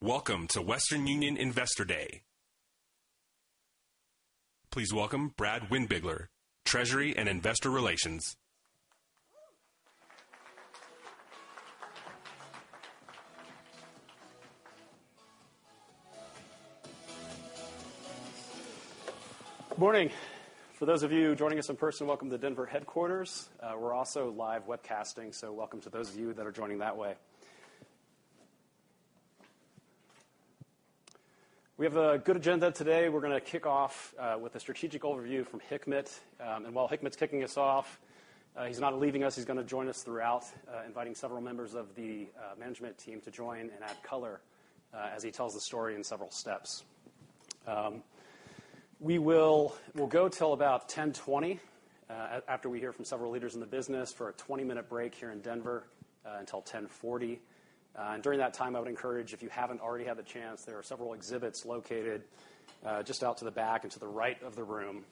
Welcome to Western Union Investor Day. Please welcome Brad Windbigler, Treasury and Investor Relations. Morning. For those of you joining us in person, welcome to the Denver headquarters. We're also live webcasting, welcome to those of you that are joining that way. We have a good agenda today. We're going to kick off with a strategic overview from Hikmet. While Hikmet's kicking us off, he's not leaving us, he's going to join us throughout, inviting several members of the management team to join and add color as he tells the story in several steps. We will go till about 10:20 A.M., after we hear from several leaders in the business, for a 20-minute break here in Denver, until 10:40 A.M. During that time, I would encourage, if you haven't already had the chance, there are several exhibits located just out to the back and to the right of the room.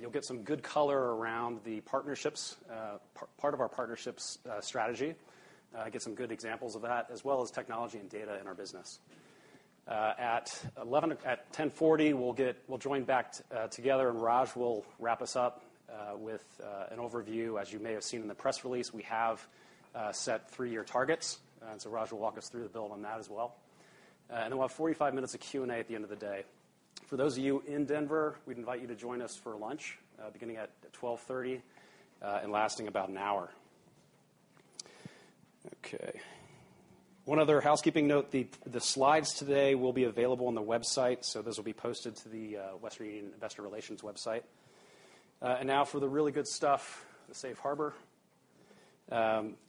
You'll get some good color around the partnerships, part of our partnerships strategy, get some good examples of that, as well as technology and data in our business. At 10:40 A.M., Raj will wrap us up with an overview. As you may have seen in the press release, we have set 3-year targets. Raj will walk us through the build on that as well. We'll have 45 minutes of Q&A at the end of the day. For those of you in Denver, we'd invite you to join us for lunch, beginning at 12:30 P.M., and lasting about an hour. Okay. One other housekeeping note, the slides today will be available on the website. Those will be posted to The Western Union Company Investor Relations website. Now for the really good stuff, the safe harbor.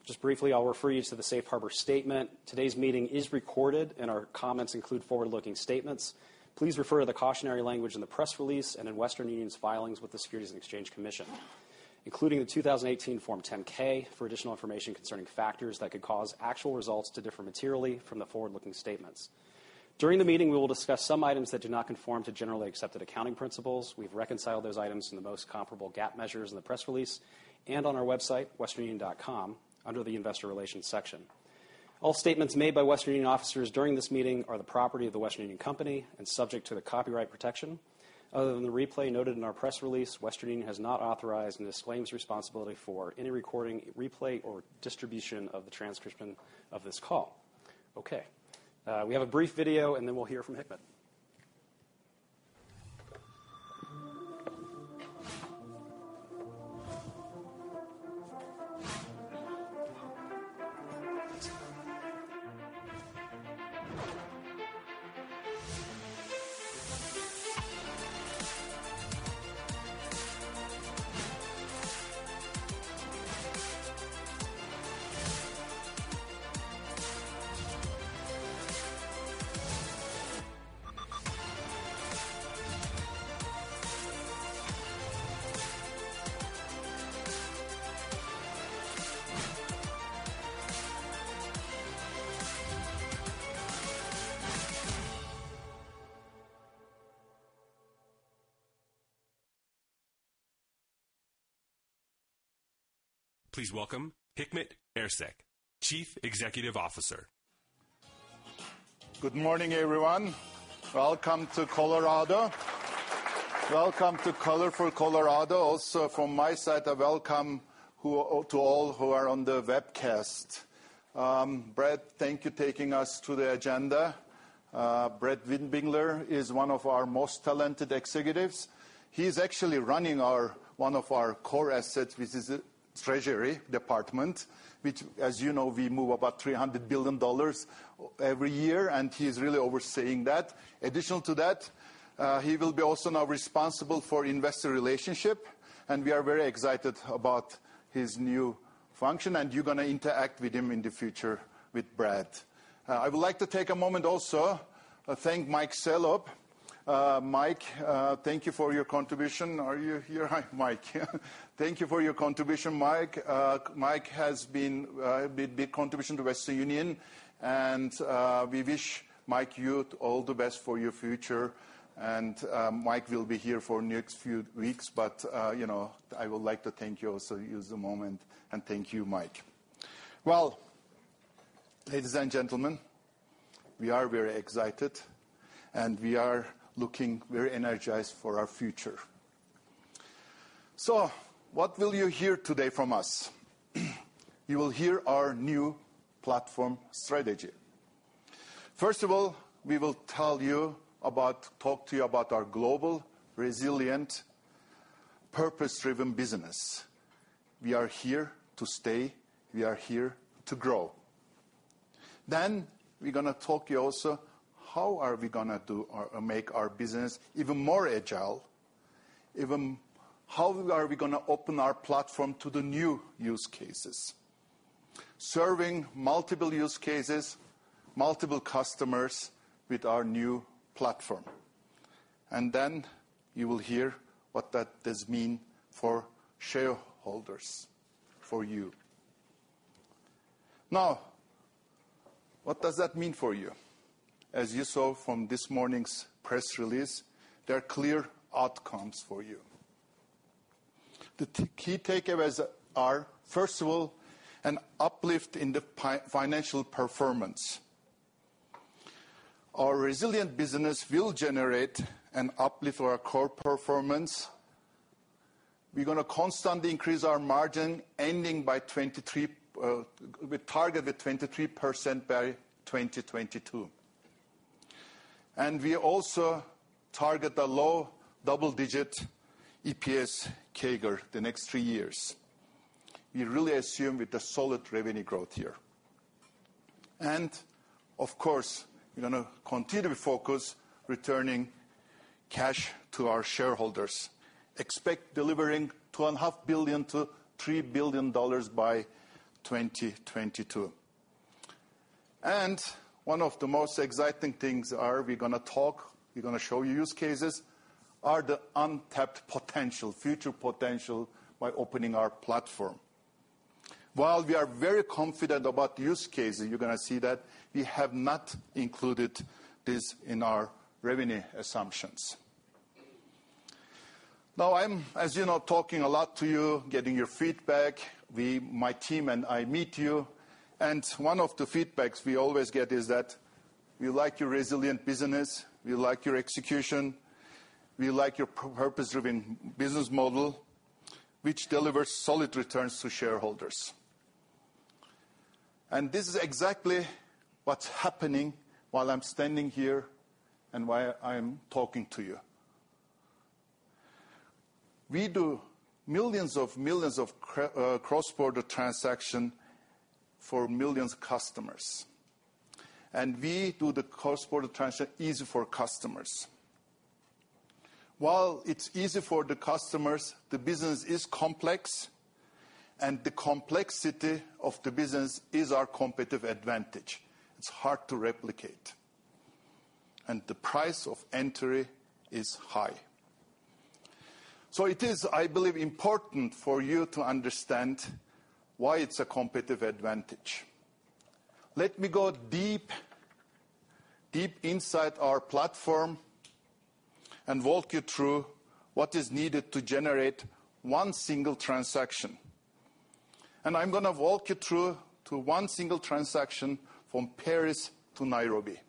Just briefly, I'll refer you to the safe harbor statement. Today's meeting is recorded, and our comments include forward-looking statements. Please refer to the cautionary language in the press release and in Western Union's filings with the Securities and Exchange Commission, including the 2018 Form 10-K for additional information concerning factors that could cause actual results to differ materially from the forward-looking statements. During the meeting, we will discuss some items that do not conform to generally accepted accounting principles. We've reconciled those items in the most comparable GAAP measures in the press release and on our website, westernunion.com, under the Investor Relations section. All statements made by Western Union officers during this meeting are the property of The Western Union Company and subject to the copyright protection. Other than the replay noted in our press release, Western Union has not authorized and disclaims responsibility for any recording, replay, or distribution of the transcription of this call. Okay. We have a brief video and then we'll hear from Hikmet. Please welcome Hikmet Ersek, Chief Executive Officer. Good morning, everyone. Welcome to Colorado. Welcome to colorful Colorado. Also, from my side, a welcome to all who are on the webcast. Brad, thank you taking us through the agenda. Brad Windbigler is one of our most talented executives. He's actually running one of our core assets, which is Treasury Department, which, as you know, we move about $300 billion every year. He's really overseeing that. Additional to that, he will be also now responsible for investor relationship. We are very excited about his new function. You're going to interact with him in the future, with Brad. I would like to take a moment also to thank Mike Salop. Mike, thank you for your contribution. Are you here? Hi, Mike. Thank you for your contribution, Mike. Mike has been a big contribution to Western Union, and we wish Mike you all the best for your future. Mike will be here for next few weeks, but I would like to thank you also, use the moment, and thank you, Mike. Well, ladies and gentlemen, we are very excited, and we are looking very energized for our future. What will you hear today from us? You will hear our new platform strategy. First of all, we will talk to you about our global, resilient, purpose-driven business. We are here to stay. We are here to grow. We're going to talk you also how are we going to make our business even more agile? How are we going to open our platform to the new use cases? Serving multiple use cases, multiple customers with our new platform. You will hear what that does mean for shareholders, for you. What does that mean for you? As you saw from this morning's press release, there are clear outcomes for you. The key takeaways are, first of all, an uplift in the financial performance. Our resilient business will generate an uplift for our core performance. We're going to constantly increase our margin, we target the 23% by 2022. We also target the low double-digit EPS CAGR the next three years. We really assume with a solid revenue growth here. Of course, we're going to continue to focus returning cash to our shareholders. Expect delivering $2.5 billion-$3 billion by 2022. One of the most exciting things we're going to talk, we're going to show you use cases, are the untapped potential, future potential by opening our platform. While we are very confident about use cases, you're going to see that we have not included this in our revenue assumptions. I'm, as you know, talking a lot to you, getting your feedback. We, my team and I, meet you, one of the feedback we always get is that we like your resilient business, we like your execution, we like your purpose-driven business model, which delivers solid returns to shareholders. This is exactly what's happening while I'm standing here and while I'm talking to you. We do millions of cross-border transactions for millions of customers. We do the cross-border transactions easy for customers. While it's easy for the customers, the business is complex, the complexity of the business is our competitive advantage. It's hard to replicate. The price of entry is high. It is, I believe, important for you to understand why it's a competitive advantage. Let me go deep inside our platform and walk you through what is needed to generate one single transaction. I'm going to walk you through to one single transaction from Paris to Nairobi.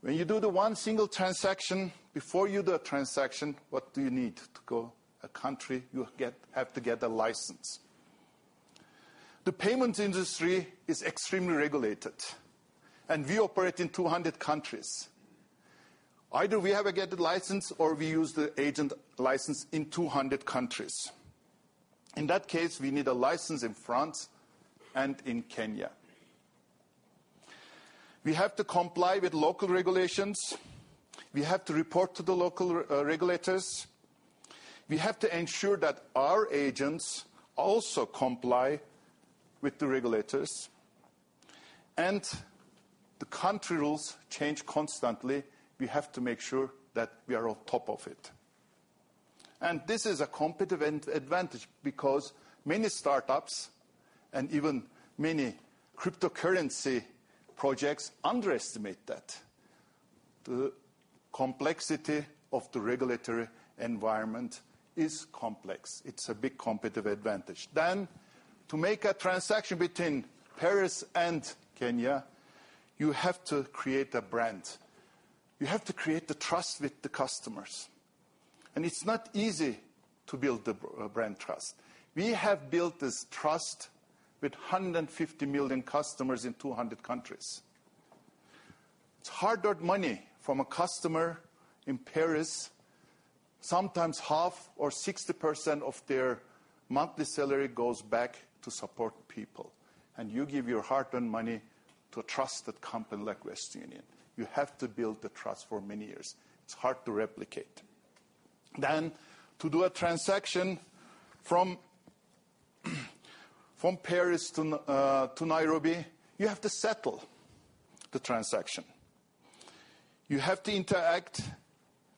When you do the one single transaction, before you do a transaction, what do you need to go a country? You have to get a license. The payment industry is extremely regulated, and we operate in 200 countries. Either we have to get the license or we use the agent license in 200 countries. In that case, we need a license in France and in Kenya. We have to comply with local regulations. We have to report to the local regulators. We have to ensure that our agents also comply with the regulators. The country rules change constantly, we have to make sure that we are on top of it. This is a competitive advantage because many startups and even many cryptocurrency projects underestimate that. The complexity of the regulatory environment is complex. It's a big competitive advantage. To make a transaction between Paris and Kenya, you have to create a brand. You have to create the trust with the customers. It's not easy to build the brand trust. We have built this trust with 150 million customers in 200 countries. It's hard-earned money from a customer in Paris. Sometimes half or 60% of their monthly salary goes back to support people. You give your hard-earned money to a trusted company like Western Union. You have to build the trust for many years. It's hard to replicate. To do a transaction from Paris to Nairobi, you have to settle the transaction. You have to interact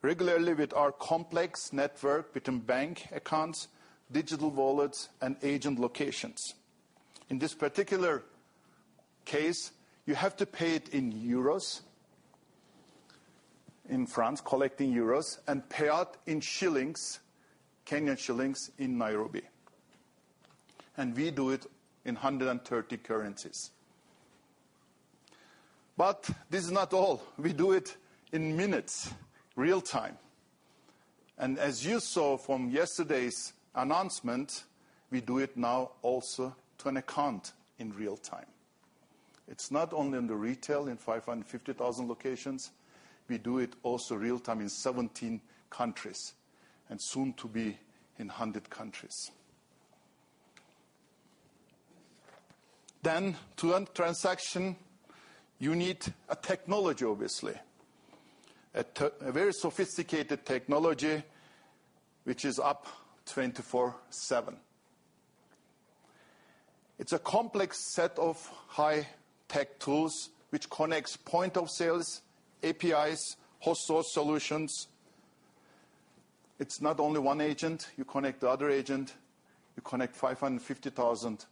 regularly with our complex network between bank accounts, digital wallets, and agent locations. In this particular case, you have to pay it in euros in France, collecting euros, and payout in shillings, Kenyan shillings, in Nairobi. We do it in 130 currencies. This is not all. We do it in minutes, real-time. As you saw from yesterday's announcement, we do it now also to an account in real-time. It's not only in the retail in 550,000 locations, we do it also real-time in 17 countries, and soon to be in 100 countries. To end-to-end transaction, you need a technology, obviously. A very sophisticated technology, which is up 24/7. It's a complex set of high-tech tools which connects point of sales, APIs, hosted solutions. It's not only one agent, you connect the other agent, you connect 550,000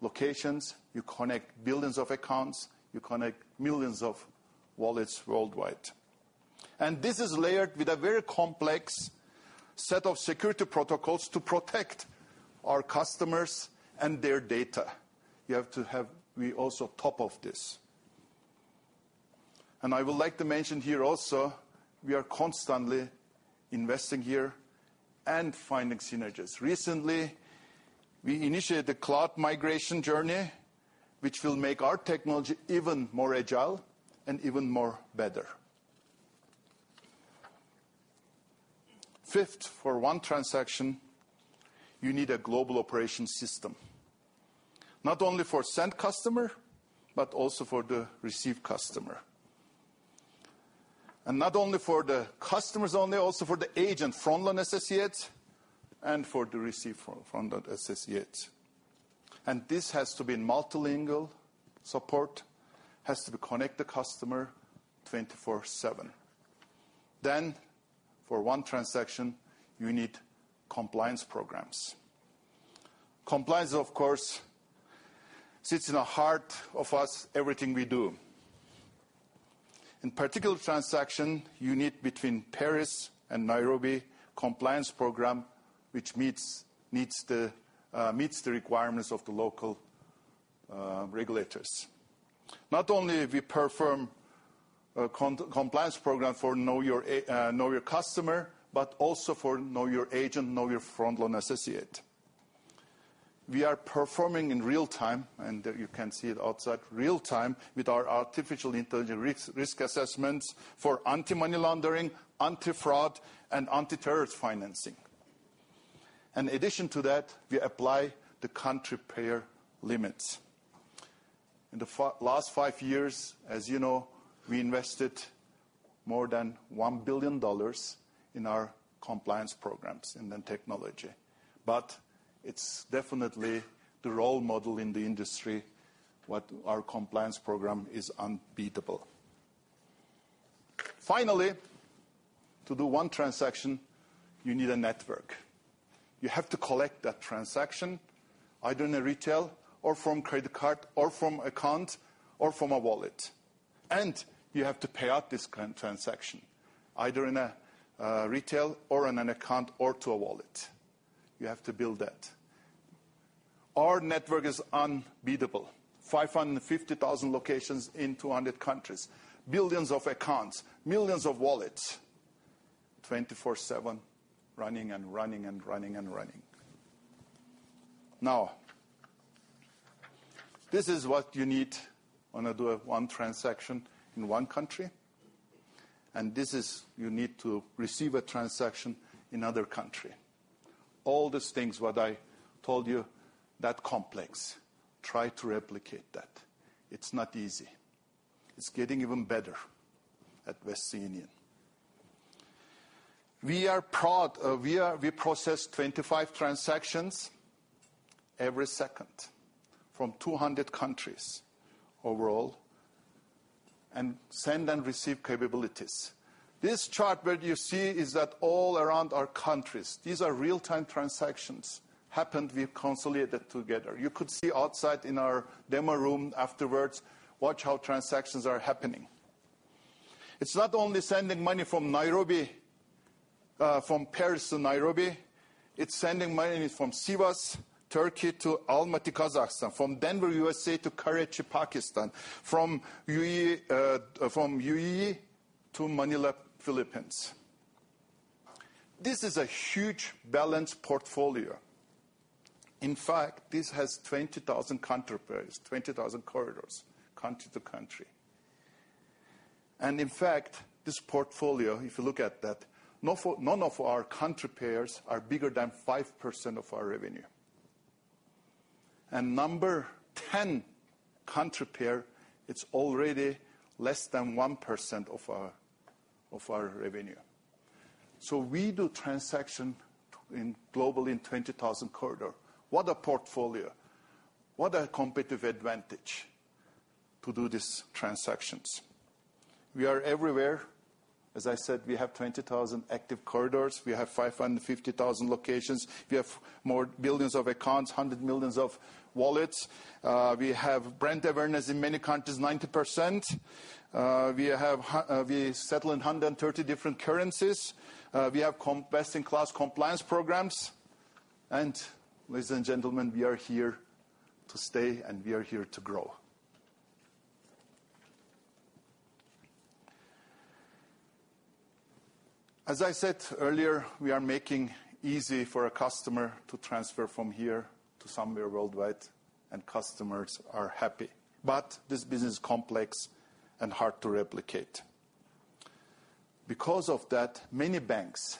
locations. You connect billions of accounts. You connect millions of wallets worldwide. This is layered with a very complex set of security protocols to protect our customers and their data. We have to have also top of this. I would like to mention here also, we are constantly investing here and finding synergies. Recently, we initiated a cloud migration journey, which will make our technology even more agile and even more better. Fifth, for one transaction, you need a global operation system. Not only for send customer, but also for the receive customer. Not only for the customers only, also for the agent, Frontline Associates, and for the receive Frontline Associates. This has to be multilingual support, has to connect the customer 24/7. For one transaction, you need compliance programs. Compliance, of course, sits in the heart of us, everything we do. In particular transaction, you need between Paris and Nairobi compliance program, which meets the requirements of the local regulators. Not only we perform a compliance program for know your customer, but also for know your agent, know your front-line associate. We are performing in real-time, and you can see it outside, real-time with our artificial intelligence risk assessments for anti-money laundering, anti-fraud, and anti-terrorist financing. In addition to that, we apply the country pair limits. In the last five years, as you know, we invested more than $1 billion in our compliance programs in the technology. It's definitely the role model in the industry. Our compliance program is unbeatable. Finally, to do one transaction, you need a network. You have to collect that transaction, either in a retail or from credit card or from account or from a wallet. You have to pay out this transaction, either in a retail or in an account or to a wallet. You have to build that. Our network is unbeatable. 550,000 locations in 200 countries. Billions of accounts, millions of wallets, 24/7, running and running. Now, this is what you need when I do one transaction in one country, and this is you need to receive a transaction in other country. All these things, what I told you, that complex. Try to replicate that. It's not easy. It's getting even better at Western Union. We process 25 transactions every second from 200 countries overall, and send and receive capabilities. This chart where you see is that all around our countries. These are real-time transactions happened, we've consolidated together. You could see outside in our demo room afterwards, watch how transactions are happening. It's not only sending money from Paris to Nairobi, it's sending money from Sivas, Turkey to Almaty, Kazakhstan. From Denver, USA to Karachi, Pakistan. From UAE to Manila, Philippines. This is a huge balance portfolio. In fact, this has 20,000 country pairs, 20,000 corridors, country to country. In fact, this portfolio, if you look at that, none of our country pairs are bigger than 5% of our revenue. Number 10 country pair, it's already less than 1% of our revenue. We do transaction globally in 20,000 corridor. What a portfolio. What a competitive advantage to do these transactions. We are everywhere. As I said, we have 20,000 active corridors. We have 550,000 locations. We have more billions of accounts, 100 millions of wallets. We have brand awareness in many countries, 90%. We settle in 130 different currencies. We have best-in-class compliance programs. Ladies and gentlemen, we are here to stay, and we are here to grow. As I said earlier, we are making easy for a customer to transfer from here to somewhere worldwide, and customers are happy. This business is complex and hard to replicate. Because of that, many banks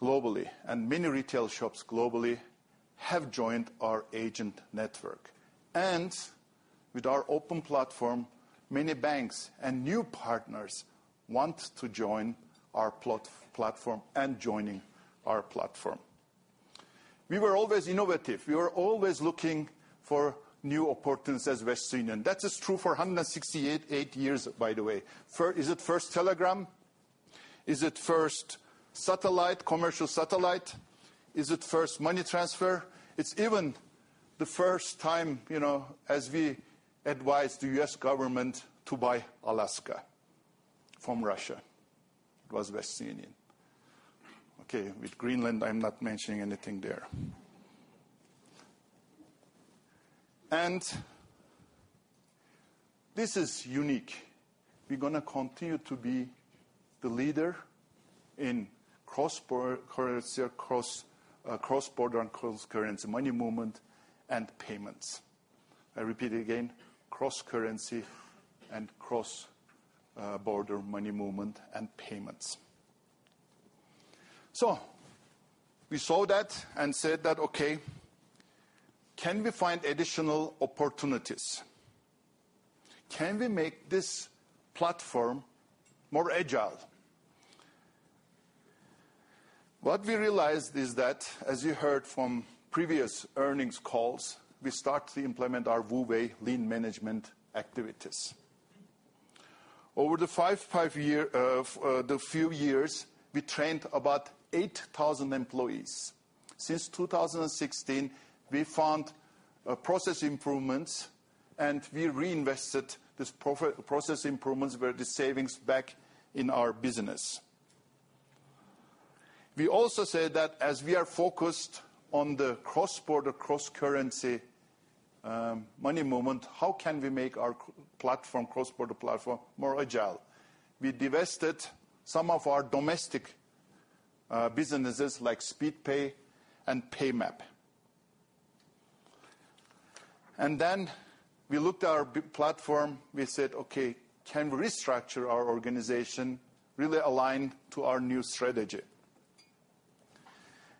globally and many retail shops globally have joined our agent network. With our open platform, many banks and new partners want to join our platform, and joining our platform. We were always innovative. We were always looking for new opportunities as Western Union. That is true for 168 years, by the way. Is it first telegram? Is it first commercial satellite? Is it first money transfer? It's even the first time as we advised the U.S. government to buy Alaska from Russia. It was Western Union. With Greenland, I'm not mentioning anything there. This is unique. We're going to continue to be the leader in cross-border and cross-currency money movement and payments. I repeat again, cross-currency and cross-border money movement and payments. We saw that and said that, can we find additional opportunities? Can we make this platform more agile? What we realized is that as you heard from previous earnings calls, we start to implement our WU Way Lean management activities. Over the five years, we trained about 8,000 employees. Since 2016, we found process improvements, and we reinvested this process improvements where the savings back in our business. We also said that as we are focused on the cross-border, cross-currency money movement, how can we make our cross-border platform more agile? We divested some of our domestic businesses like Speedpay and Paymap. Then we looked at our platform. We said, "Okay, can we restructure our organization really aligned to our new strategy?"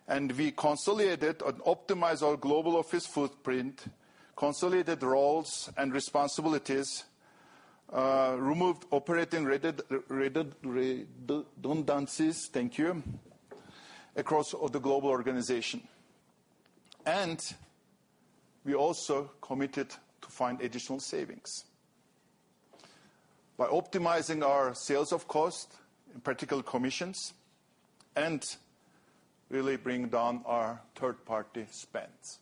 We consolidated and optimized our global office footprint, consolidated roles and responsibilities, removed operating redundancies, thank you, across the global organization. We also committed to find additional savings by optimizing our sales of cost, in particular commissions, and really bring down our third-party spends.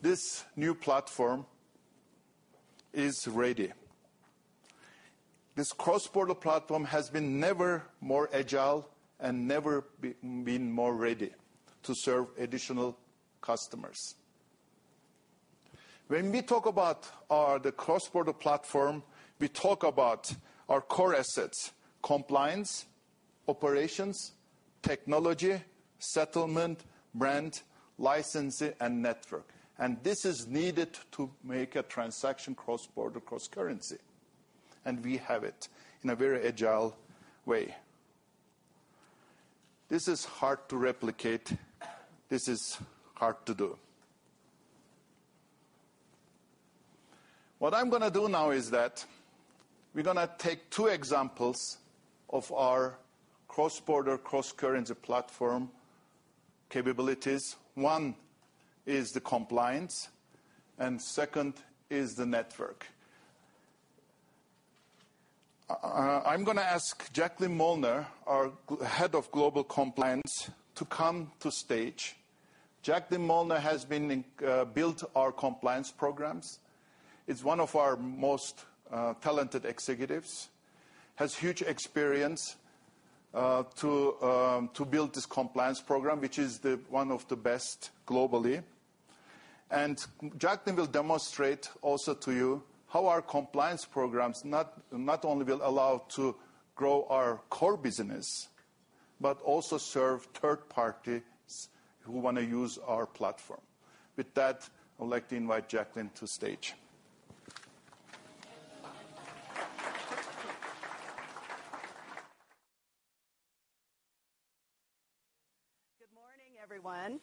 This new platform is ready. This cross-border platform has been never more agile and never been more ready to serve additional customers. When we talk about the cross-border platform, we talk about our core assets, compliance, operations, technology, settlement, brand, licensing, and network. This is needed to make a transaction cross-border, cross-currency. We have it in a very agile way. This is hard to replicate. This is hard to do. What I'm going to do now is that we're going to take two examples of our cross-border, cross-currency platform capabilities. One is the compliance, and second is the network. I'm going to ask Jacqueline Molnar, our Head of Global Compliance, to come to stage. Jacqueline Molnar has built our compliance programs, is one of our most talented executives, has huge experience to build this compliance program, which is one of the best globally. Jacqueline will demonstrate also to you how our compliance programs not only will allow to grow our core business, but also serve third parties who want to use our platform. With that, I'd like to invite Jacqueline to stage. Good morning, everyone. Good morning.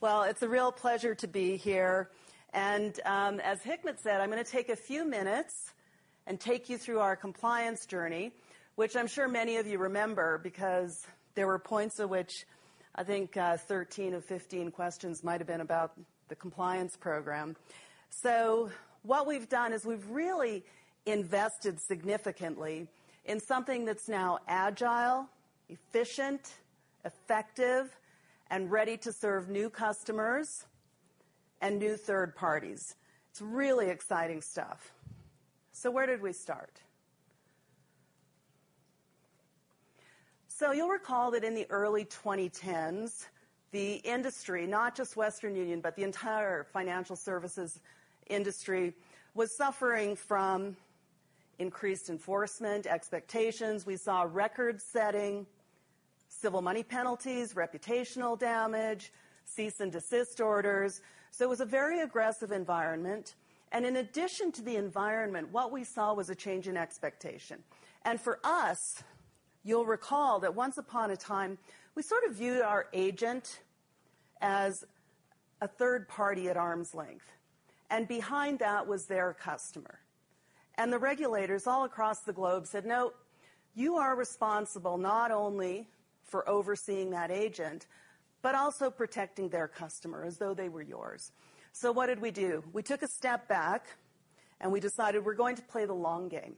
Well, it's a real pleasure to be here. As Hikmet said, I'm going to take a few minutes and take you through our compliance journey, which I'm sure many of you remember because there were points at which I think 13 of 15 questions might've been about the compliance program. What we've done is we've really invested significantly in something that's now agile, efficient, effective, and ready to serve new customers and new third parties. It's really exciting stuff. Where did we start? You'll recall that in the early 2010s, the industry, not just Western Union, but the entire financial services industry, was suffering from increased enforcement expectations. We saw record-setting civil money penalties, reputational damage, cease and desist orders. It was a very aggressive environment. In addition to the environment, what we saw was a change in expectation. For us, you'll recall that once upon a time, we sort of viewed our agent as a third party at arm's length. Behind that was their customer. The regulators all across the globe said, "No." You are responsible not only for overseeing that agent, but also protecting their customer as though they were yours. What did we do? We took a step back and we decided we're going to play the long game.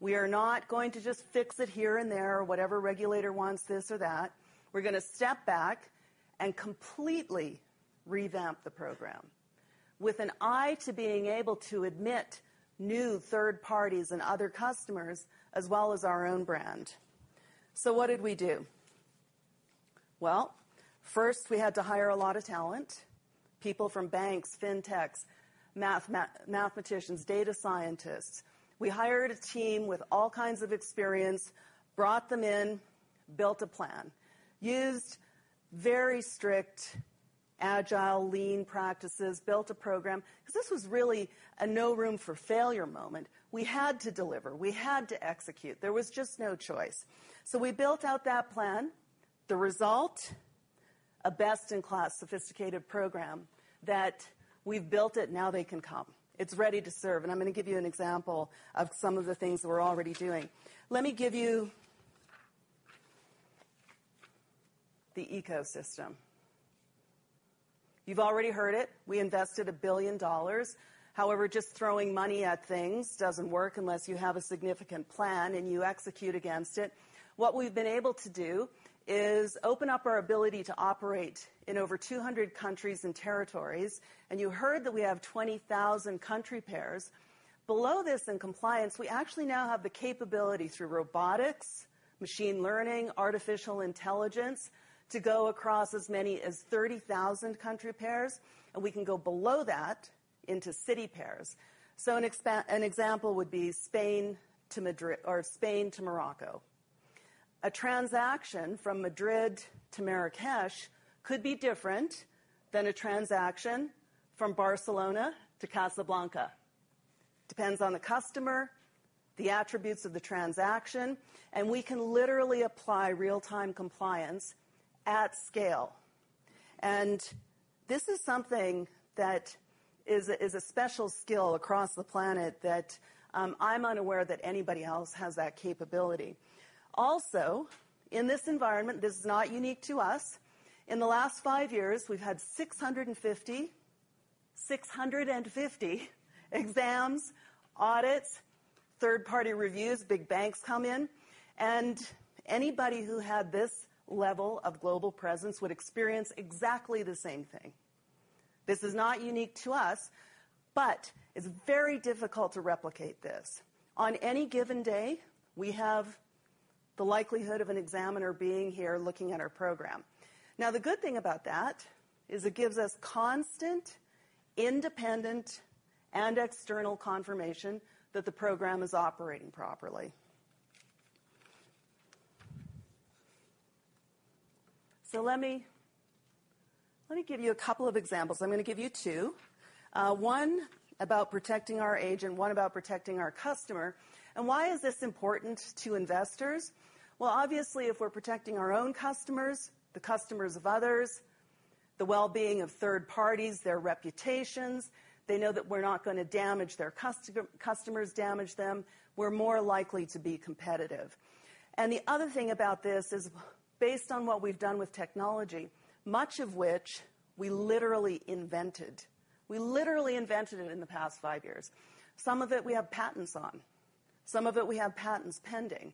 We are not going to just fix it here and there or whatever regulator wants this or that. We're going to step back and completely revamp the program with an eye to being able to admit new third parties and other customers as well as our own brand. What did we do? Well, first we had to hire a lot of talent. People from banks, fintechs, mathematicians, data scientists. We hired a team with all kinds of experience, brought them in, built a plan, used very strict agile lean practices, built a program. Because this was really a no room for failure moment. We had to deliver. We had to execute. There was just no choice. We built out that plan. The result, a best-in-class sophisticated program that we've built it, now they can come. It's ready to serve, and I'm going to give you an example of some of the things that we're already doing. Let me give you the ecosystem. You've already heard it. We invested $1 billion. However, just throwing money at things doesn't work unless you have a significant plan and you execute against it. What we've been able to do is open up our ability to operate in over 200 countries and territories. You heard that we have 20,000 country pairs. Below this in compliance, we actually now have the capability through robotics, machine learning, artificial intelligence to go across as many as 30,000 country pairs. We can go below that into city pairs. An example would be Spain to Morocco. A transaction from Madrid to Marrakech could be different than a transaction from Barcelona to Casablanca. Depends on the customer, the attributes of the transaction, and we can literally apply real-time compliance at scale. This is something that is a special skill across the planet that I'm unaware that anybody else has that capability. Also, in this environment, this is not unique to us. In the last five years, we've had 650 exams, audits, third-party reviews. Big banks come in, and anybody who had this level of global presence would experience exactly the same thing. This is not unique to us, but it's very difficult to replicate this. On any given day, we have the likelihood of an examiner being here looking at our program. The good thing about that is it gives us constant, independent, and external confirmation that the program is operating properly. Let me give you a couple of examples. I'm going to give you two. One about protecting our agent, one about protecting our customer. Why is this important to investors? Obviously, if we're protecting our own customers, the customers of others, the well-being of third parties, their reputations, they know that we're not going to damage their customers, damage them. We're more likely to be competitive. The other thing about this is based on what we've done with technology, much of which we literally invented. We literally invented it in the past five years. Some of it we have patents on. Some of it we have patents pending.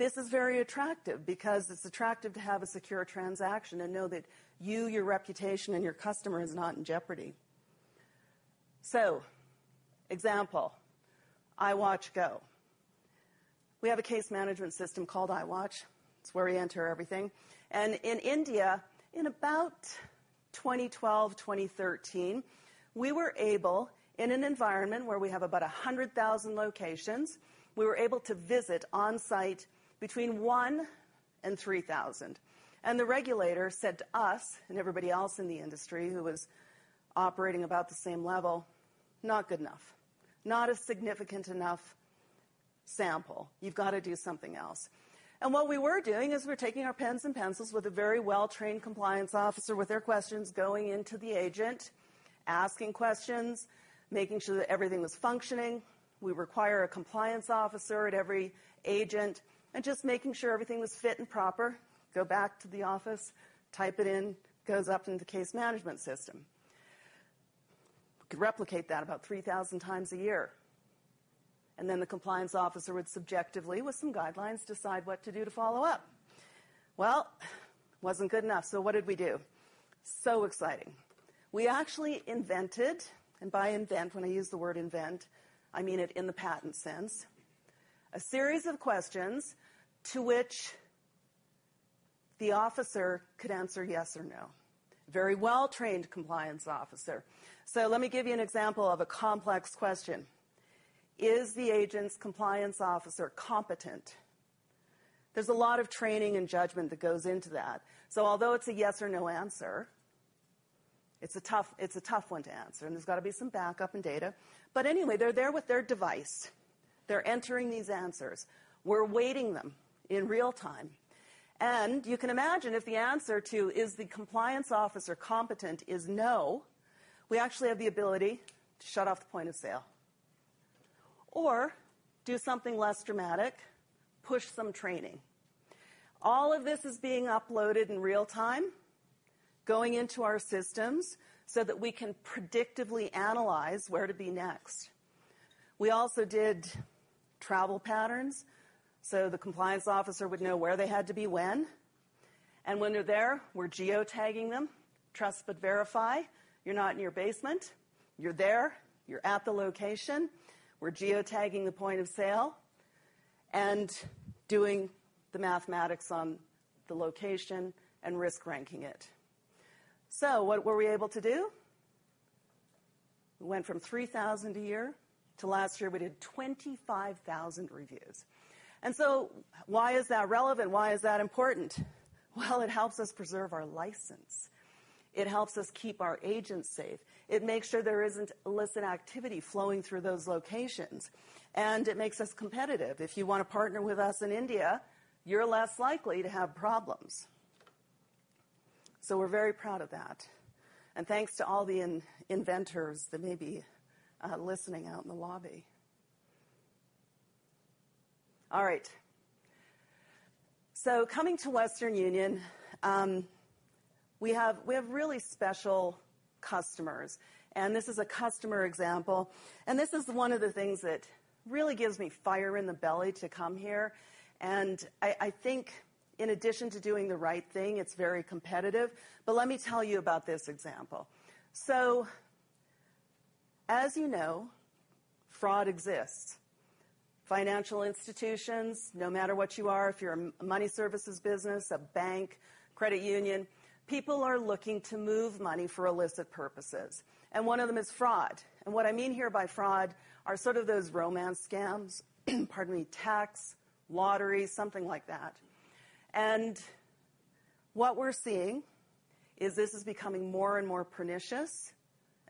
This is very attractive because it's attractive to have a secure transaction and know that you, your reputation and your customer is not in jeopardy. Example, iWatch Go. We have a case management system called iWatch. It's where we enter everything. In India, in about 2012, 2013, we were able, in an environment where we have about 100,000 locations, we were able to visit on-site between 1,000 and 3,000. The regulator said to us and everybody else in the industry who was operating about the same level, "Not good enough. Not a significant enough sample. You've got to do something else." What we were doing is we were taking our pens and pencils with a very well-trained compliance officer with their questions, going into the agent, asking questions, making sure that everything was functioning. We require a compliance officer at every agent and just making sure everything was fit and proper. Go back to the office, type it in, goes up in the case management system. We could replicate that about 3,000 times a year. Then the compliance officer would subjectively, with some guidelines, decide what to do to follow up. Well, wasn't good enough. What did we do? So exciting. We actually invented, and by invent, when I use the word invent, I mean it in the patent sense, a series of questions to which the officer could answer yes or no. Very well-trained compliance officer. Let me give you an example of a complex question. Is the agent's compliance officer competent? There's a lot of training and judgment that goes into that. Although it's a yes or no answer, it's a tough one to answer, and there's got to be some backup and data. Anyway, they're there with their device. They're entering these answers. We're weighting them in real time. You can imagine if the answer to, "Is the compliance officer competent?" is no, we actually have the ability to shut off the point of sale or do something less dramatic, push some training. All of this is being uploaded in real-time, going into our systems so that we can predictively analyze where to be next. We also did travel patterns, so the compliance officer would know where they had to be when. When they're there, we're geotagging them. Trust but verify you're not in your basement. You're there. You're at the location. We're geotagging the point of sale and doing the mathematics on the location and risk ranking it. What were we able to do? We went from 3,000 a year to last year we did 25,000 reviews. Why is that relevant? Why is that important? Well, it helps us preserve our license. It helps us keep our agents safe. It makes sure there isn't illicit activity flowing through those locations. It makes us competitive. If you want to partner with us in India, you're less likely to have problems. We're very proud of that. Thanks to all the inventors that may be listening out in the lobby. All right. Coming to Western Union, we have really special customers, and this is a customer example, and this is one of the things that really gives me fire in the belly to come here. I think in addition to doing the right thing, it's very competitive. Let me tell you about this example. As you know, fraud exists. Financial institutions, no matter what you are, if you're a money services business, a bank, credit union, people are looking to move money for illicit purposes, and one of them is fraud. What I mean here by fraud are sort of those romance scams, pardon me, tax, lottery, something like that. What we're seeing is this is becoming more and more pernicious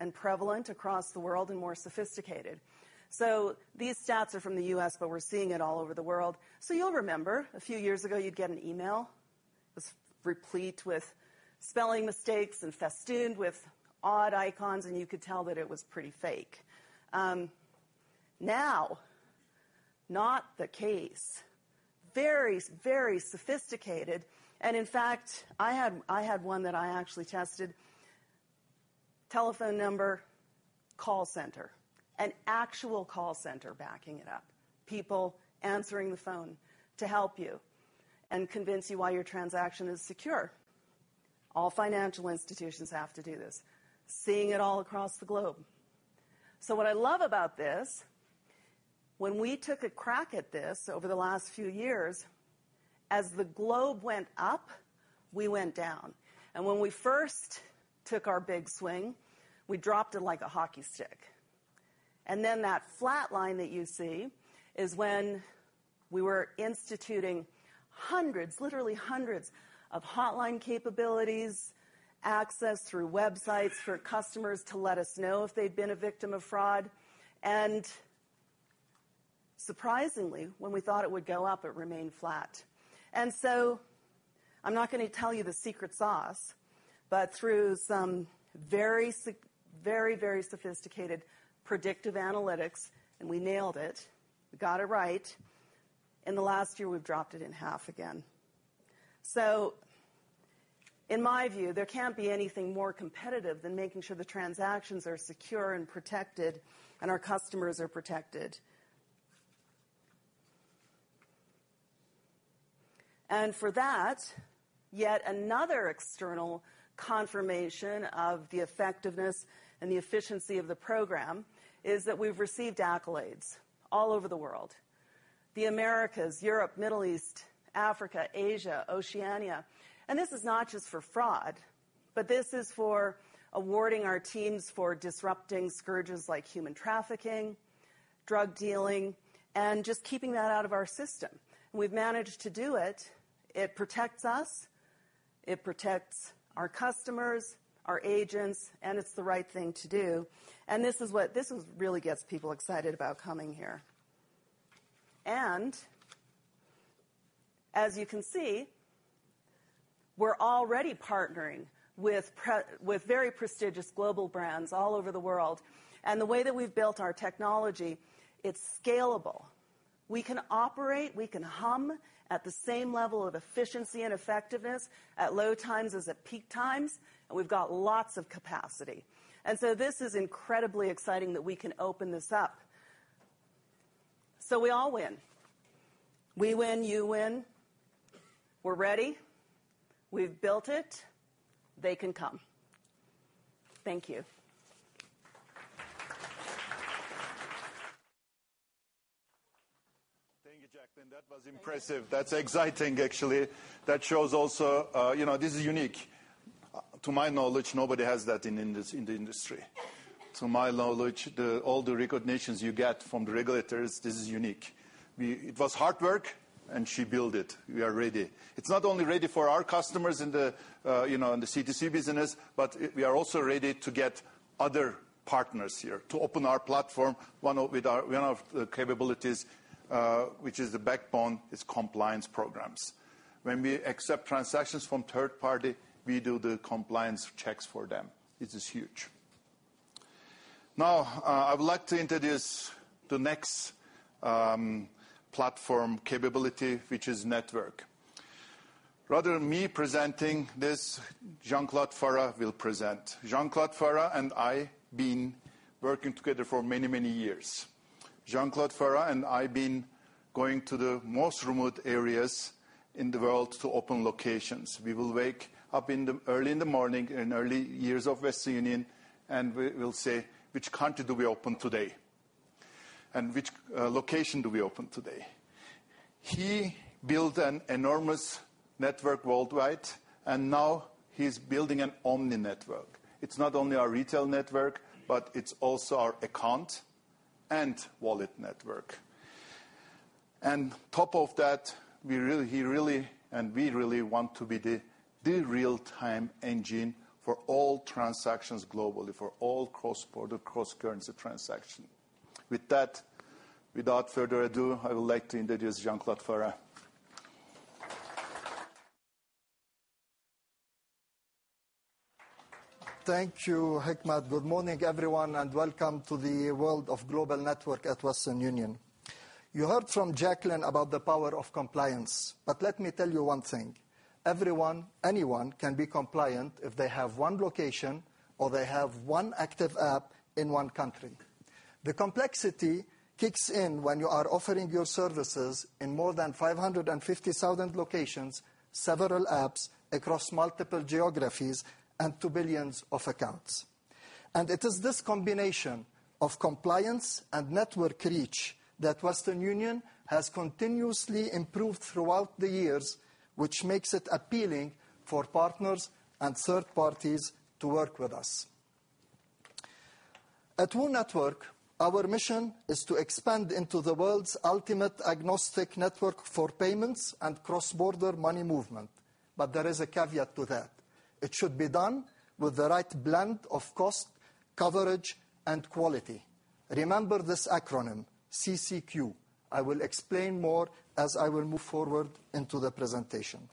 and prevalent across the world and more sophisticated. These stats are from the U.S., but we're seeing it all over the world. You'll remember a few years ago, you'd get an email. It was replete with spelling mistakes and festooned with odd icons, and you could tell that it was pretty fake. Now, not the case. Very sophisticated. In fact, I had one that I actually tested. Telephone number, call center, an actual call center backing it up, people answering the phone to help you and convince you why your transaction is secure. All financial institutions have to do this, seeing it all across the globe. What I love about this, when we took a crack at this over the last few years, as the globe went up, we went down. When we first took our big swing, we dropped it like a hockey stick. That flat line that you see is when we were instituting hundreds, literally hundreds of hotline capabilities, access through websites for customers to let us know if they'd been a victim of fraud. Surprisingly, when we thought it would go up, it remained flat. I'm not going to tell you the secret sauce, but through some very sophisticated predictive analytics, and we nailed it, we got it right. In the last year, we've dropped it in half again. In my view, there can't be anything more competitive than making sure the transactions are secure and protected and our customers are protected. For that, yet another external confirmation of the effectiveness and the efficiency of the program is that we've received accolades all over the world. The Americas, Europe, Middle East, Africa, Asia, Oceania. This is not just for fraud, but this is for awarding our teams for disrupting scourges like human trafficking, drug dealing, and just keeping that out of our system. We've managed to do it. It protects us. It protects our customers, our agents, and it's the right thing to do. This is what really gets people excited about coming here. As you can see, we're already partnering with very prestigious global brands all over the world. The way that we've built our technology, it's scalable. We can operate, we can hum at the same level of efficiency and effectiveness at low times as at peak times, and we've got lots of capacity. This is incredibly exciting that we can open this up. We all win. We win, you win. We're ready. We've built it. They can come. Thank you. Thank you, Jacqueline. That was impressive. Thank you. That's exciting, actually. That shows also this is unique. To my knowledge, nobody has that in the industry. To my knowledge, all the recognitions you get from the regulators, this is unique. It was hard work, and she built it. We are ready. It's not only ready for our customers in the C2C business, but we are also ready to get other partners here to open our platform. One of the capabilities which is the backbone is compliance programs. When we accept transactions from third party, we do the compliance checks for them. It is huge. Now, I would like to introduce the next platform capability, which is network. Rather than me presenting this, Jean-Claude Farah will present. Jean-Claude Farah and I been working together for many, many years. Jean-Claude Farah and I been going to the most remote areas in the world to open locations. We will wake up early in the morning in early years of Western Union, we will say, "Which country do we open today? Which location do we open today?" He built an enormous network worldwide, now he's building an omni network. It's not only our retail network, it's also our account and wallet network. On top of that, he really, and we really want to be the real-time engine for all transactions globally, for all cross-border, cross-currency transaction. With that, without further ado, I would like to introduce Jean-Claude Farah. Thank you, Hikmet. Good morning, everyone, welcome to the world of global network at Western Union. You heard from Jacqueline about the power of compliance, let me tell you one thing. Everyone, anyone can be compliant if they have one location or they have one active app in one country. The complexity kicks in when you are offering your services in more than 550,000 locations, several apps across multiple geographies and to billions of accounts. It is this combination of compliance and network reach that Western Union has continuously improved throughout the years, which makes it appealing for partners and third parties to work with us. At WU Network, our mission is to expand into the world's ultimate agnostic network for payments and cross-border money movement. There is a caveat to that. It should be done with the right blend of cost, coverage, and quality. Remember this acronym, CCQ. I will explain more as I will move forward into the presentation.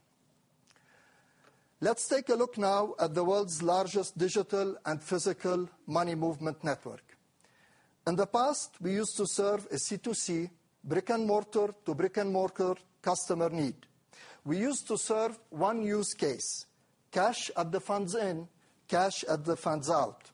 Let's take a look now at the world's largest digital and physical money movement network. In the past, we used to serve a C2C, brick-and-mortar to brick-and-mortar customer need. We used to serve one use case, cash at the funds in, cash at the funds out.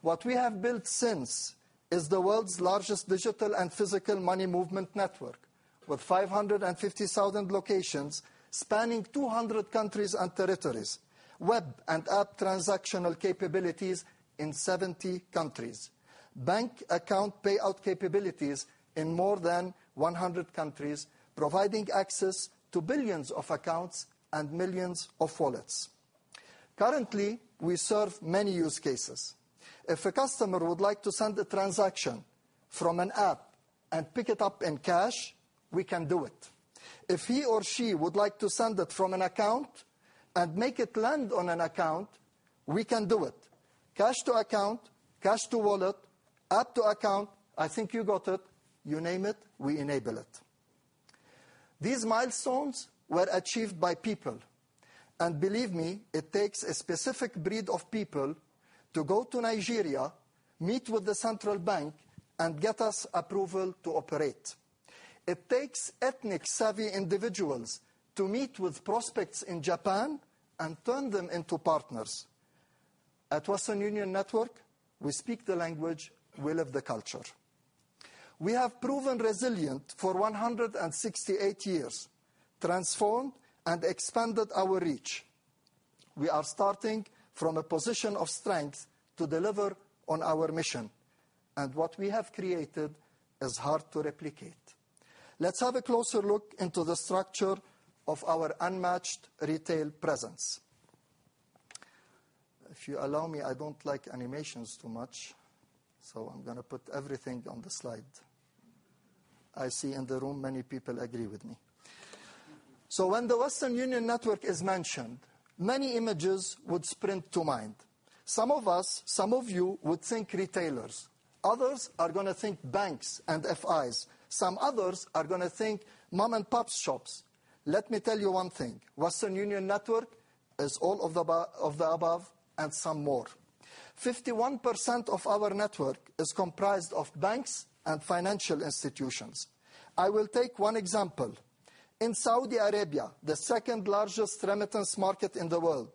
What we have built since is the world's largest digital and physical money movement network with 550,000 locations spanning 200 countries and territories, web and app transactional capabilities in 70 countries, bank account payout capabilities in more than 100 countries, providing access to billions of accounts and millions of wallets. Currently, we serve many use cases. If a customer would like to send a transaction from an app and pick it up in cash, we can do it. If he or she would like to send it from an account and make it land on an account, we can do it. Cash to account, cash to wallet, app to account. I think you got it. You name it, we enable it. These milestones were achieved by people. Believe me, it takes a specific breed of people to go to Nigeria, meet with the central bank, and get us approval to operate. It takes ethnic-savvy individuals to meet with prospects in Japan and turn them into partners. At Western Union Network, we speak the language, we live the culture. We have proven resilient for 168 years, transformed and expanded our reach. We are starting from a position of strength to deliver on our mission, what we have created is hard to replicate. Let's have a closer look into the structure of our unmatched retail presence. If you allow me, I don't like animations too much, so I'm going to put everything on the slide. I see in the room many people agree with me. When the Western Union Network is mentioned, many images would sprint to mind. Some of us, some of you would think retailers. Others are going to think banks and FIs. Some others are going to think mom-and-pop shops. Let me tell you one thing. Western Union Network is all of the above and some more. 51% of our network is comprised of banks and financial institutions. I will take one example. In Saudi Arabia, the second-largest remittance market in the world,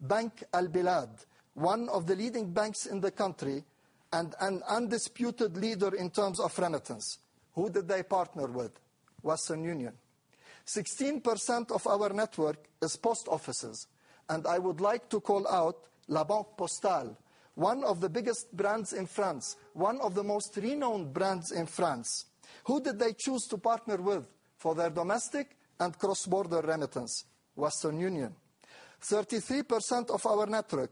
Bank Albilad, one of the leading banks in the country and an undisputed leader in terms of remittance, who did they partner with? Western Union. 16% of our network is post offices. I would like to call out La Banque Postale, one of the biggest brands in France, one of the most renowned brands in France. Who did they choose to partner with for their domestic and cross-border remittance? Western Union. 33% of our network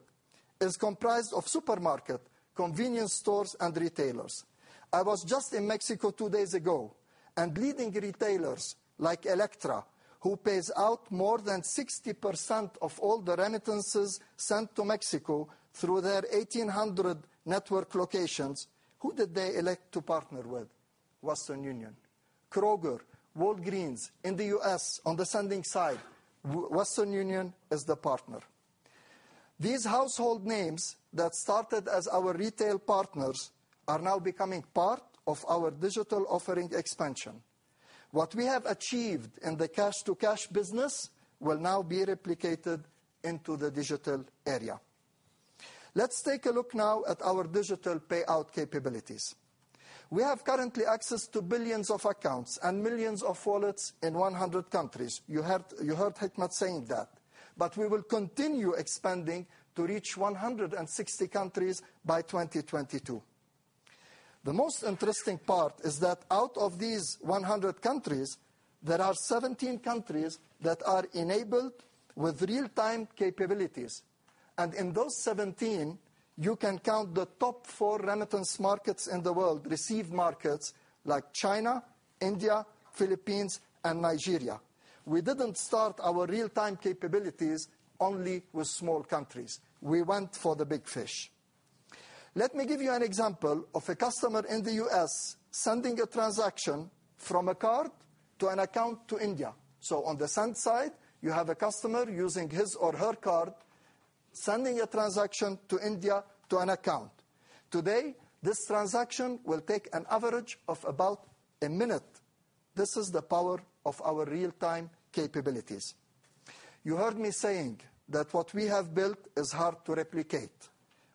is comprised of supermarket, convenience stores, and retailers. I was just in Mexico two days ago. Leading retailers like Elektra, who pays out more than 60% of all the remittances sent to Mexico through their 1,800 network locations, who did they elect to partner with? Western Union. Kroger, Walgreens in the U.S. on the sending side, Western Union is the partner. These household names that started as our retail partners are now becoming part of our digital offering expansion. What we have achieved in the cash-to-cash business will now be replicated into the digital area. Let's take a look now at our digital payout capabilities. We have currently access to billions of accounts and millions of wallets in 100 countries. You heard Hikmet saying that. We will continue expanding to reach 160 countries by 2022. The most interesting part is that out of these 100 countries, there are 17 countries that are enabled with real-time capabilities. In those 17, you can count the top 4 remittance markets in the world, receive markets like China, India, Philippines, and Nigeria. We didn't start our real-time capabilities only with small countries. We went for the big fish. Let me give you an example of a customer in the U.S. sending a transaction from a card to an account to India. On the send side, you have a customer using his or her card, sending a transaction to India to an account. Today, this transaction will take an average of about a minute. This is the power of our real-time capabilities. You heard me saying that what we have built is hard to replicate,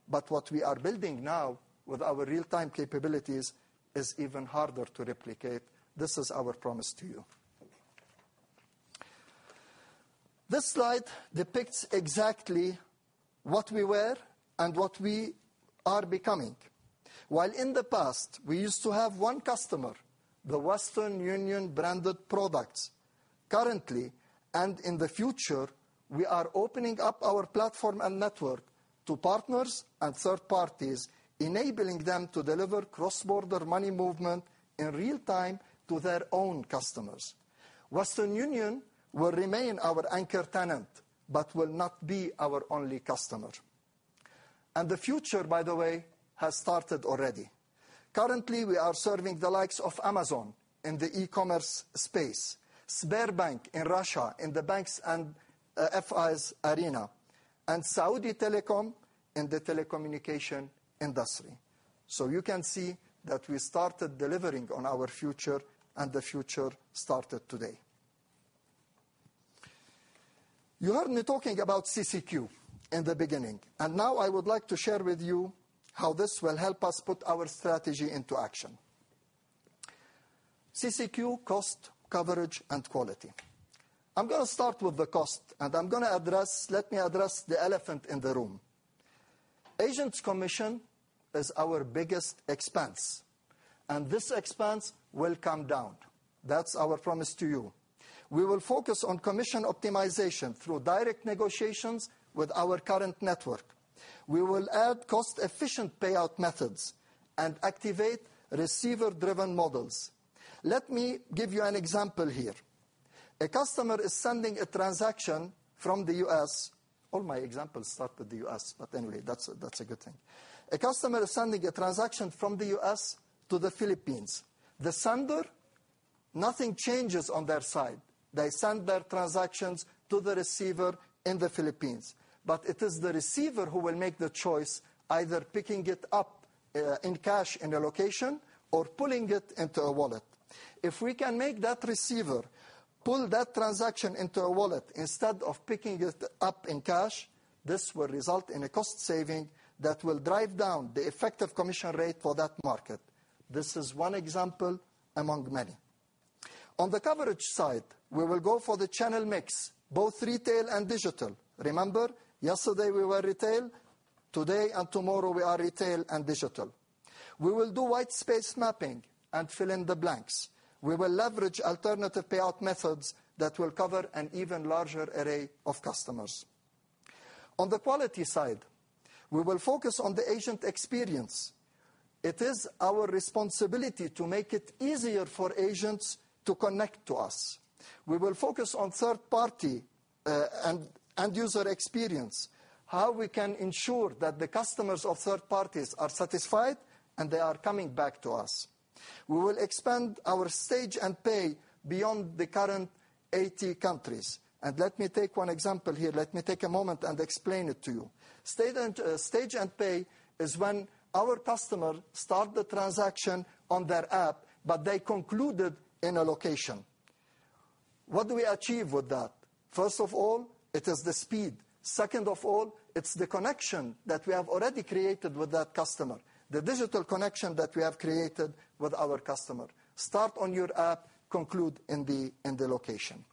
but what we are building now with our real-time capabilities is even harder to replicate. This is our promise to you. This slide depicts exactly what we were and what we are becoming. While in the past, we used to have one customer, the Western Union-branded products. Currently and in the future, we are opening up our platform and network to partners and third parties, enabling them to deliver cross-border money movement in real time to their own customers. Western Union will remain our anchor tenant but will not be our only customer. The future, by the way, has started already. Currently, we are serving the likes of Amazon in the e-commerce space, SberBank in Russia in the banks and FIs arena, and Saudi Telecom in the telecommunication industry. You can see that we started delivering on our future, and the future started today. You heard me talking about CCQ in the beginning. Now I would like to share with you how this will help us put our strategy into action. CCQ, cost, coverage, and quality. I'm going to start with the cost. Let me address the elephant in the room. Agents commission is our biggest expense, and this expense will come down. That's our promise to you. We will focus on commission optimization through direct negotiations with our current network. We will add cost-efficient payout methods and activate receiver-driven models. Let me give you an example here. A customer is sending a transaction from the U.S. All my examples start with the U.S., anyway, that's a good thing. A customer is sending a transaction from the U.S. to the Philippines. The sender, nothing changes on their side. They send their transactions to the receiver in the Philippines. It is the receiver who will make the choice, either picking it up in cash in a location or pulling it into a wallet. If we can make that receiver pull that transaction into a wallet instead of picking it up in cash, this will result in a cost saving that will drive down the effective commission rate for that market. This is one example among many. On the coverage side, we will go for the channel mix, both retail and digital. Remember, yesterday we were retail. Today and tomorrow, we are retail and digital. We will do white space mapping and fill in the blanks. We will leverage alternative payout methods that will cover an even larger array of customers. On the quality side, we will focus on the agent experience. It is our responsibility to make it easier for agents to connect to us. We will focus on third party and user experience, how we can ensure that the customers of third parties are satisfied and they are coming back to us. We will expand our Stage and Pay beyond the current 80 countries. Let me take one example here. Let me take a moment and explain it to you. Stage and Pay is when our customer start the transaction on their app, but they conclude it in a location. What do we achieve with that? First of all, it is the speed. Second of all, it's the connection that we have already created with that customer, the digital connection that we have created with our customer. Start on your app, conclude in the location.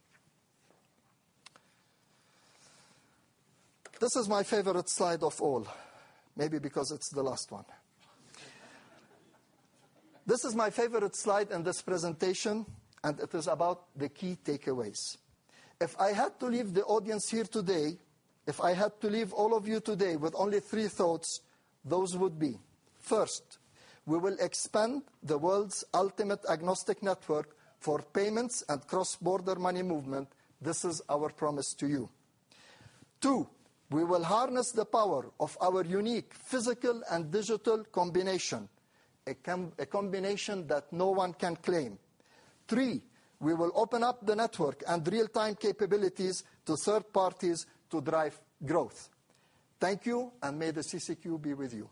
This is my favorite slide of all, maybe because it's the last one. This is my favorite slide in this presentation, and it is about the key takeaways. If I had to leave the audience here today, if I had to leave all of you today with only three thoughts, those would be: first, we will expand the world's ultimate agnostic network for payments and cross-border money movement. This is our promise to you. Two, we will harness the power of our unique physical and digital combination, a combination that no one can claim. Three, we will open up the network and real-time capabilities to third parties to drive growth. Thank you. May the CCQ be with you.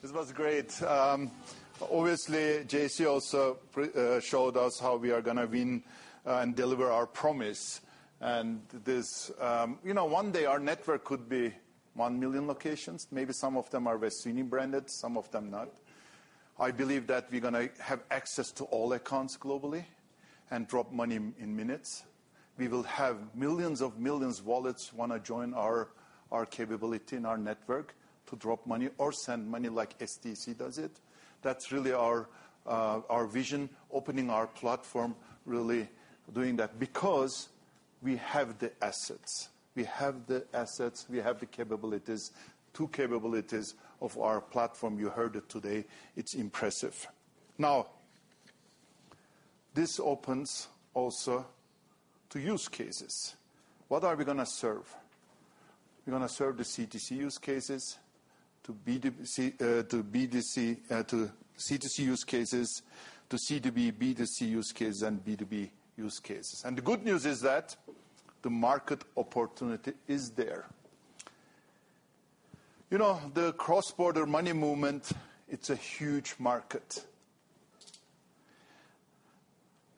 This was great. Obviously, JC also showed us how we are going to win and deliver our promise. One day our network could be 1 million locations. Maybe some of them are Western Union-branded, some of them not. I believe that we're going to have access to all accounts globally and drop money in minutes. We will have millions of wallets want to join our capability and our network to drop money or send money like stc does it. That's really our vision, opening our platform, really doing that because we have the assets. We have the assets. We have the capabilities, two capabilities of our platform. You heard it today. It's impressive. This opens also to use cases. What are we going to serve? We're going to serve the C2C use cases, to C2B, B2C use cases, and B2B use cases. The good news is that the market opportunity is there. The cross-border money movement, it's a huge market.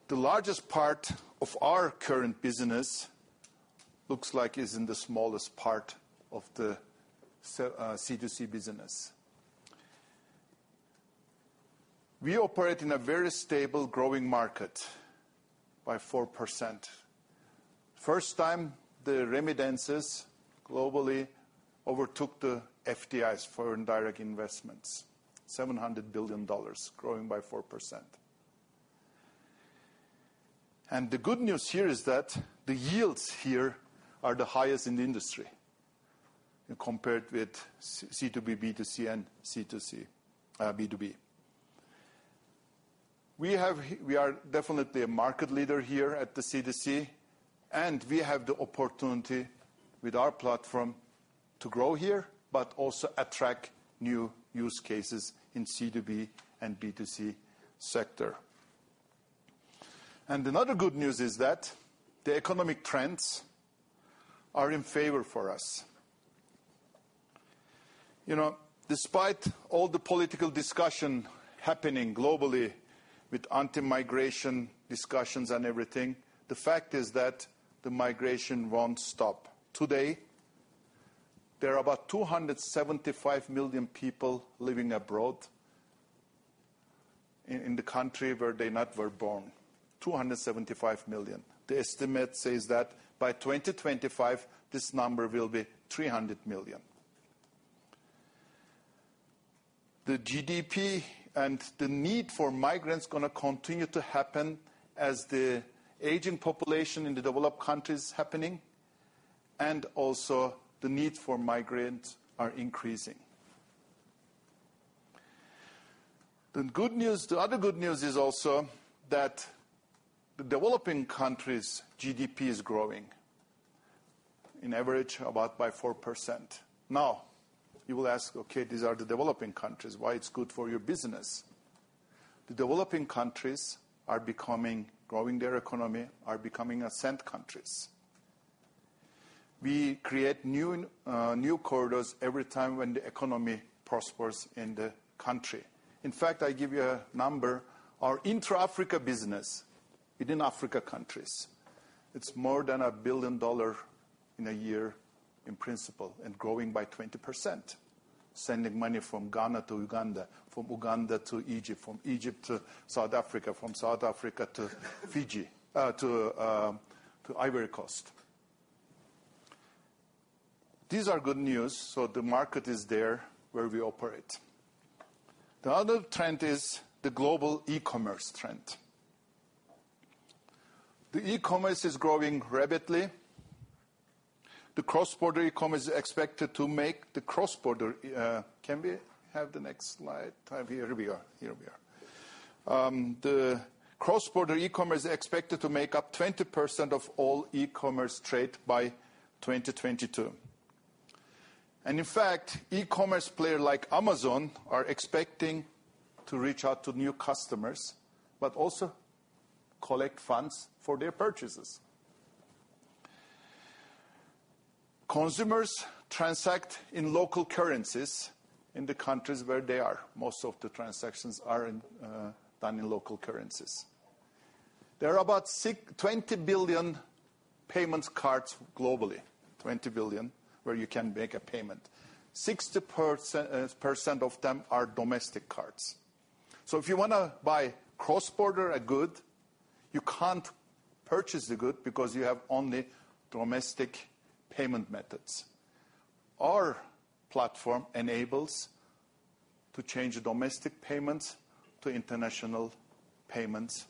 The largest part of our current business looks like is in the smallest part of the C2C business. We operate in a very stable, growing market by 4%. First time, the remittances globally overtook the FDIs, foreign direct investments, $700 billion, growing by 4%. The good news here is that the yields here are the highest in the industry compared with C2B, B2C, and B2B. We are definitely a market leader here at the C2C, and we have the opportunity with our platform to grow here, but also attract new use cases in C2B and B2C sector. Another good news is that the economic trends are in favor for us. Despite all the political discussion happening globally with anti-migration discussions and everything, the fact is that the migration won't stop. Today, there are about 275 million people living abroad in the country where they not were born, 275 million. The estimate says that by 2025, this number will be 300 million. The GDP and the need for migrants going to continue to happen as the aging population in the developed countries happening, and also the need for migrants are increasing. The other good news is also that the developing countries' GDP is growing in average about by 4%. You will ask, okay, these are the developing countries. Why it's good for your business? The developing countries are growing their economy, are becoming ascent countries. We create new corridors every time when the economy prospers in the country. I give you a number. Our intra-Africa business, within Africa countries, it's more than $1 billion in a year in principle, and growing by 20%. Sending money from Ghana to Uganda, from Uganda to Egypt, from Egypt to South Africa, from South Africa to Ivory Coast. These are good news. The market is there where we operate. The other trend is the global e-commerce trend. The e-commerce is growing rapidly. The cross-border e-commerce is expected to make the cross-border. Can we have the next slide? Here we are. The cross-border e-commerce is expected to make up 20% of all e-commerce trade by 2022. In fact, e-commerce player like Amazon are expecting to reach out to new customers, but also collect funds for their purchases. Consumers transact in local currencies in the countries where they are. Most of the transactions are done in local currencies. There are about 20 billion payments cards globally, 20 billion where you can make a payment. 60% of them are domestic cards. If you want to buy cross-border a good. You can't purchase the good because you have only domestic payment methods. Our platform enables to change domestic payments to international payments.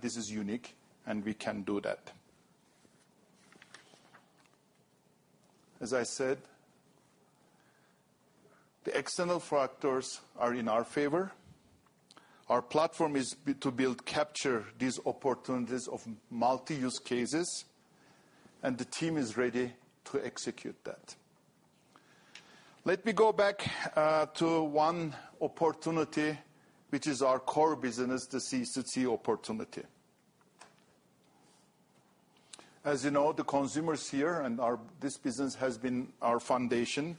This is unique, and we can do that. As I said, the external factors are in our favor. Our platform is to capture these opportunities of multi-use cases. The team is ready to execute that. Let me go back to one opportunity, which is our core business, the C2C opportunity. As you know, the consumer's here. This business has been our foundation,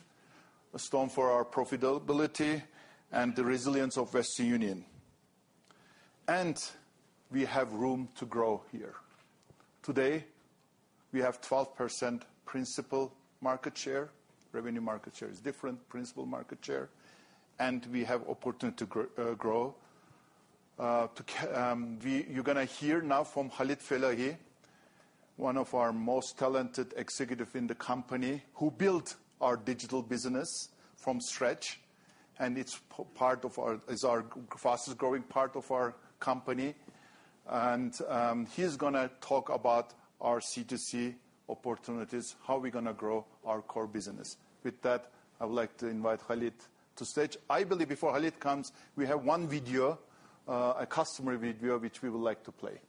a stone for our profitability and the resilience of Western Union. We have room to grow here. Today, we have 12% principal market share. Revenue market share is different. Principal market share. We have opportunity to grow. You're going to hear now from Khalid Fellahi, one of our most talented executive in the company, who built our digital business from scratch, and it's our fastest-growing part of our company. He's going to talk about our C2C opportunities, how we're going to grow our core business. With that, I would like to invite Khalid to stage. I believe before Khalid comes, we have one video, a customer video, which we would like to play.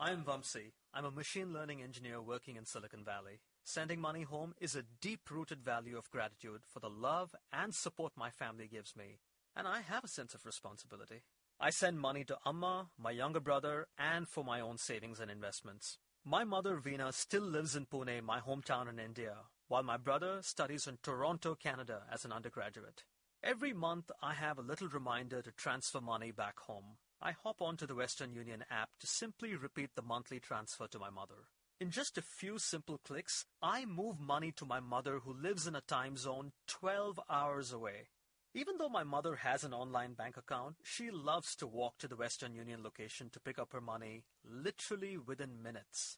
I'm Vamsi. I'm a machine learning engineer working in Silicon Valley. Sending money home is a deep-rooted value of gratitude for the love and support my family gives me, and I have a sense of responsibility. I send money to Amma, my younger brother, and for my own savings and investments. My mother, Veena, still lives in Pune, my hometown in India, while my brother studies in Toronto, Canada, as an undergraduate. Every month, I have a little reminder to transfer money back home. I hop onto the Western Union app to simply repeat the monthly transfer to my mother. In just a few simple clicks, I move money to my mother, who lives in a time zone 12 hours away. Even though my mother has an online bank account, she loves to walk to the Western Union location to pick up her money literally within minutes.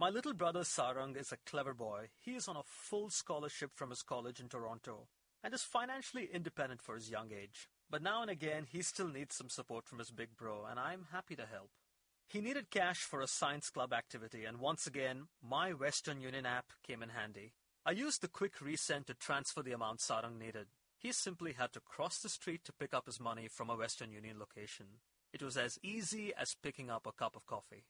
My little brother, Sarang, is a clever boy. He is on a full scholarship from his college in Toronto and is financially independent for his young age. Now and again, he still needs some support from his big bro, and I'm happy to help. He needed cash for a science club activity, and once again, my Western Union app came in handy. I used the quick resend to transfer the amount Sarang needed. He simply had to cross the street to pick up his money from a Western Union location. It was as easy as picking up a cup of coffee.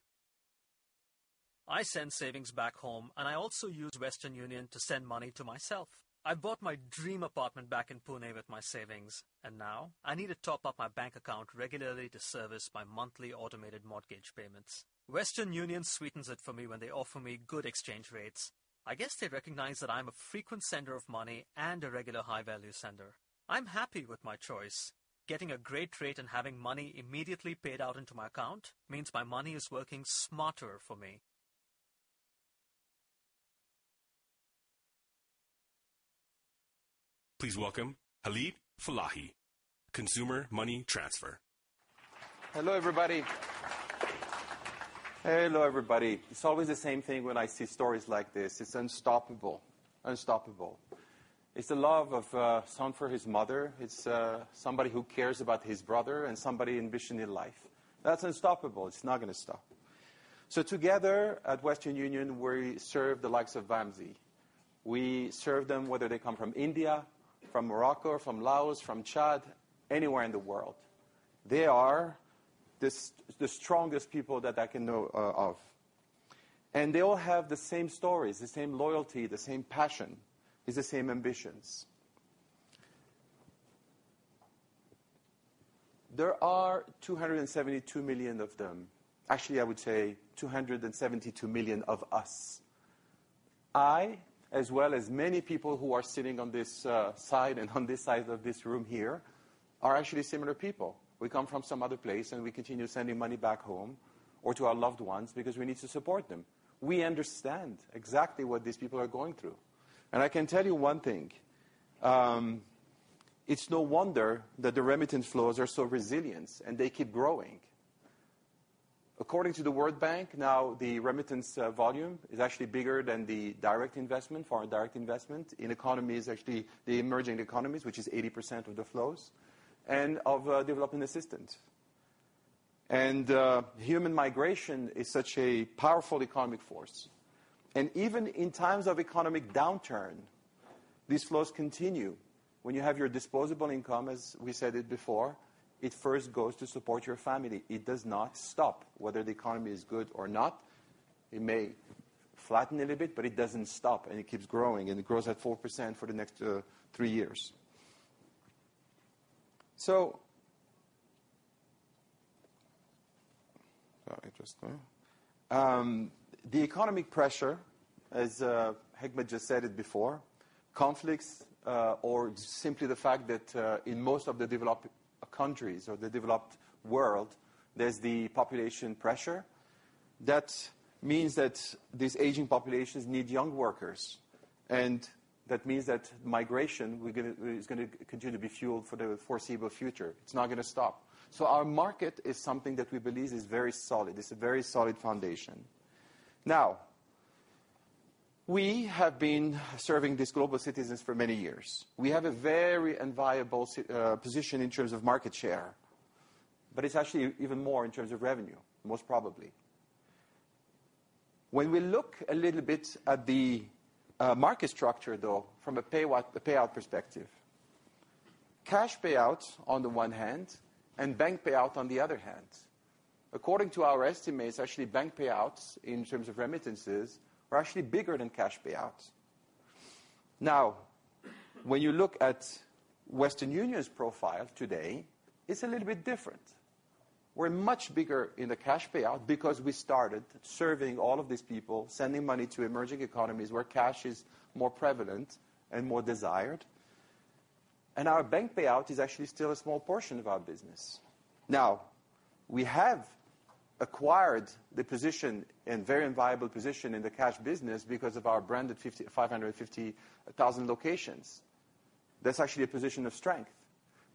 I send savings back home, and I also use Western Union to send money to myself. I bought my dream apartment back in Pune with my savings, and now I need to top up my bank account regularly to service my monthly automated mortgage payments. Western Union sweetens it for me when they offer me good exchange rates. I guess they recognize that I'm a frequent sender of money and a regular high-value sender. I'm happy with my choice. Getting a great rate and having money immediately paid out into my account means my money is working smarter for me. Please welcome Khalid Fellahi, Consumer Money Transfer. Hello, everybody. It's always the same thing when I see stories like this. It's unstoppable. It's a love of son for his mother. It's somebody who cares about his brother and somebody envisioning life. That's unstoppable. It's not going to stop. Together at Western Union, we serve the likes of Vamsi. We serve them, whether they come from India, from Morocco, from Laos, from Chad, anywhere in the world. They are the strongest people that I can know of, and they all have the same stories, the same loyalty, the same passion. It's the same ambitions. There are 272 million of them. Actually, I would say 272 million of us. I, as well as many people who are sitting on this side and on this side of this room here, are actually similar people. We come from some other place, and we continue sending money back home or to our loved ones because we need to support them. We understand exactly what these people are going through, and I can tell you one thing. It's no wonder that the remittance flows are so resilient, and they keep growing. According to the World Bank, now the remittance volume is actually bigger than the foreign direct investment in economies, actually the emerging economies, which is 80% of the flows and of developing assistance. Human migration is such a powerful economic force, and even in times of economic downturn, these flows continue. When you have your disposable income, as we said it before, it first goes to support your family. It does not stop whether the economy is good or not. It may flatten a little bit, but it doesn't stop, and it keeps growing, and it grows at 4% for the next three years. Sorry, just a minute. The economic pressure, as Hikmet just said it before, conflicts or simply the fact that in most of the developed countries or the developed world, there's the population pressure That means that these aging populations need young workers, that means that migration is going to continue to be fueled for the foreseeable future. It's not going to stop. Our market is something that we believe is very solid. It's a very solid foundation. Now, we have been serving these global citizens for many years. We have a very enviable position in terms of market share, but it's actually even more in terms of revenue, most probably. When we look a little bit at the market structure, though, from a payout perspective, cash payouts on the one hand and bank payout on the other hand. According to our estimates, actually bank payouts in terms of remittances are actually bigger than cash payouts. Now, when you look at Western Union's profile today, it's a little bit different. We're much bigger in the cash payout because we started serving all of these people, sending money to emerging economies where cash is more prevalent and more desired. Our bank payout is actually still a small portion of our business. Now, we have acquired the position and very enviable position in the cash business because of our brand at 550,000 locations. That's actually a position of strength.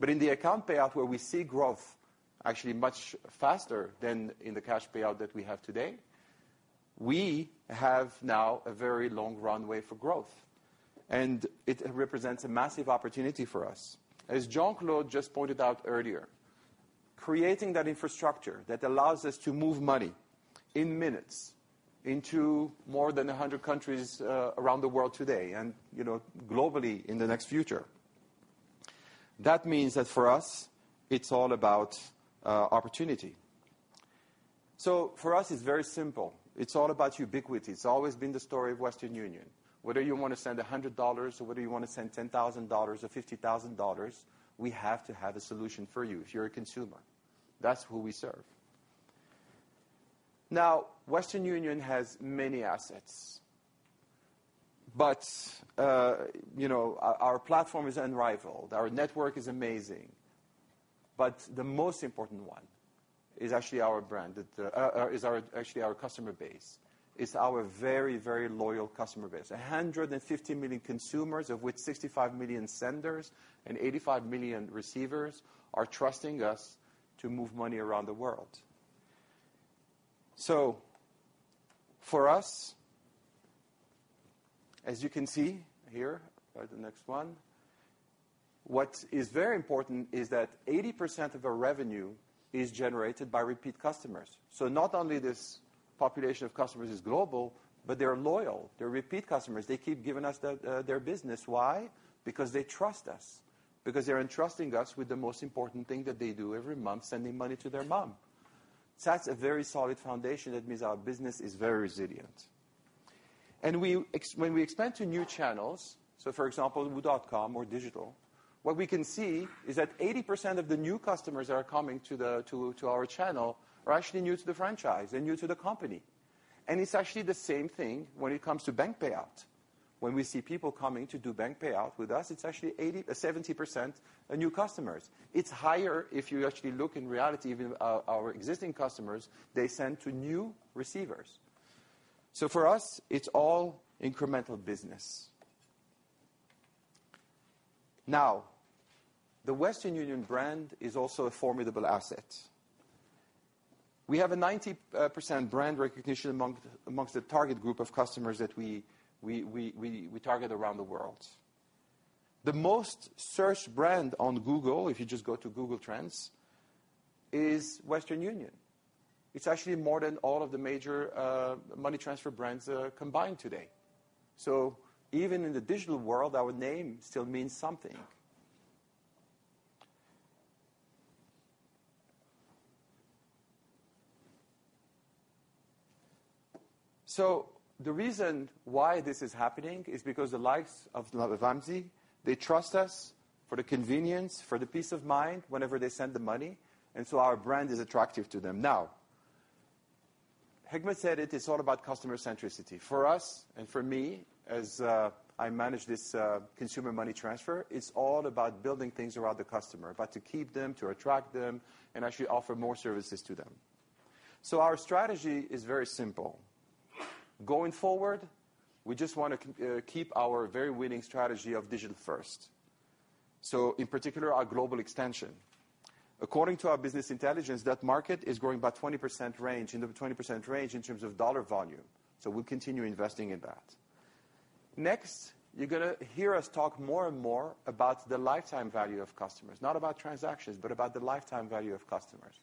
In the account payout where we see growth actually much faster than in the cash payout that we have today, we have now a very long runway for growth, and it represents a massive opportunity for us. As Jean-Claude just pointed out earlier, creating that infrastructure that allows us to move money in minutes into more than 100 countries around the world today and globally in the near future. That means that for us, it's all about opportunity. For us, it's very simple. It's all about ubiquity. It's always been the story of Western Union. Whether you want to send $100 or whether you want to send $10,000 or $50,000, we have to have a solution for you if you're a consumer. That's who we serve. Western Union has many assets. Our platform is unrivaled. Our network is amazing. The most important one is actually our customer base. It's our very, very loyal customer base. 150 million consumers, of which 65 million senders and 85 million receivers, are trusting us to move money around the world. For us, as you can see here by the next one, what is very important is that 80% of our revenue is generated by repeat customers. Not only this population of customers is global, but they are loyal. They're repeat customers. They keep giving us their business. Why? They trust us. They're entrusting us with the most important thing that they do every month, sending money to their mom. That's a very solid foundation. That means our business is very resilient. When we expand to new channels, so for example, wu.com or digital, what we can see is that 80% of the new customers that are coming to our channel are actually new to the franchise and new to the company. It's actually the same thing when it comes to bank payout. When we see people coming to do bank payout with us, it's actually 70% new customers. It's higher if you actually look in reality, even our existing customers, they send to new receivers. For us, it's all incremental business. The Western Union brand is also a formidable asset. We have a 90% brand recognition amongst the target group of customers that we target around the world. The most searched brand on Google, if you just go to Google Trends, is Western Union. It's actually more than all of the major money transfer brands combined today. Even in the digital world, our name still means something. The reason why this is happening is because the likes of Wamsi, they trust us for the convenience, for the peace of mind whenever they send the money, our brand is attractive to them. Now, Hikmet said it's all about customer centricity. For us and for me, as I manage this Consumer Money Transfer, it's all about building things around the customer, about to keep them, to attract them, and actually offer more services to them. Our strategy is very simple. Going forward, we just want to keep our very winning strategy of digital first. In particular, our global extension. According to our business intelligence, that market is growing about 20% range, in the 20% range in terms of $ volume. We'll continue investing in that. Next, you're going to hear us talk more and more about the lifetime value of customers, not about transactions, but about the lifetime value of customers.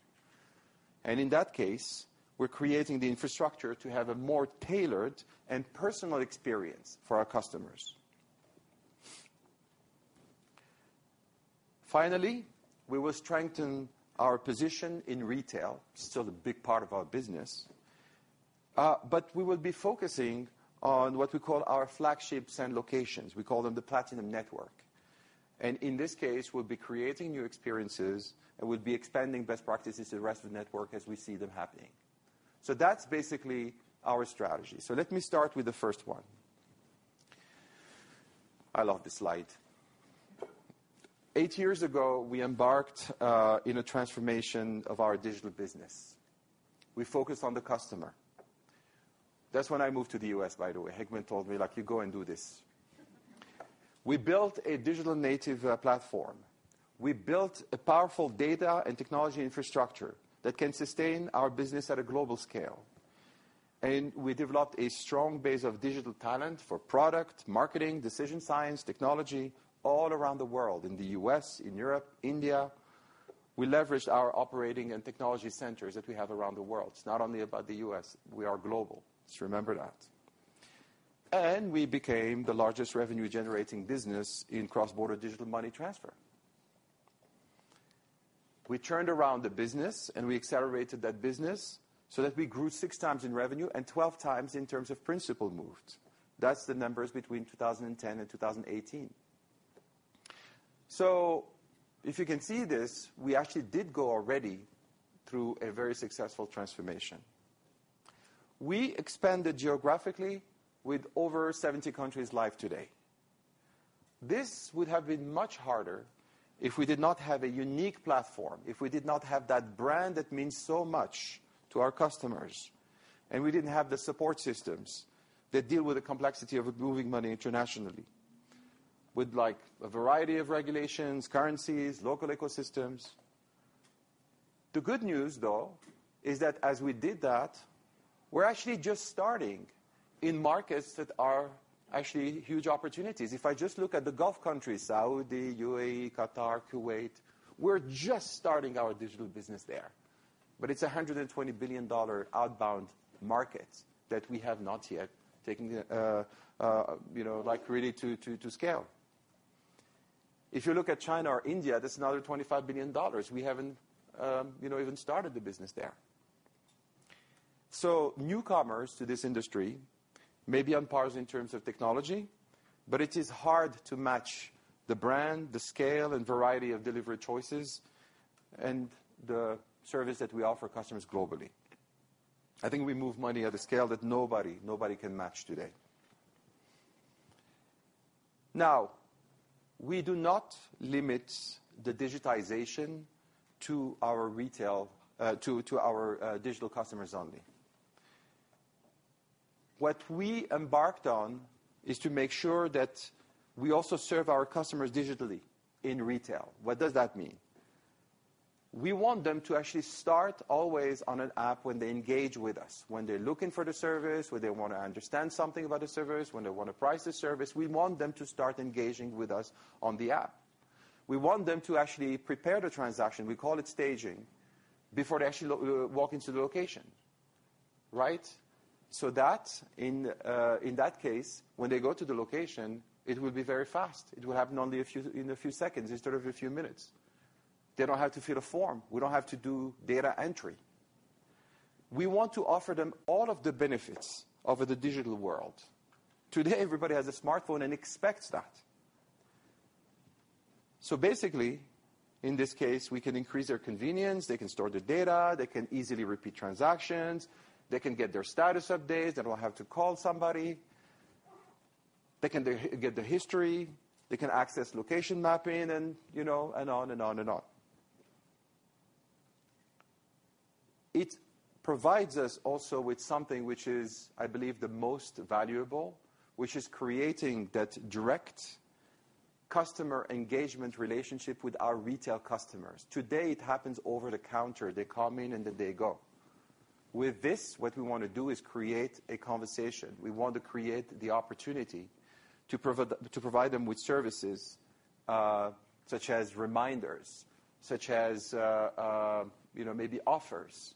In that case, we're creating the infrastructure to have a more tailored and personal experience for our customers. Finally, we will strengthen our position in retail, still a big part of our business, but we will be focusing on what we call our flagships and locations. We call them the Platinum Network. In this case, we'll be creating new experiences, and we'll be expanding best practices to the rest of the network as we see them happening. That's basically our strategy. Let me start with the first one. I love this slide. Eight years ago, we embarked in a transformation of our digital business. We focused on the customer. That's when I moved to the U.S., by the way. Hikmet told me, like, "You go and do this." We built a digital native platform. We built a powerful data and technology infrastructure that can sustain our business at a global scale. We developed a strong base of digital talent for product, marketing, decision science, technology all around the world, in the U.S., in Europe, India. We leveraged our operating and technology centers that we have around the world. It's not only about the U.S. We are global. Just remember that. We became the largest revenue-generating business in cross-border digital money transfer. We turned around the business, we accelerated that business so that we grew six times in revenue and 12 times in terms of principal moved. That's the numbers between 2010 and 2018. If you can see this, we actually did go already through a very successful transformation. We expanded geographically with over 70 countries live today. This would have been much harder if we did not have a unique platform, if we did not have that brand that means so much to our customers, and we didn't have the support systems that deal with the complexity of moving money internationally with a variety of regulations, currencies, local ecosystems. The good news, though, is that as we did that, we're actually just starting in markets that are actually huge opportunities. If I just look at the Gulf countries, Saudi, UAE, Qatar, Kuwait, we're just starting our digital business there, but it's $120 billion outbound market that we have not yet taken really to scale. If you look at China or India, that's another $25 billion. We haven't even started the business there. Newcomers to this industry may be on par in terms of technology, but it is hard to match the brand, the scale, and variety of delivery choices and the service that we offer customers globally. I think we move money at a scale that nobody can match today. We do not limit the digitization to our digital customers only. What we embarked on is to make sure that we also serve our customers digitally in retail. What does that mean? We want them to actually start always on an app when they engage with us, when they're looking for the service, when they want to understand something about the service, when they want to price the service. We want them to start engaging with us on the app. We want them to actually prepare the transaction, we call it staging, before they actually walk into the location. Right? That in that case, when they go to the location, it will be very fast. It will happen in a few seconds instead of a few minutes. They don't have to fill a form. We don't have to do data entry. We want to offer them all of the benefits of the digital world. Today, everybody has a smartphone and expects that. Basically, in this case, we can increase their convenience. They can store their data. They can easily repeat transactions. They can get their status updates. They don't have to call somebody. They can get their history. They can access location mapping and on and on and on. It provides us also with something which is, I believe, the most valuable, which is creating that direct customer engagement relationship with our retail customers. Today, it happens over the counter. They come in, and then they go. With this, what we want to do is create a conversation. We want to create the opportunity to provide them with services, such as reminders, such as maybe offers.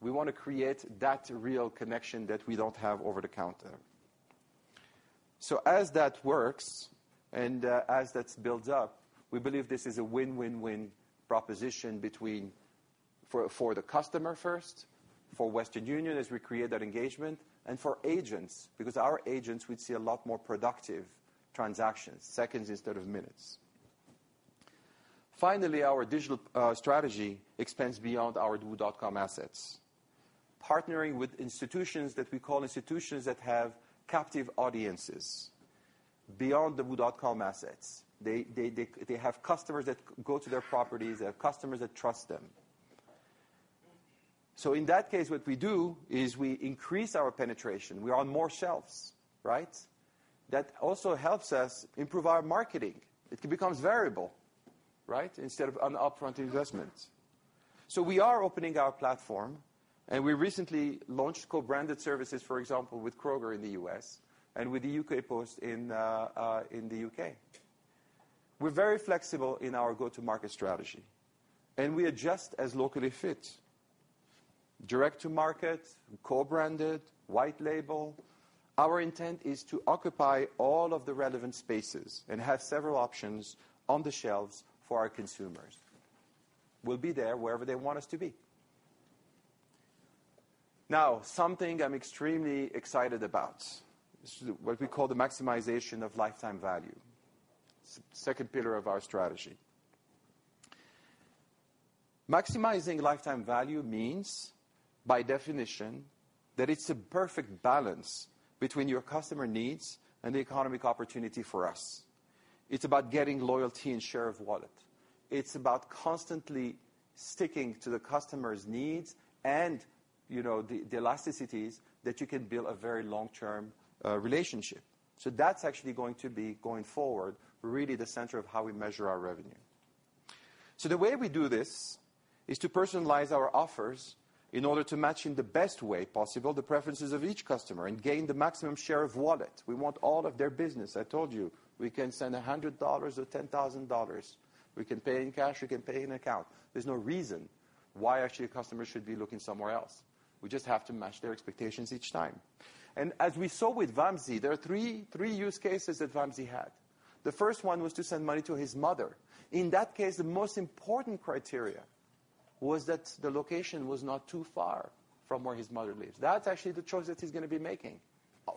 We want to create that real connection that we don't have over the counter. As that works and as that builds up, we believe this is a win-win-win proposition for the customer first, for Western Union, as we create that engagement, and for agents, because our agents would see a lot more productive transactions, seconds instead of minutes. Our digital strategy expands beyond our wu.com assets. Partnering with institutions that we call institutions that have captive audiences beyond the wu.com assets. They have customers that go to their properties. They have customers that trust them. In that case, what we do is we increase our penetration. We are on more shelves, right? That also helps us improve our marketing. It becomes variable, right, instead of an upfront investment. We are opening our platform, and we recently launched co-branded services, for example, with Kroger in the U.S. and with the Post Office in the U.K. We're very flexible in our go-to-market strategy, and we adjust as locally fit. Direct to market, co-branded, white label. Our intent is to occupy all of the relevant spaces and have several options on the shelves for our consumers. We'll be there wherever they want us to be. Something I'm extremely excited about is what we call the maximization of lifetime value, second pillar of our strategy. Maximizing lifetime value means, by definition, that it's a perfect balance between your customer needs and the economic opportunity for us. It's about getting loyalty and share of wallet. It's about constantly sticking to the customer's needs and the elasticities that you can build a very long-term relationship. That's actually going to be, going forward, really the center of how we measure our revenue. The way we do this is to personalize our offers in order to match in the best way possible the preferences of each customer and gain the maximum share of wallet. We want all of their business. I told you, we can send $100 or $10,000. We can pay in cash, we can pay in account. There's no reason why actually a customer should be looking somewhere else. We just have to match their expectations each time. As we saw with Vamsi, there are three use cases that Vamsi had. The first one was to send money to his mother. In that case, the most important criteria was that the location was not too far from where his mother lives. That's actually the choice that he's going to be making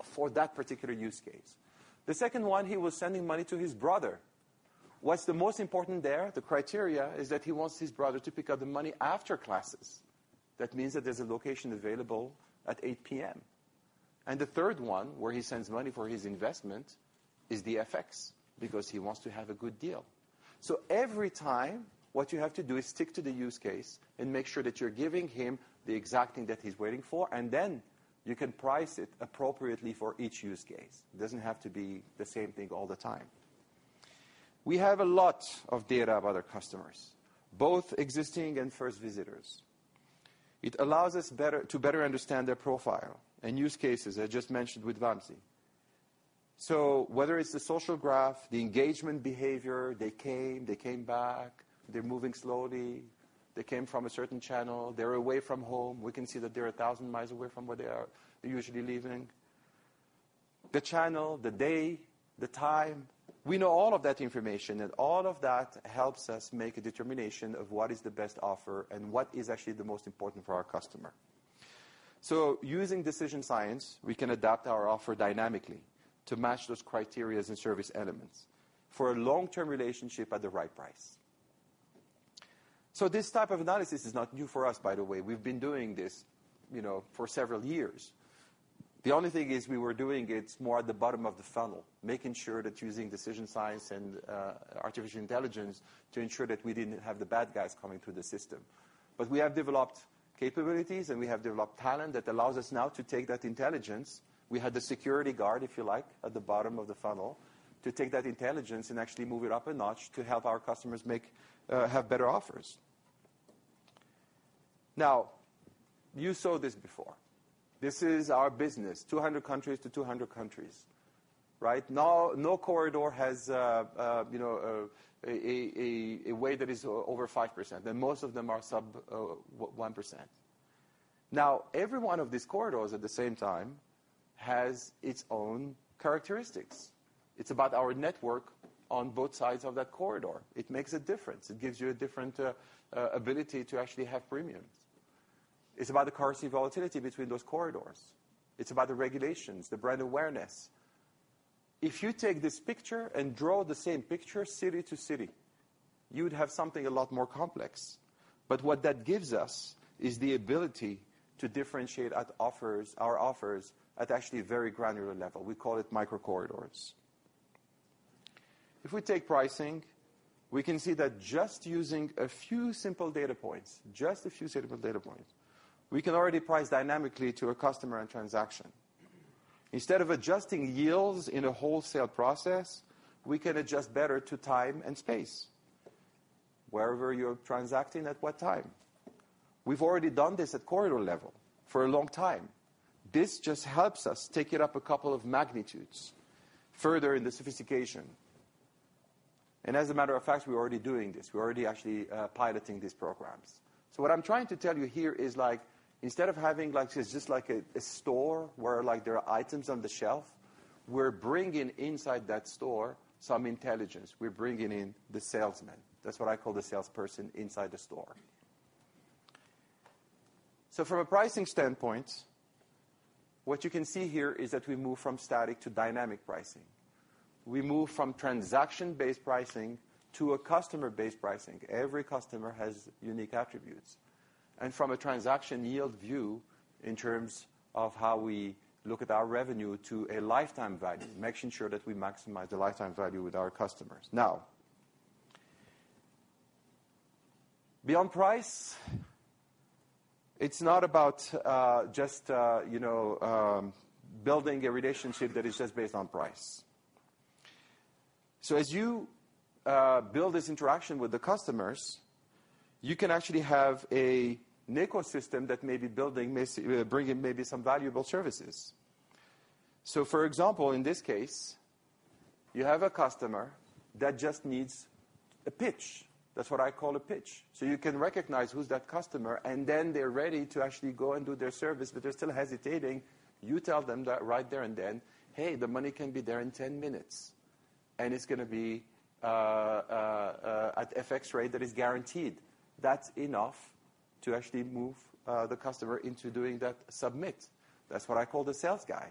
for that particular use case. The second one, he was sending money to his brother. What's the most important there? The criteria is that he wants his brother to pick up the money after classes. That means that there's a location available at 8:00 P.M. The third one, where he sends money for his investment, is the FX because he wants to have a good deal. Every time, what you have to do is stick to the use case and make sure that you're giving him the exact thing that he's waiting for, and then you can price it appropriately for each use case. It doesn't have to be the same thing all the time. We have a lot of data of other customers, both existing and first visitors. It allows us to better understand their profile and use cases, as I just mentioned with Vamsi. Whether it's the social graph, the engagement behavior, they came, they came back, they're moving slowly, they came from a certain channel, they're away from home. We can see that they're 1,000 miles away from where they are usually living. The channel, the day, the time, we know all of that information, and all of that helps us make a determination of what is the best offer and what is actually the most important for our customer. Using decision science, we can adapt our offer dynamically to match those criterias and service elements for a long-term relationship at the right price. This type of analysis is not new for us, by the way. We've been doing this for several years. The only thing is we were doing it more at the bottom of the funnel, making sure that using decision science and artificial intelligence to ensure that we didn't have the bad guys coming through the system. We have developed capabilities and we have developed talent that allows us now to take that intelligence. We had the security guard, if you like, at the bottom of the funnel to take that intelligence and actually move it up a notch to help our customers have better offers. You saw this before. This is our business, 200 countries to 200 countries, right? No corridor has a way that is over 5%, and most of them are sub 1%. Every one of these corridors, at the same time, has its own characteristics. It's about our network on both sides of that corridor. It makes a difference. It gives you a different ability to actually have premiums. It's about the currency volatility between those corridors. It's about the regulations, the brand awareness. If you take this picture and draw the same picture city to city, you'd have something a lot more complex. What that gives us is the ability to differentiate our offers at actually a very granular level. We call it micro corridors. If we take pricing, we can see that just using a few simple data points, we can already price dynamically to a customer and transaction. Instead of adjusting yields in a wholesale process, we can adjust better to time and space. Wherever you're transacting at what time. We've already done this at corridor level for a long time. This just helps us take it up a couple of magnitudes further in the sophistication. As a matter of fact, we're already doing this. We're already actually piloting these programs. What I'm trying to tell you here is instead of having just a store where there are items on the shelf, we're bringing inside that store some intelligence. We're bringing in the salesman. That's what I call the salesperson inside the store. From a pricing standpoint, what you can see here is that we move from static to dynamic pricing. We move from transaction-based pricing to a customer-based pricing. Every customer has unique attributes. From a transaction yield view in terms of how we look at our revenue to a lifetime value, making sure that we maximize the lifetime value with our customers. Now, beyond price, it's not about just building a relationship that is just based on price. As you build this interaction with the customers, you can actually have an ecosystem that may be building, may bring in maybe some valuable services. For example, in this case, you have a customer that just needs a pitch. That's what I call a pitch. You can recognize who's that customer, and then they're ready to actually go and do their service, but they're still hesitating. You tell them that right there and then, "Hey, the money can be there in 10 minutes, and it's going to be at FX rate that is guaranteed." That's enough to actually move the customer into doing that submit. That's what I call the sales guy.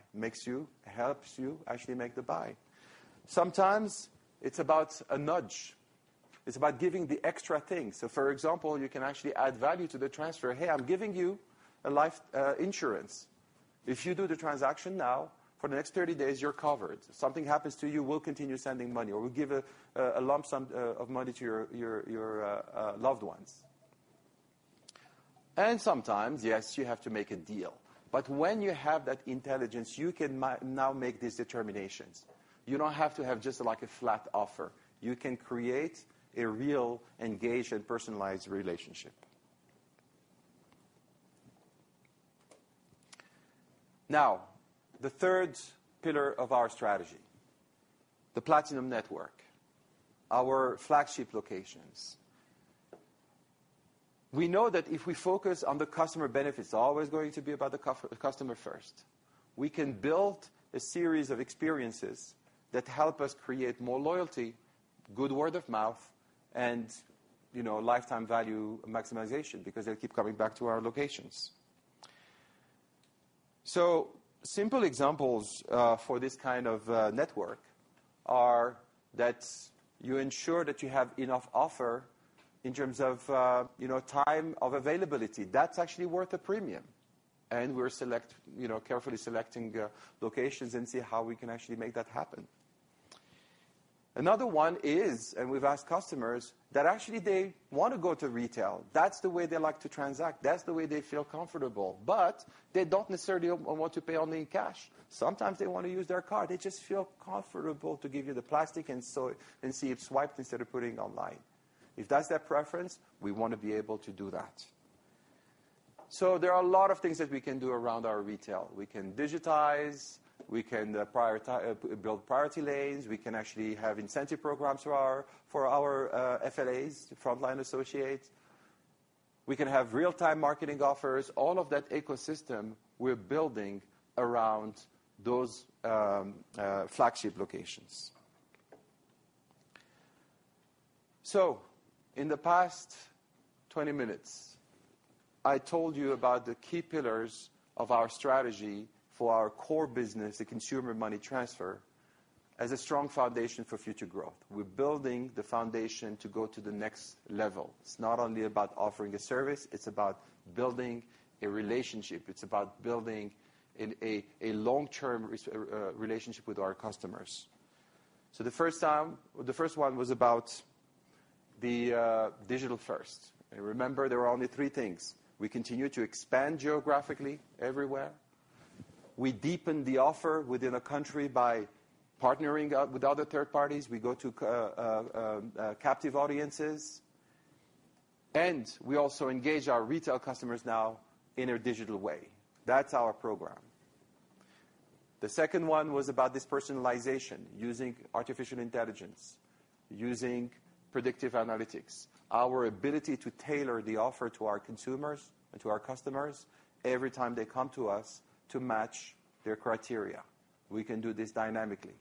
Helps you actually make the buy. Sometimes it's about a nudge. It's about giving the extra thing. For example, you can actually add value to the transfer. "Hey, I'm giving you life insurance. If you do the transaction now, for the next 30 days, you're covered. If something happens to you, we'll continue sending money, or we'll give a lump sum of money to your loved ones. Sometimes, yes, you have to make a deal. When you have that intelligence, you can now make these determinations. You don't have to have just a flat offer. You can create a real engaged and personalized relationship. Now, the third pillar of our strategy, the Platinum Network, our flagship locations. We know that if we focus on the customer benefits, always going to be about the customer first, we can build a series of experiences that help us create more loyalty, good word of mouth, and lifetime value maximization because they'll keep coming back to our locations. Simple examples for this kind of network are that you ensure that you have enough offer in terms of time of availability. That's actually worth a premium. We're carefully selecting locations and see how we can actually make that happen. Another one is, we've asked customers, that actually they want to go to retail. That's the way they like to transact. That's the way they feel comfortable, they don't necessarily want to pay only in cash. Sometimes they want to use their card. They just feel comfortable to give you the plastic and see it swiped instead of putting online. If that's their preference, we want to be able to do that. There are a lot of things that we can do around our retail. We can digitize, we can build priority lanes, we can actually have incentive programs for our FLAs, frontline associates. We can have real-time marketing offers. All of that ecosystem we're building around those flagship locations. In the past 20 minutes, I told you about the key pillars of our strategy for our core business, the Consumer Money Transfer, as a strong foundation for future growth. We're building the foundation to go to the next level. It's not only about offering a service, it's about building a relationship. It's about building a long-term relationship with our customers. The first one was about the digital-first. Remember, there were only three things. We continue to expand geographically everywhere. We deepen the offer within a country by partnering up with other third parties. We go to captive audiences. We also engage our retail customers now in a digital way. That's our program. The second one was about this personalization using artificial intelligence, using predictive analytics, our ability to tailor the offer to our consumers and to our customers every time they come to us to match their criteria. We can do this dynamically.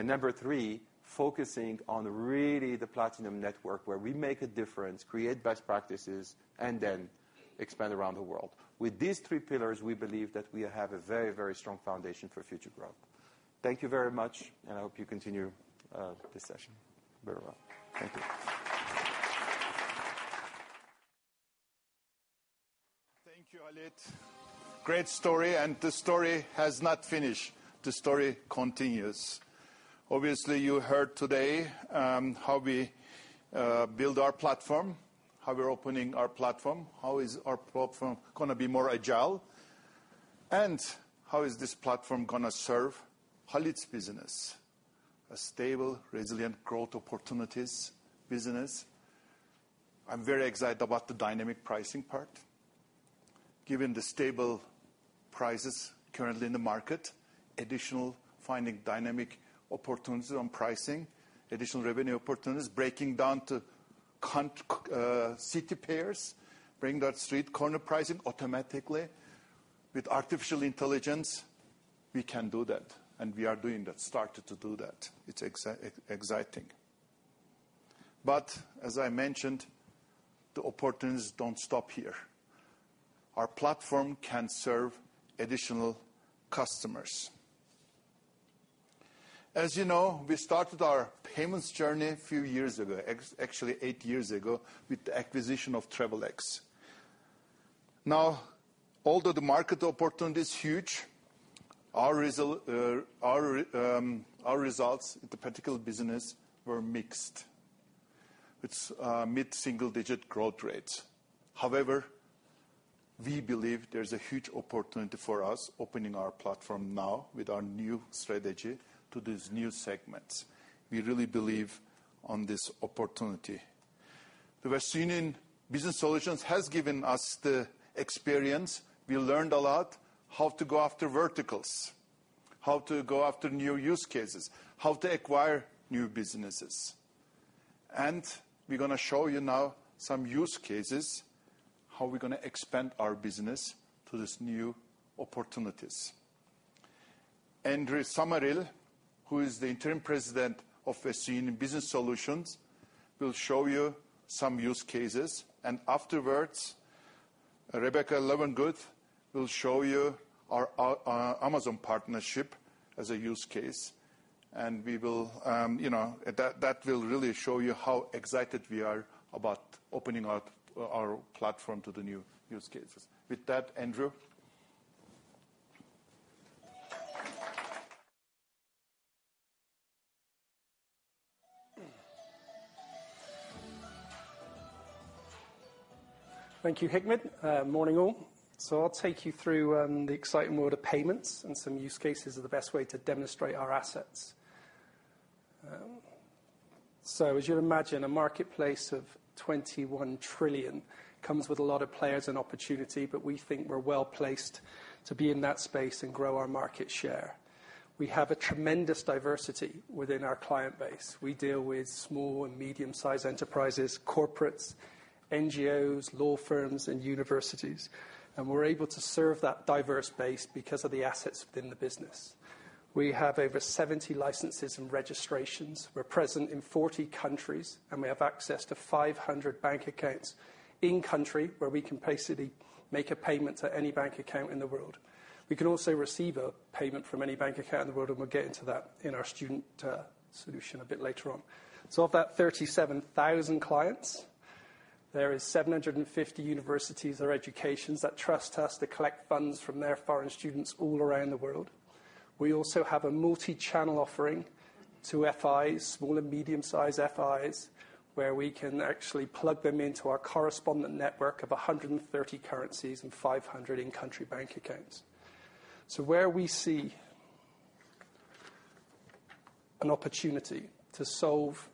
Number 3, focusing on really the Platinum Network where we make a difference, create best practices, and then expand around the world. With these three pillars, we believe that we have a very strong foundation for future growth. Thank you very much, and I hope you continue this session very well. Thank you. Thank you, Khalid. Great story, the story has not finished. The story continues. Obviously, you heard today how we build our platform, how we're opening our platform, how is our platform going to be more agile, and how is this platform going to serve Khalid's business? A stable, resilient growth opportunities business. I'm very excited about the dynamic pricing part. Given the stable prices currently in the market, additional finding dynamic opportunities on pricing, additional revenue opportunities, breaking down to city pairs, bring that street corner pricing automatically with artificial intelligence. We can do that, and we are doing that, started to do that. It's exciting. As I mentioned, the opportunities don't stop here. Our platform can serve additional customers. As you know, we started our payments journey a few years ago, actually eight years ago, with the acquisition of Travelex. Now, although the market opportunity is huge, our results in the particular business were mixed. It's mid-single-digit growth rates. However, we believe there's a huge opportunity for us opening our platform now with our new strategy to these new segments. We really believe on this opportunity. The Western Union Business Solutions has given us the experience. We learned a lot how to go after verticals, how to go after new use cases, how to acquire new businesses. We're going to show you now some use cases, how we're going to expand our business to these new opportunities. Andrew Summerill, who is the interim President of WU Business Solutions, will show you some use cases. Afterwards, Rebecca Leavengood will show you our Amazon partnership as a use case. That will really show you how excited we are about opening our platform to the new use cases. With that, Andrew. Thank you, Hikmet. Morning, all. I'll take you through the exciting world of payments, and some use cases are the best way to demonstrate our assets. As you'd imagine, a marketplace of $21 trillion comes with a lot of players and opportunity, we think we're well-placed to be in that space and grow our market share. We have a tremendous diversity within our client base. We deal with small and medium-sized enterprises, corporates, NGOs, law firms, and universities. We're able to serve that diverse base because of the assets within the business. We have over 70 licenses and registrations. We're present in 40 countries, we have access to 500 bank accounts in-country where we can basically make a payment to any bank account in the world. We can also receive a payment from any bank account in the world, and we'll get into that in our student solution a bit later on. Of that 37,000 clients, there is 750 universities or educations that trust us to collect funds from their foreign students all around the world. We also have a multi-channel offering to FIs, small and medium-size FIs, where we can actually plug them into our correspondent network of 130 currencies and 500 in-country bank accounts. Where we see an opportunity to solve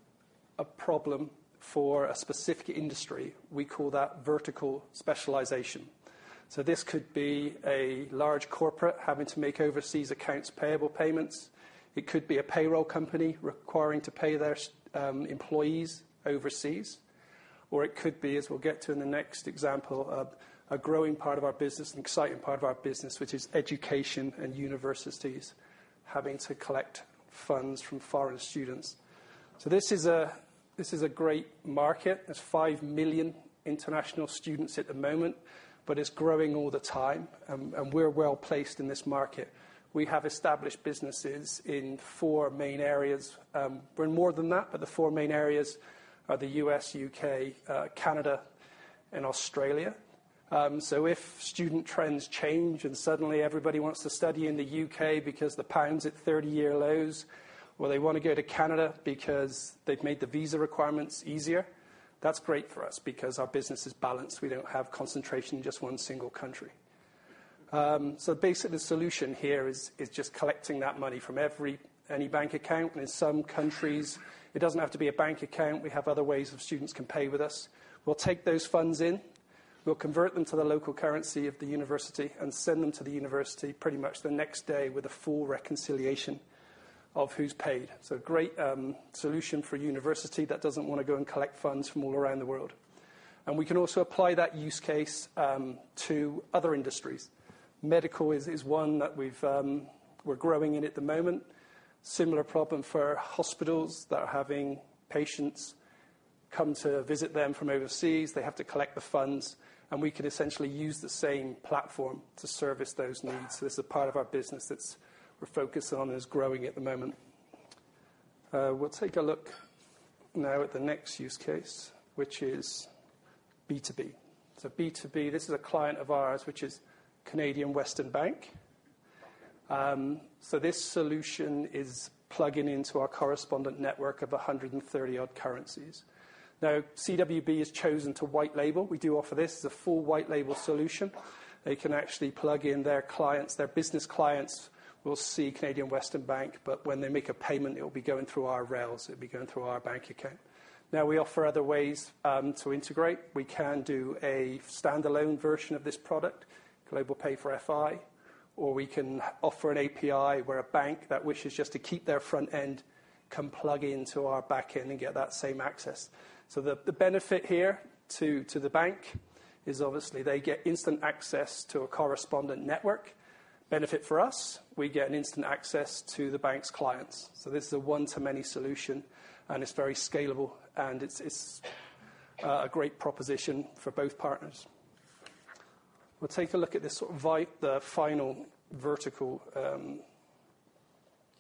a problem for a specific industry, we call that vertical specialization. This could be a large corporate having to make overseas accounts payable payments. It could be a payroll company requiring to pay their employees overseas. It could be, as we'll get to in the next example, a growing part of our business, an exciting part of our business, which is education and universities having to collect funds from foreign students. This is a great market. There's 5 million international students at the moment, but it's growing all the time. We're well-placed in this market. We have established businesses in four main areas. We're in more than that, but the four main areas are the U.S., U.K., Canada, and Australia. If student trends change and suddenly everybody wants to study in the U.K. because the pound's at 30-year lows, or they want to go to Canada because they've made the visa requirements easier, that's great for us because our business is balanced. We don't have concentration in just one single country. Basically, the solution here is just collecting that money from any bank account. In some countries, it doesn't have to be a bank account. We have other ways of students can pay with us. We'll take those funds in, we'll convert them to the local currency of the university and send them to the university pretty much the next day with a full reconciliation of who's paid. A great solution for a university that doesn't want to go and collect funds from all around the world. We can also apply that use case to other industries. Medical is one that we're growing in at the moment. Similar problem for hospitals that are having patients come to visit them from overseas. They have to collect the funds, and we can essentially use the same platform to service those needs. This is a part of our business that we're focused on, is growing at the moment. We'll take a look now at the next use case, which is B2B. B2B, this is a client of ours, which is Canadian Western Bank. This solution is plugging into our correspondent network of 130 odd currencies. CWB has chosen to white label. We do offer this as a full white label solution. They can actually plug in their clients, their business clients will see Canadian Western Bank, but when they make a payment, it'll be going through our rails. It'll be going through our bank account. We offer other ways to integrate. We can do a standalone version of this product, GlobalPay for FI, or we can offer an API where a bank that wishes just to keep their front end can plug into our back end and get that same access. The benefit here to the bank is obviously they get instant access to a correspondent network. Benefit for us, we get an instant access to the bank's clients. This is a one-to-many solution, and it's very scalable, and it's a great proposition for both partners. We'll take a look at the final vertical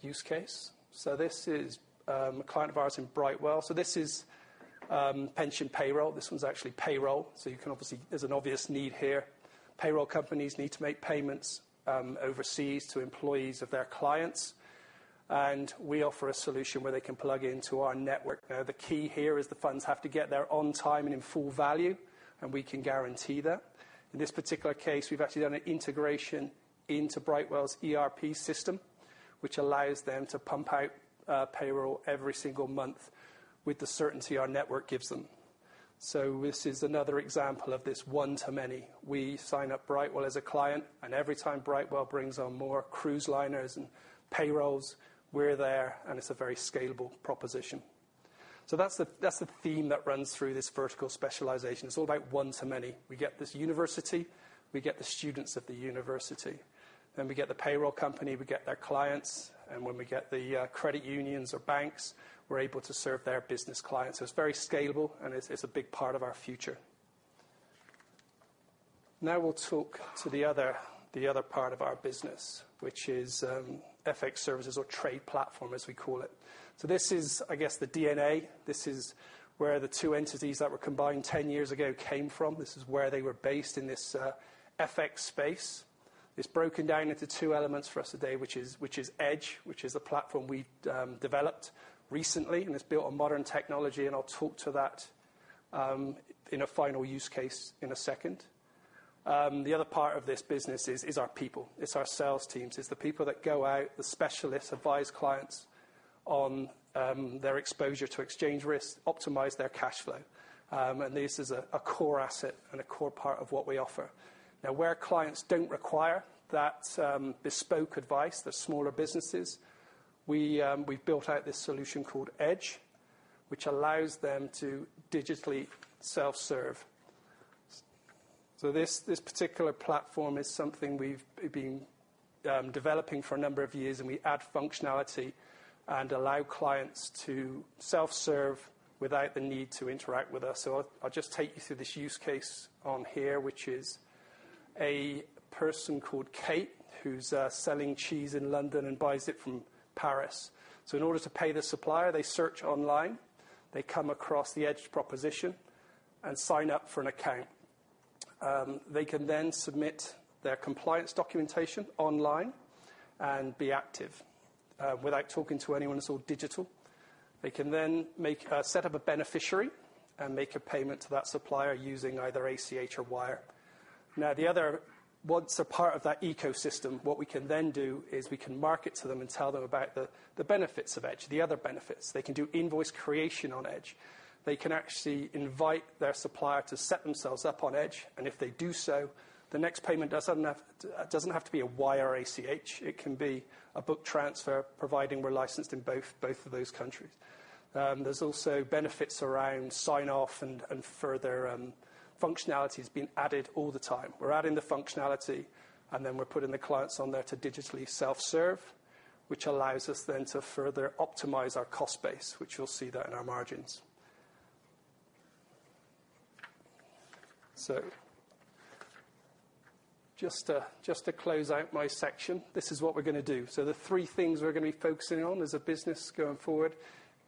use case. This is a client of ours in Brightwell. This is pension payroll. This one's actually payroll. There's an obvious need here. Payroll companies need to make payments overseas to employees of their clients. We offer a solution where they can plug into our network. Now, the key here is the funds have to get there on time and in full value, and we can guarantee that. In this particular case, we've actually done an integration into Brightwell's ERP system, which allows them to pump out payroll every single month with the certainty our network gives them. This is another example of this one to many. We sign up Brightwell as a client, and every time Brightwell brings on more cruise liners and payrolls, we're there, and it's a very scalable proposition. That's the theme that runs through this vertical specialization. It's all about one to many. We get this university, we get the students of the university, then we get the payroll company, we get their clients, and when we get the credit unions or banks, we're able to serve their business clients. It's very scalable and it's a big part of our future. We'll talk to the other part of our business, which is FX services or trade platform, as we call it. This is, I guess, the DNA. This is where the two entities that were combined 10 years ago came from. This is where they were based in this FX space. It's broken down into two elements for us today, which is Edge, which is a platform we developed recently, and it's built on modern technology, and I'll talk to that in a final use case in a second. The other part of this business is our people, it's our sales teams. It's the people that go out, the specialists, advise clients on their exposure to exchange risks, optimize their cash flow. This is a core asset and a core part of what we offer. Where clients don't require that bespoke advice, the smaller businesses, we've built out this solution called Edge, which allows them to digitally self-serve. This particular platform is something we've been developing for a number of years, and we add functionality and allow clients to self-serve without the need to interact with us. I'll just take you through this use case on here, which is a person called Kate who's selling cheese in London and buys it from Paris. In order to pay the supplier, they search online, they come across the Edge proposition and sign up for an account. They can submit their compliance documentation online and be active without talking to anyone. It's all digital. They can set up a beneficiary and make a payment to that supplier using either ACH or Wire. Once a part of that ecosystem, what we can then do is we can market to them and tell them about the benefits of WU EDGE, the other benefits. They can do invoice creation on WU EDGE. They can actually invite their supplier to set themselves up on WU EDGE, and if they do so, the next payment doesn't have to be a Wire ACH. It can be a book transfer, providing we're licensed in both of those countries. There's also benefits around sign-off and further functionality is being added all the time. We're adding the functionality and then we're putting the clients on there to digitally self-serve, which allows us then to further optimize our cost base, which you'll see that in our margins. Just to close out my section, this is what we're going to do. The three things we're going to be focusing on as a business going forward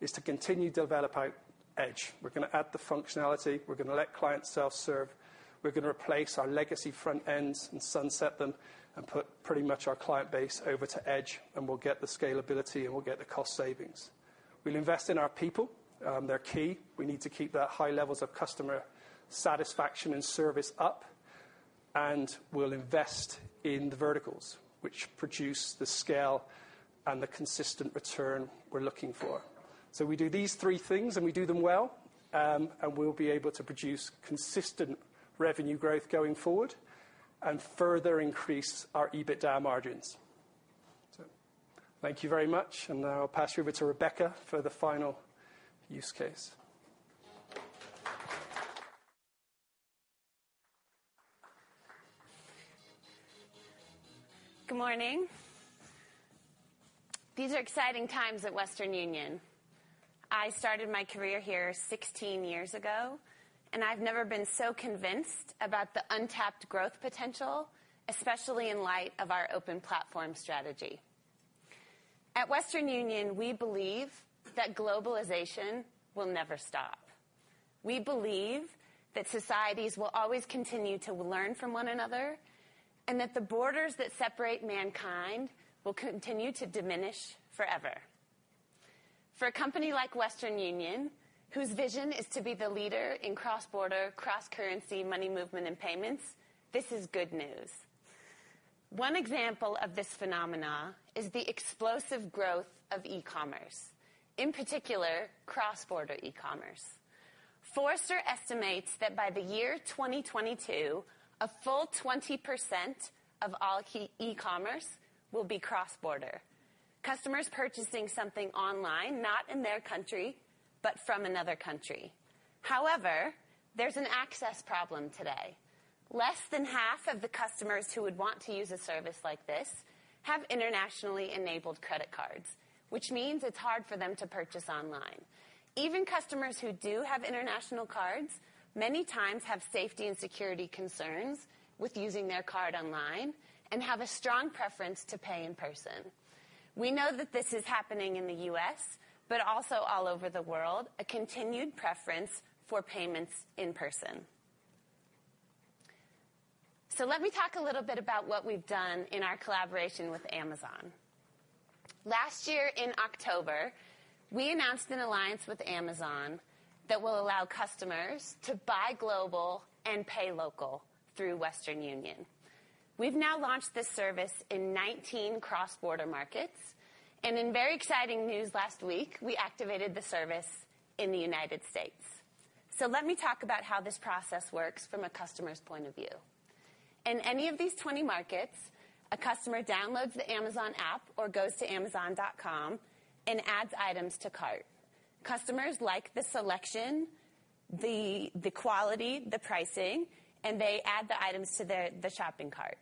is to continue to develop out WU EDGE. We're going to add the functionality. We're going to let clients self-serve. We're going to replace our legacy front ends and sunset them and put pretty much our client base over to WU EDGE, and we'll get the scalability and we'll get the cost savings. We'll invest in our people. They're key. We need to keep that high levels of customer satisfaction and service up, and we'll invest in the verticals which produce the scale and the consistent return we're looking for. We do these three things and we do them well, and we'll be able to produce consistent revenue growth going forward and further increase our EBITDA margins. Thank you very much, and now I'll pass you over to Rebecca for the final use case. Good morning. These are exciting times at Western Union. I started my career here 16 years ago, and I've never been so convinced about the untapped growth potential, especially in light of our open platform strategy. At Western Union, we believe that globalization will never stop. We believe that societies will always continue to learn from one another, and that the borders that separate mankind will continue to diminish forever. For a company like Western Union, whose vision is to be the leader in cross-border, cross-currency, money movement and payments, this is good news. One example of this phenomena is the explosive growth of e-commerce, in particular, cross-border e-commerce. Forrester estimates that by the year 2022, a full 20% of all key e-commerce will be cross-border. Customers purchasing something online, not in their country, but from another country. However, there's an access problem today. Less than half of the customers who would want to use a service like this have internationally enabled credit cards, which means it's hard for them to purchase online. Even customers who do have international cards many times have safety and security concerns with using their card online and have a strong preference to pay in person. We know that this is happening in the U.S., also all over the world, a continued preference for payments in person. Let me talk a little bit about what we've done in our collaboration with Amazon. Last year in October, we announced an alliance with Amazon that will allow customers to buy global and pay local through Western Union. We've now launched this service in 19 cross-border markets. In very exciting news last week, we activated the service in the U.S. Let me talk about how this process works from a customer's point of view. In any of these 20 markets, a customer downloads the Amazon app or goes to amazon.com and adds items to cart. Customers like the selection, the quality, the pricing, and they add the items to the shopping cart.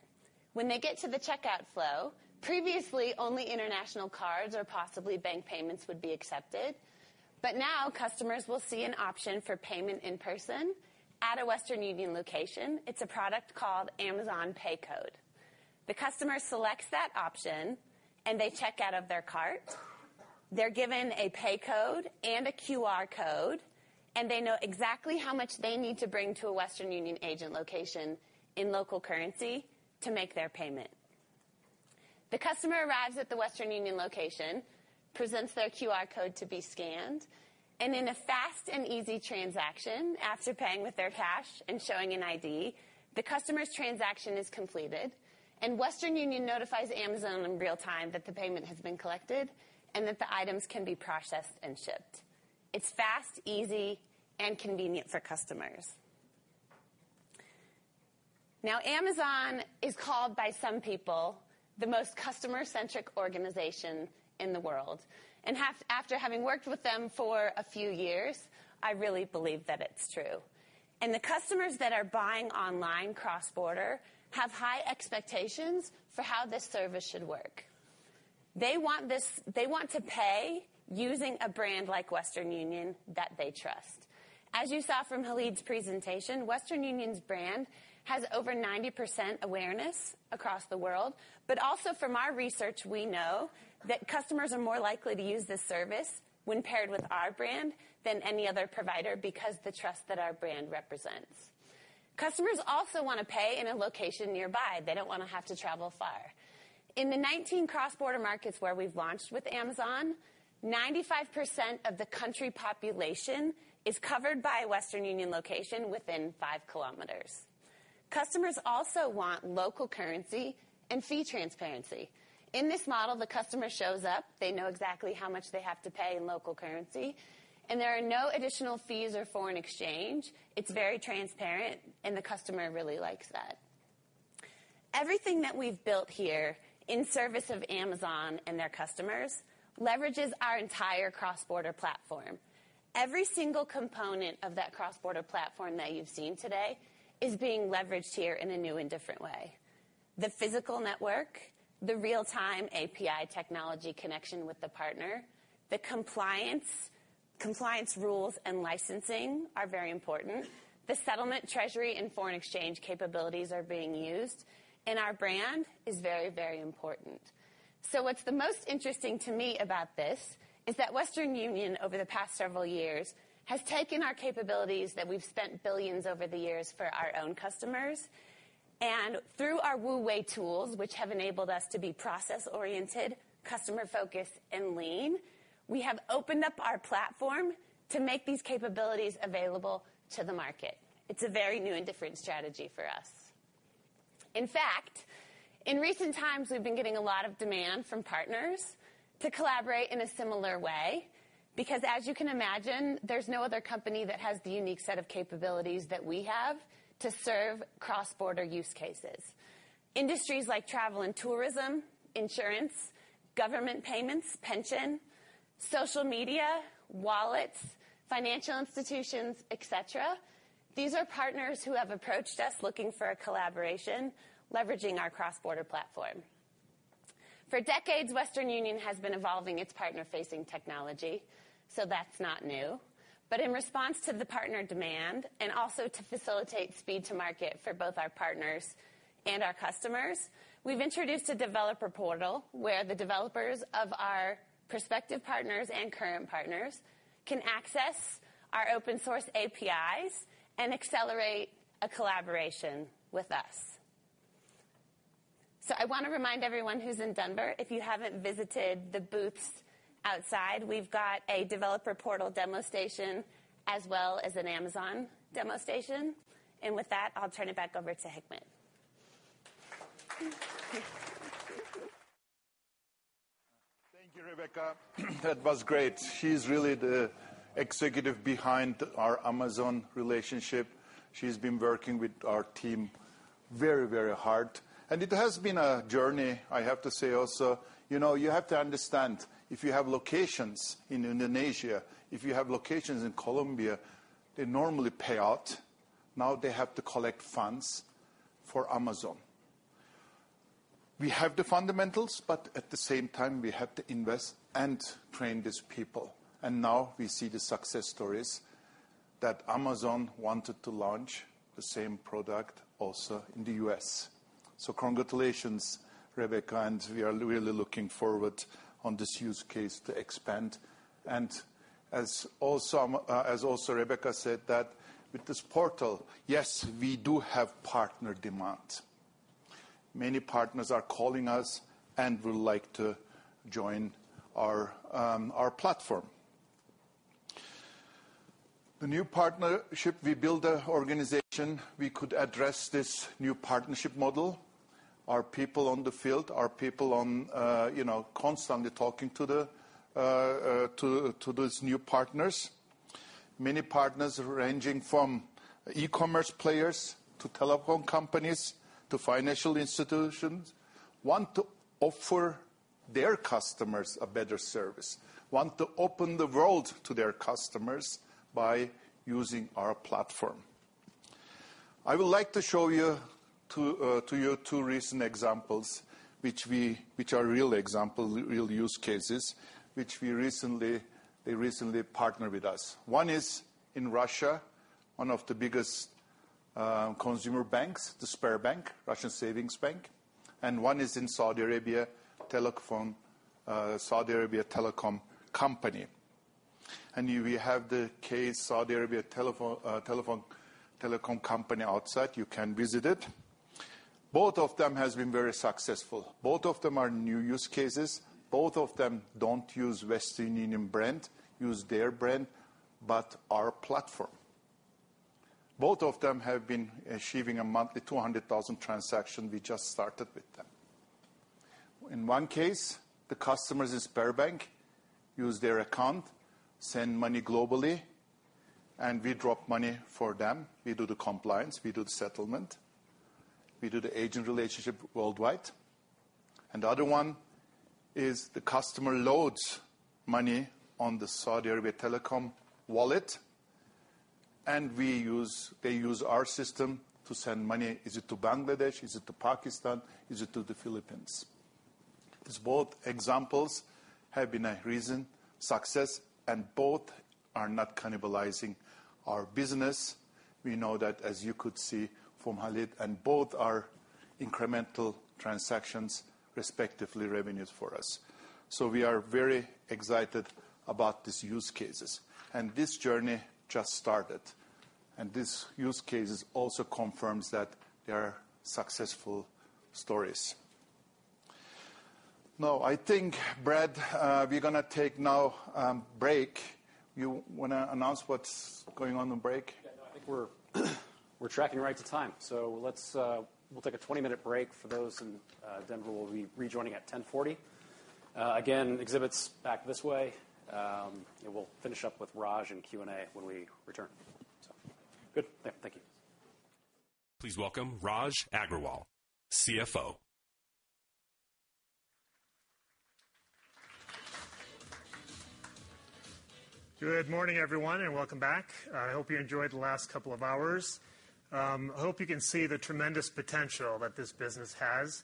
When they get to the checkout flow, previously only international cards or possibly bank payments would be accepted, but now customers will see an option for payment in person at a Western Union location. It's a product called Amazon PayCode. The customer selects that option and they check out of their cart. They're given a pay code and a QR code, and they know exactly how much they need to bring to a Western Union agent location in local currency to make their payment. The customer arrives at the Western Union location, presents their QR code to be scanned, and in a fast and easy transaction, after paying with their cash and showing an ID, the customer's transaction is completed and Western Union notifies Amazon in real time that the payment has been collected and that the items can be processed and shipped. It's fast, easy and convenient for customers. Now, Amazon is called by some people, the most customer-centric organization in the world, and after having worked with them for a few years, I really believe that it's true. The customers that are buying online cross-border have high expectations for how this service should work. They want to pay using a brand like Western Union that they trust. As you saw from Khalid's presentation, Western Union's brand has over 90% awareness across the world. Also from our research, we know that customers are more likely to use this service when paired with our brand than any other provider, because the trust that our brand represents. Customers also want to pay in a location nearby. They don't want to have to travel far. In the 19 cross-border markets where we've launched with Amazon, 95% of the country population is covered by a Western Union location within five kilometers. Customers also want local currency and fee transparency. In this model, the customer shows up, they know exactly how much they have to pay in local currency, and there are no additional fees or foreign exchange. It's very transparent and the customer really likes that. Everything that we've built here in service of Amazon and their customers leverages our entire cross-border platform. Every single component of that cross-border platform that you've seen today is being leveraged here in a new and different way. The physical network, the real-time API technology connection with the partner, the compliance rules and licensing are very important. The settlement treasury and foreign exchange capabilities are being used, and our brand is very important. What's the most interesting to me about this is that Western Union, over the past several years, has taken our capabilities that we've spent $billions over the years for our own customers, and through our WU Way tools, which have enabled us to be process-oriented, customer-focused, and lean, we have opened up our platform to make these capabilities available to the market. It's a very new and different strategy for us. In fact, in recent times, we've been getting a lot of demand from partners to collaborate in a similar way because as you can imagine, there's no other company that has the unique set of capabilities that we have to serve cross-border use cases. Industries like travel and tourism, insurance, government payments, pension, social media, wallets, Financial Institutions, et cetera. These are partners who have approached us looking for a collaboration leveraging our cross-border platform. For decades, Western Union has been evolving its partner-facing technology, that's not new. In response to the partner demand and also to facilitate speed to market for both our partners and our customers, we've introduced a developer portal where the developers of our prospective partners and current partners can access our open source APIs and accelerate a collaboration with us. I want to remind everyone who's in Denver, if you haven't visited the booths outside, we've got a developer portal demo station as well as an Amazon demo station. With that, I'll turn it back over to Hikmet. Thank you, Rebecca. That was great. She's really the executive behind our Amazon relationship. She's been working with our team very hard. It has been a journey, I have to say also. You have to understand, if you have locations in Indonesia, if you have locations in Colombia, they normally pay out. Now they have to collect funds for Amazon. We have the fundamentals, but at the same time, we have to invest and train these people. Now we see the success stories that Amazon wanted to launch the same product also in the U.S. Congratulations, Rebecca, and we are really looking forward on this use case to expand. As also Rebecca said that with this portal, yes, we do have partner demand. Many partners are calling us and would like to join our platform. The new partnership, we build an organization. We could address this new partnership model. Our people on the field, our people constantly talking to those new partners. Many partners ranging from e-commerce players to telephone companies, to financial institutions, want to offer their customers a better service, want to open the world to their customers by using our platform. I would like to show you two recent examples, which are real examples, real use cases, which they recently partner with us. One is in Russia, one of the biggest consumer banks, the Sberbank, Russian Savings Bank. One is in Saudi Arabia Telecom Company. We have the case, Saudi Arabia Telecom Company outside. You can visit it. Both of them has been very successful. Both of them are new use cases. Both of them don't use Western Union brand, use their brand, but our platform. Both of them have been achieving a monthly 200,000 transaction. We just started with them. In one case, the customers in Sberbank use their account, send money globally, and we drop money for them. We do the compliance. We do the settlement. We do the agent relationship worldwide. The other one is the customer loads money on the Saudi Arabia telecom wallet, and they use our system to send money, is it to Bangladesh, is it to Pakistan, is it to the Philippines? These both examples have been a recent success and both are not cannibalizing our business. We know that as you could see from Khalid, both are incremental transactions, respectively revenues for us. We are very excited about these use cases. This journey just started. These use cases also confirms that they are successful stories. Now, I think, Brad, we're going to take now a break. You want to announce what's going on in break? Yeah, I think we're tracking right to time. We'll take a 20-minute break for those in Denver. We'll be rejoining at 10:40. Again, exhibits back this way, and we'll finish up with Raj in Q&A when we return. Good. Yeah, thank you. Please welcome Raj Agrawal, CFO. Good morning, everyone, and welcome back. I hope you enjoyed the last couple of hours. I hope you can see the tremendous potential that this business has.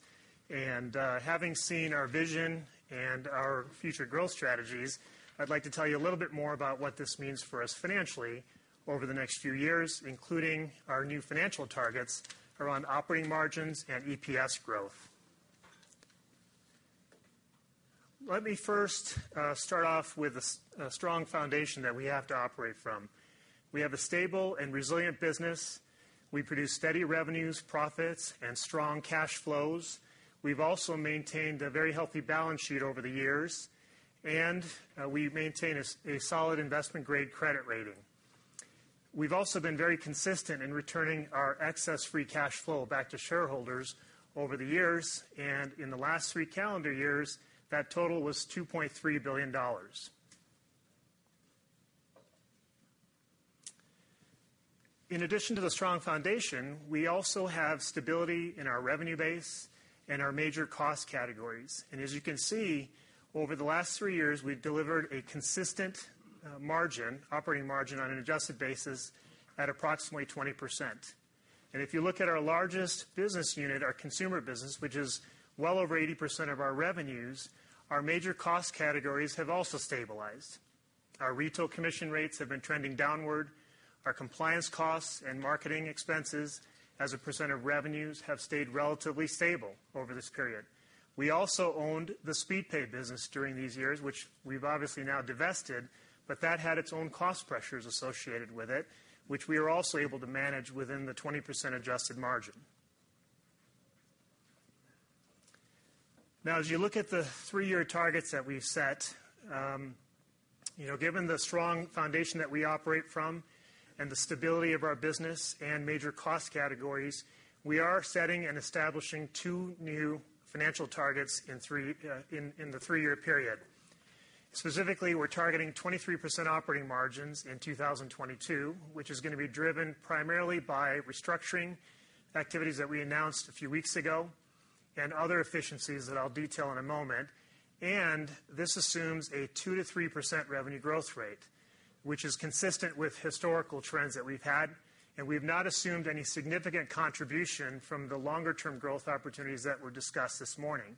Having seen our vision and our future growth strategies, I'd like to tell you a little bit more about what this means for us financially over the next few years, including our new financial targets around operating margins and EPS growth. Let me first start off with a strong foundation that we have to operate from. We have a stable and resilient business. We produce steady revenues, profits, and strong cash flows. We've also maintained a very healthy balance sheet over the years, and we maintain a solid investment-grade credit rating. We've also been very consistent in returning our excess free cash flow back to shareholders over the years. In the last three calendar years, that total was $2.3 billion. In addition to the strong foundation, we also have stability in our revenue base and our major cost categories. As you can see, over the last three years, we've delivered a consistent margin, operating margin on an adjusted basis at approximately 20%. If you look at our largest business unit, our consumer business, which is well over 80% of our revenues, our major cost categories have also stabilized. Our retail commission rates have been trending downward. Our compliance costs and marketing expenses as a % of revenues have stayed relatively stable over this period. We also owned the Speedpay business during these years, which we've obviously now divested, but that had its own cost pressures associated with it, which we were also able to manage within the 20% adjusted margin. As you look at the three-year targets that we've set, given the strong foundation that we operate from and the stability of our business and major cost categories, we are setting and establishing two new financial targets in the three-year period. Specifically, we're targeting 23% operating margins in 2022, which is going to be driven primarily by restructuring activities that we announced a few weeks ago and other efficiencies that I'll detail in a moment. This assumes a 2%-3% revenue growth rate, which is consistent with historical trends that we've had, and we've not assumed any significant contribution from the longer-term growth opportunities that were discussed this morning.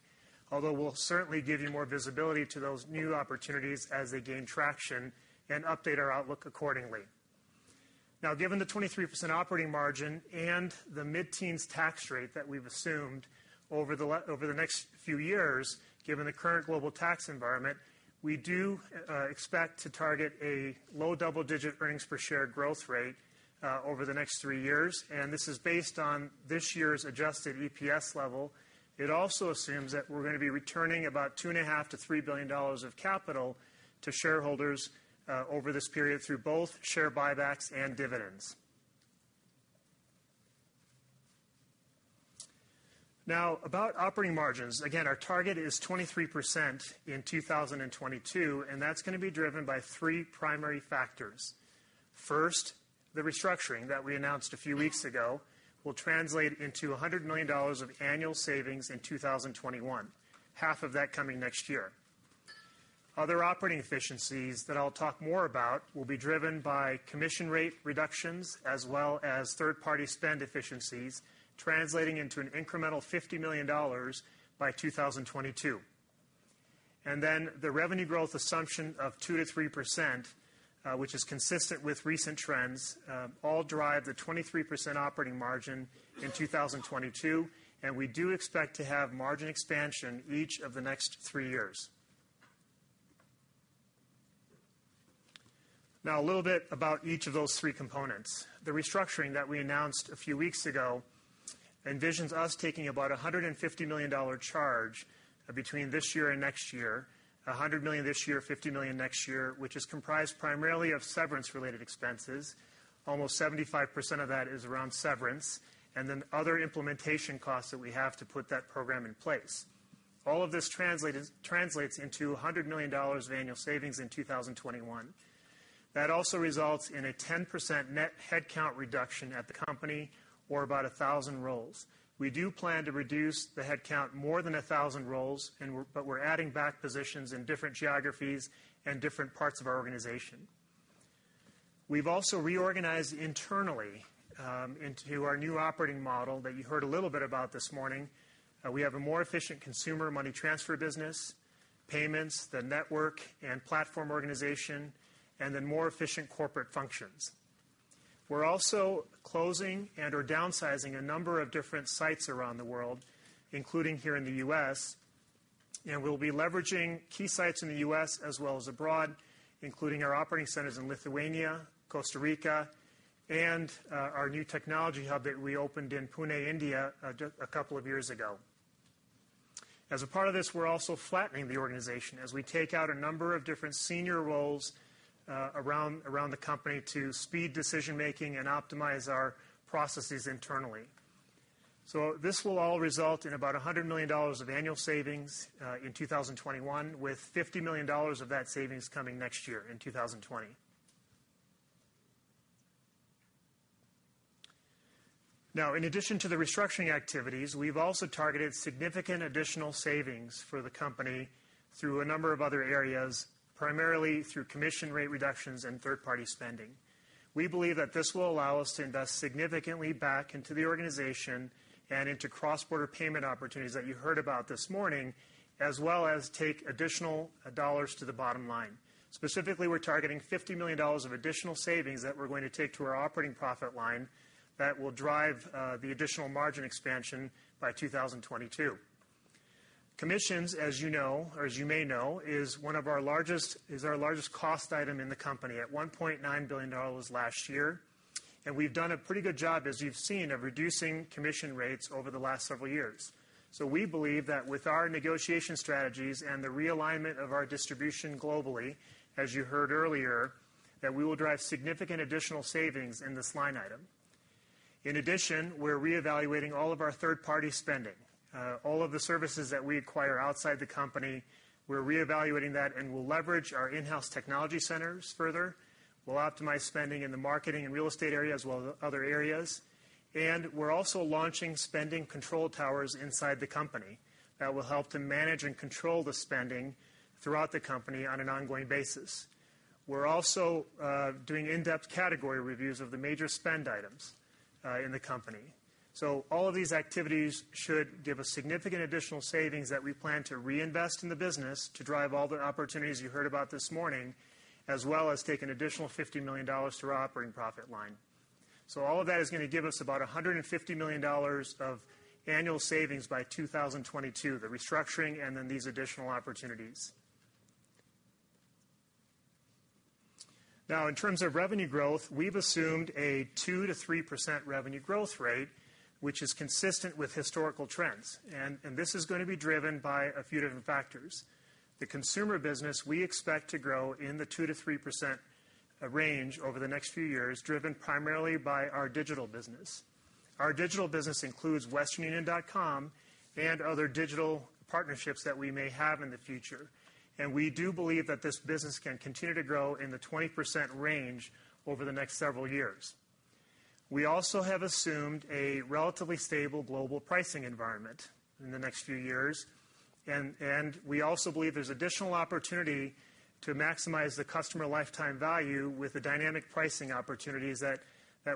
We'll certainly give you more visibility to those new opportunities as they gain traction and update our outlook accordingly. Given the 23% operating margin and the mid-teens tax rate that we've assumed over the next few years, given the current global tax environment, we do expect to target a low double-digit earnings per share growth rate over the next three years. This is based on this year's adjusted EPS level. It also assumes that we're going to be returning about $2.5 billion-$3 billion of capital to shareholders over this period through both share buybacks and dividends. About operating margins, again, our target is 23% in 2022, and that's going to be driven by three primary factors. First, the restructuring that we announced a few weeks ago will translate into $100 million of annual savings in 2021, half of that coming next year. Other operating efficiencies that I'll talk more about will be driven by commission rate reductions, as well as third-party spend efficiencies, translating into an incremental $50 million by 2022. The revenue growth assumption of 2%-3%, which is consistent with recent trends, all drive the 23% operating margin in 2022, and we do expect to have margin expansion each of the next three years. A little bit about each of those three components. The restructuring that we announced a few weeks ago envisions us taking about $150 million charge between this year and next year, $100 million this year, $50 million next year, which is comprised primarily of severance-related expenses. Almost 75% of that is around severance and then other implementation costs that we have to put that program in place. All of this translates into $100 million of annual savings in 2021. That also results in a 10% net headcount reduction at the company or about 1,000 roles. We do plan to reduce the headcount more than 1,000 roles. We're adding back positions in different geographies and different parts of our organization. We've also reorganized internally into our new operating model that you heard a little bit about this morning. We have a more efficient Consumer Money Transfer business, payments, the network and platform organization, more efficient corporate functions. We're also closing and/or downsizing a number of different sites around the world, including here in the U.S. We'll be leveraging key sites in the U.S. as well as abroad, including our operating centers in Lithuania, Costa Rica, and our new technology hub that reopened in Pune, India a couple of years ago. As a part of this, we're also flattening the organization as we take out a number of different senior roles around the company to speed decision-making and optimize our processes internally. This will all result in about $100 million of annual savings in 2021, with $50 million of that savings coming next year in 2020. In addition to the restructuring activities, we've also targeted significant additional savings for the company through a number of other areas, primarily through commission rate reductions and third-party spending. We believe that this will allow us to invest significantly back into the organization and into cross-border payment opportunities that you heard about this morning, as well as take additional dollars to the bottom line. Specifically, we're targeting $50 million of additional savings that we're going to take to our operating profit line that will drive the additional margin expansion by 2022. Commissions, as you may know, is our largest cost item in the company at $1.9 billion last year. We've done a pretty good job, as you've seen, of reducing commission rates over the last several years. We believe that with our negotiation strategies and the realignment of our distribution globally, as you heard earlier, that we will drive significant additional savings in this line item. In addition, we're reevaluating all of our third-party spending. All of the services that we acquire outside the company, we're reevaluating that and will leverage our in-house technology centers further. We'll optimize spending in the marketing and real estate area, as well as other areas. We're also launching spending control towers inside the company that will help to manage and control the spending throughout the company on an ongoing basis. We're also doing in-depth category reviews of the major spend items in the company. All of these activities should give us significant additional savings that we plan to reinvest in the business to drive all the opportunities you heard about this morning, as well as take an additional $50 million to our operating profit line. All of that is going to give us about $150 million of annual savings by 2022, the restructuring and then these additional opportunities. Now, in terms of revenue growth, we've assumed a 2%-3% revenue growth rate, which is consistent with historical trends. This is going to be driven by a few different factors. The consumer business we expect to grow in the 2%-3% range over the next few years, driven primarily by our digital business. Our digital business includes westernunion.com and other digital partnerships that we may have in the future. We do believe that this business can continue to grow in the 20% range over the next several years. We also have assumed a relatively stable global pricing environment in the next few years. We also believe there's additional opportunity to maximize the customer lifetime value with the dynamic pricing opportunities that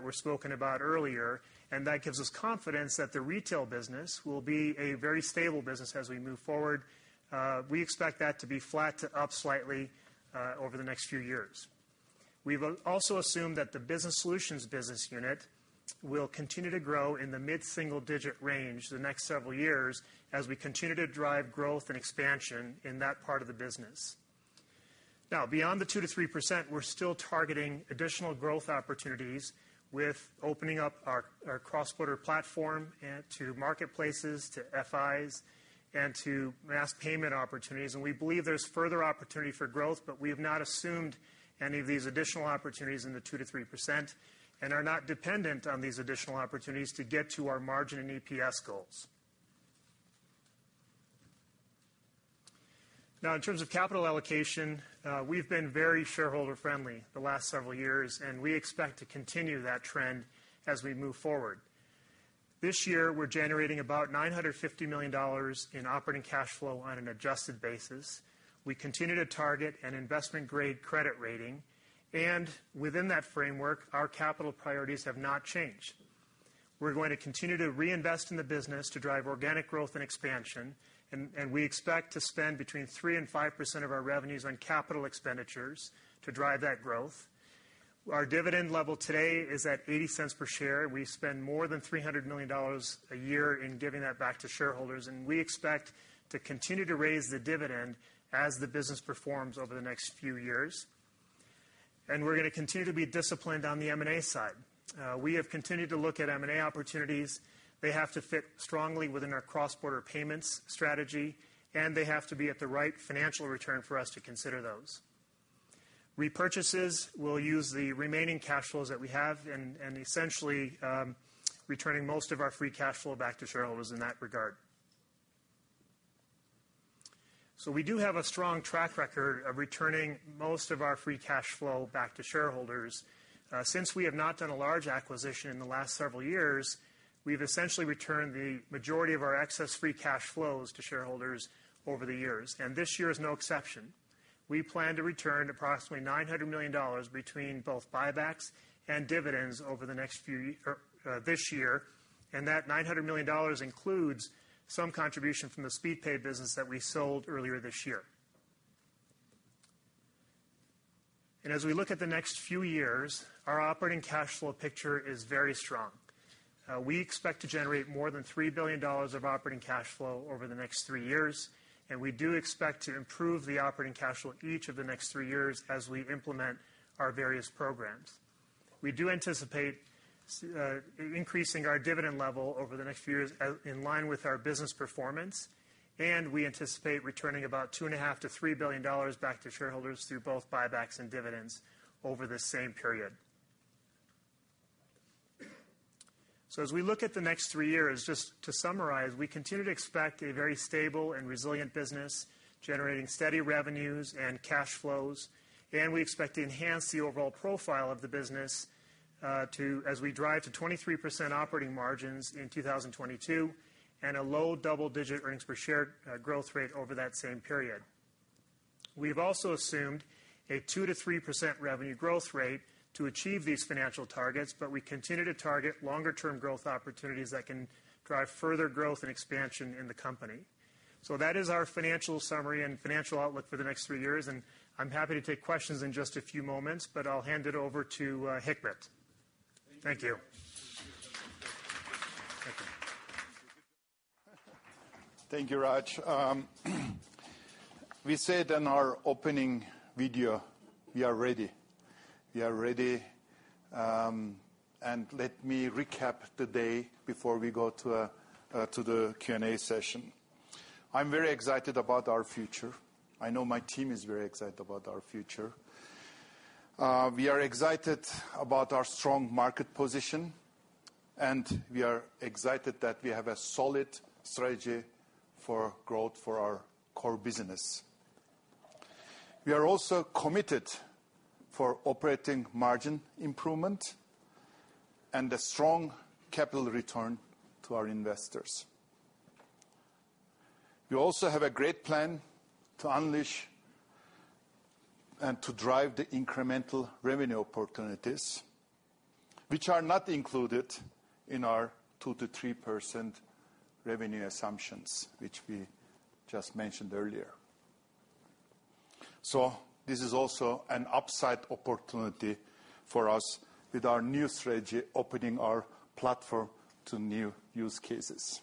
were spoken about earlier. That gives us confidence that the retail business will be a very stable business as we move forward. We expect that to be flat to up slightly over the next few years. We've also assumed that the business solutions business unit will continue to grow in the mid-single digit range the next several years as we continue to drive growth and expansion in that part of the business. Beyond the 2%-3%, we're still targeting additional growth opportunities with opening up our cross-border platform to marketplaces, to FIs, and to mass payment opportunities, and we believe there's further opportunity for growth, but we have not assumed any of these additional opportunities in the 2%-3% and are not dependent on these additional opportunities to get to our margin and EPS goals. In terms of capital allocation, we've been very shareholder-friendly the last several years, and we expect to continue that trend as we move forward. This year, we're generating about $950 million in operating cash flow on an adjusted basis. We continue to target an investment-grade credit rating, and within that framework, our capital priorities have not changed. We're going to continue to reinvest in the business to drive organic growth and expansion. We expect to spend between 3% and 5% of our revenues on capital expenditures to drive that growth. Our dividend level today is at $0.80 per share. We spend more than $300 million a year in giving that back to shareholders. We expect to continue to raise the dividend as the business performs over the next few years. We're going to continue to be disciplined on the M&A side. We have continued to look at M&A opportunities. They have to fit strongly within our cross-border payments strategy, and they have to be at the right financial return for us to consider those. Repurchases, we'll use the remaining cash flows that we have, and essentially, returning most of our free cash flow back to shareholders in that regard. We do have a strong track record of returning most of our free cash flow back to shareholders. Since we have not done a large acquisition in the last several years, we've essentially returned the majority of our excess free cash flows to shareholders over the years. This year is no exception. We plan to return approximately $900 million between both buybacks and dividends over this year, and that $900 million includes some contribution from the Speedpay business that we sold earlier this year. As we look at the next few years, our operating cash flow picture is very strong. We expect to generate more than $3 billion of operating cash flow over the next three years, and we do expect to improve the operating cash flow each of the next three years as we implement our various programs. We do anticipate increasing our dividend level over the next few years in line with our business performance. We anticipate returning about $2.5 billion-$3 billion back to shareholders through both buybacks and dividends over the same period. As we look at the next three years, just to summarize, we continue to expect a very stable and resilient business, generating steady revenues and cash flows. We expect to enhance the overall profile of the business as we drive to 23% operating margins in 2022, and a low double-digit earnings per share growth rate over that same period. We've also assumed a 2%-3% revenue growth rate to achieve these financial targets. We continue to target longer-term growth opportunities that can drive further growth and expansion in the company. That is our financial summary and financial outlook for the next three years, and I'm happy to take questions in just a few moments, but I'll hand it over to Hikmet. Thank you. Thank you. Thank you, Raj. We said in our opening video, we are ready. We are ready. Let me recap the day before we go to the Q&A session. I'm very excited about our future. I know my team is very excited about our future. We are excited about our strong market position, and we are excited that we have a solid strategy for growth for our core business. We are also committed for operating margin improvement and a strong capital return to our investors. We also have a great plan to unleash and to drive the incremental revenue opportunities, which are not included in our 2%-3% revenue assumptions, which we just mentioned earlier. This is also an upside opportunity for us with our new strategy, opening our platform to new use cases.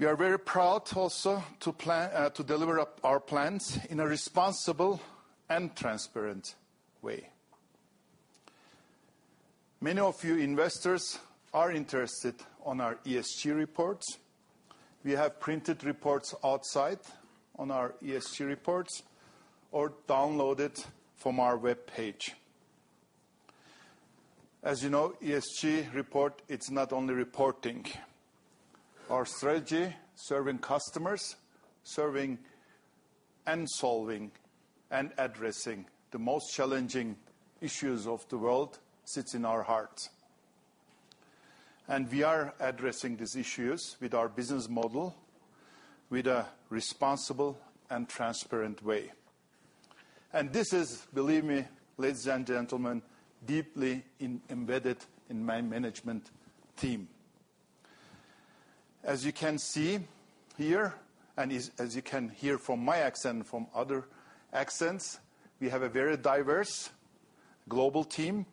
We are very proud also to deliver our plans in a responsible and transparent way. Many of you investors are interested on our ESG reports. We have printed reports outside on our ESG reports or download it from our webpage. As you know, ESG report, it's not only reporting. Our strategy, serving customers, serving and solving and addressing the most challenging issues of the world sits in our hearts. We are addressing these issues with our business model with a responsible and transparent way. This is, believe me, ladies and gentlemen, deeply embedded in my management team. As you can see here, and as you can hear from my accent and from other accents, we have a very diverse global team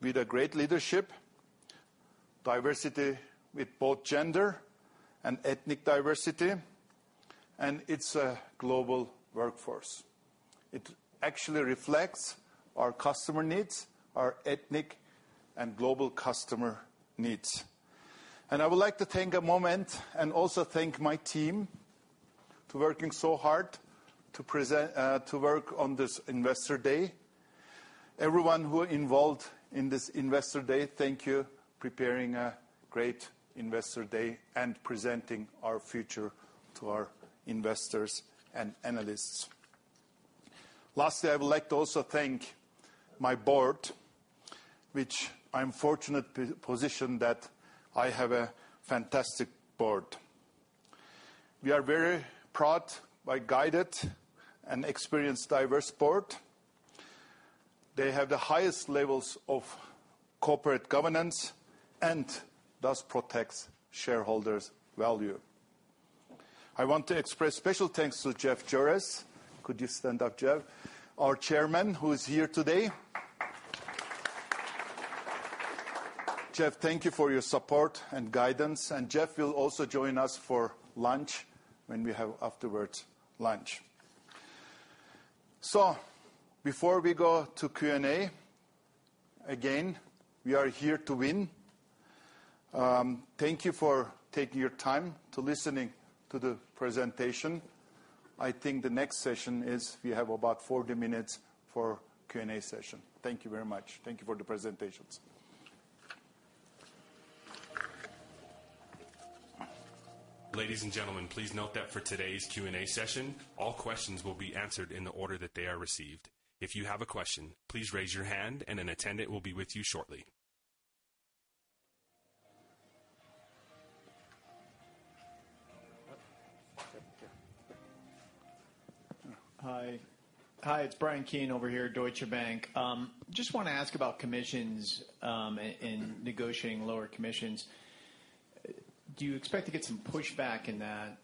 with a great leadership, diversity with both gender and ethnic diversity, and it's a global workforce. It actually reflects our customer needs, our ethnic and global customer needs. I would like to take a moment and also thank my team to working so hard to work on this investor day. Everyone who involved in this investor day, thank you preparing a great investor day and presenting our future to our investors and analysts. I would like to also thank my board, which I'm fortunate position that I have a fantastic board. We are very proud by guided and experienced diverse board. They have the highest levels of corporate governance and thus protects shareholders value. I want to express special thanks to Jeff Joerres. Could you stand up, Jeff? Our chairman who is here today. Jeff, thank you for your support and guidance. Jeff will also join us for lunch when we have afterwards lunch. Before we go to Q&A, again, we are here to win. Thank you for taking your time to listening to the presentation. I think the next session is we have about 40 minutes for Q&A session. Thank you very much. Thank you for the presentations. Ladies and gentlemen, please note that for today's Q&A session, all questions will be answered in the order that they are received. If you have a question, please raise your hand and an attendant will be with you shortly. Hi. It's Bryan Keane over here, Deutsche Bank. Just want to ask about commissions, and negotiating lower commissions. Do you expect to get some pushback in that?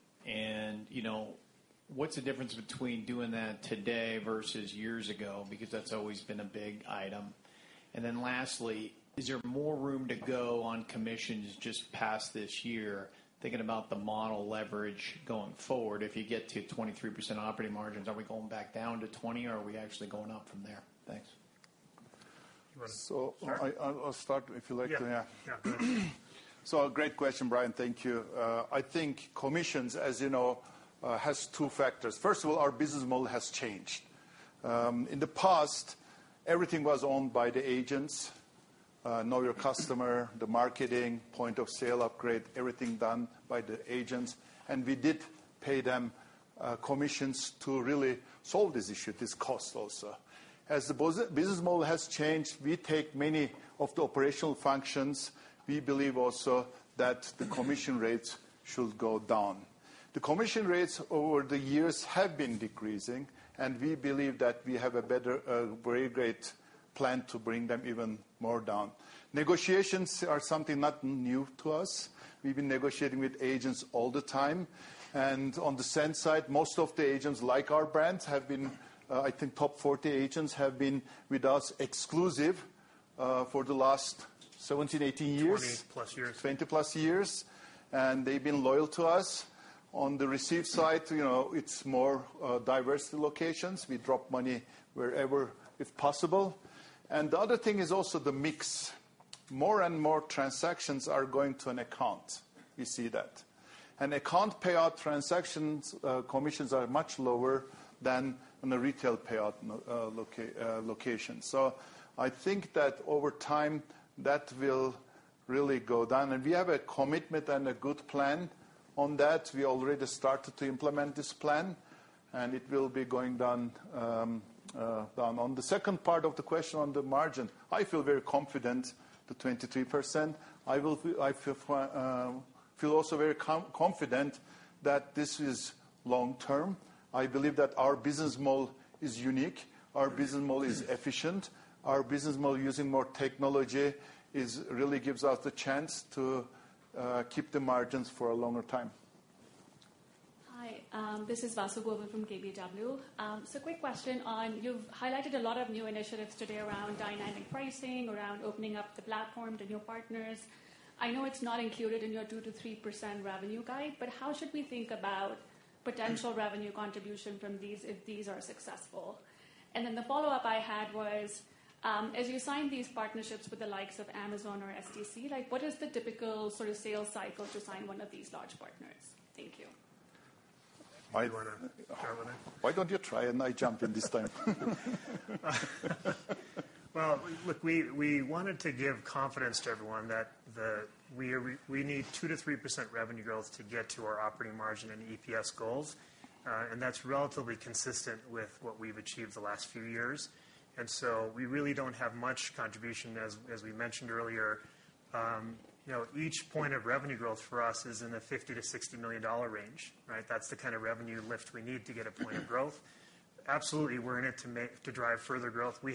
What's the difference between doing that today versus years ago? That's always been a big item. Lastly, is there more room to go on commissions just past this year, thinking about the model leverage going forward, if you get to 23% operating margins, are we going back down to 20% or are we actually going up from there? Thanks. I'll start if you like. Yeah. Great question, Bryan. Thank you. I think commissions, as you know, has two factors. First of all, our business model has changed. In the past, everything was owned by the agents. Know your customer, the marketing, point of sale upgrade, everything done by the agents. We did pay them commissions to really solve this issue, this cost also. As the business model has changed, we take many of the operational functions. We believe also that the commission rates should go down. The commission rates over the years have been decreasing, and we believe that we have a very great plan to bring them even more down. Negotiations are something not new to us. We've been negotiating with agents all the time. On the send side, most of the agents like our brands have been, I think top 40 agents have been with us exclusive for the last 17, 18 years. 20-plus years. 20-plus years. They've been loyal to us. On the receive side, it's more diverse locations. We drop money wherever if possible. The other thing is also the mix. More and more transactions are going to an account. We see that. Account payout transactions, commissions are much lower than on a retail payout location. I think that over time, that will really go down. We have a commitment and a good plan on that. We already started to implement this plan, and it will be going down. On the second part of the question on the margin, I feel very confident the 23%. I feel also very confident that this is long-term. I believe that our business model is unique, our business model is efficient. Our business model using more technology really gives us the chance to keep the margins for a longer time. Hi, this is Vasundhara Govil from KBW. Quick question on, you've highlighted a lot of new initiatives today around dynamic pricing, around opening up the platform to new partners. I know it's not included in your 2%-3% revenue guide, but how should we think about potential revenue contribution from these, if these are successful? The follow-up I had was, as you sign these partnerships with the likes of Amazon or stc, what is the typical sort of sales cycle to sign one of these large partners? Thank you. You want to jump on in? Why don't you try, and I jump in this time? Well, look, we wanted to give confidence to everyone that we need 2%-3% revenue growth to get to our operating margin and EPS goals. That's relatively consistent with what we've achieved the last few years. So we really don't have much contribution as we mentioned earlier. Each point of revenue growth for us is in the $50 million-$60 million range, right? That's the kind of revenue lift we need to get a point of growth. Absolutely, we're in it to drive further growth. We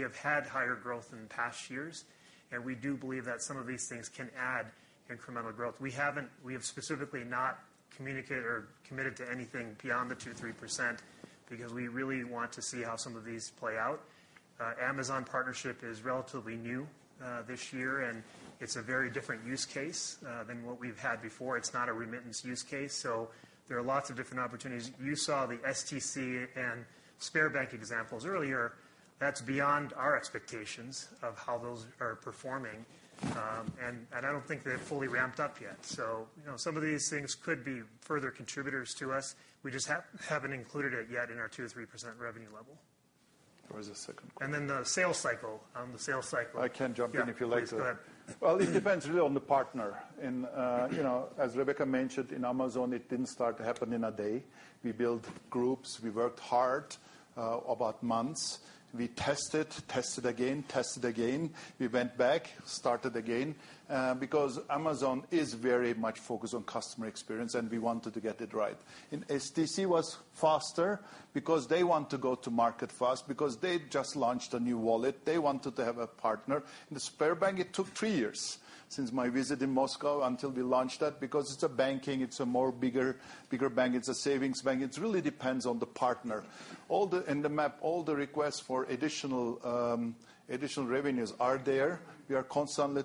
have had higher growth in past years, and we do believe that some of these things can add incremental growth. We have specifically not communicated or committed to anything beyond the 2%-3% because we really want to see how some of these play out. Amazon partnership is relatively new this year, and it's a very different use case than what we've had before. It's not a remittance use case, so there are lots of different opportunities. You saw the stc and Sberbank examples earlier. That's beyond our expectations of how those are performing. I don't think they've fully ramped up yet. Some of these things could be further contributors to us. We just haven't included it yet in our 2 or 3% revenue level. Where is the second question? The sales cycle. On the sales cycle. I can jump in if you like to. Yeah. Please go ahead. Well, it depends really on the partner. As Rebecca mentioned, in Amazon, it didn't start to happen in a day. We built groups, we worked hard, about months. We tested again, we went back, started again, because Amazon is very much focused on customer experience, and we wanted to get it right. In stc was faster because they want to go to market fast because they just launched a new wallet. They wanted to have a partner. In Sberbank, it took three years since my visit in Moscow until we launched that, because it's a banking, it's a more bigger bank, it's a savings bank. It really depends on the partner. In the map, all the requests for additional revenues are there. We are constantly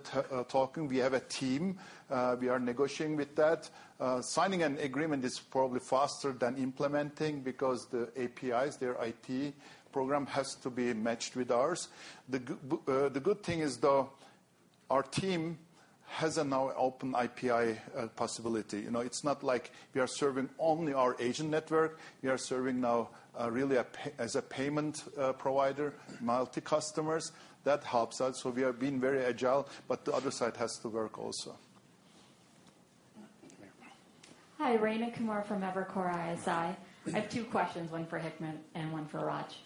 talking. We have a team. We are negotiating with that. Signing an agreement is probably faster than implementing because the APIs, their IT program has to be matched with ours. The good thing is, though, our team has now open API possibility. It's not like we are serving only our agent network. We are serving now really as a payment provider, multi customers. That helps us. We are being very agile, but the other side has to work also. Okay. Hi, Rayna Kumar from Evercore ISI. I have two questions, one for Hikmet and one for Raj.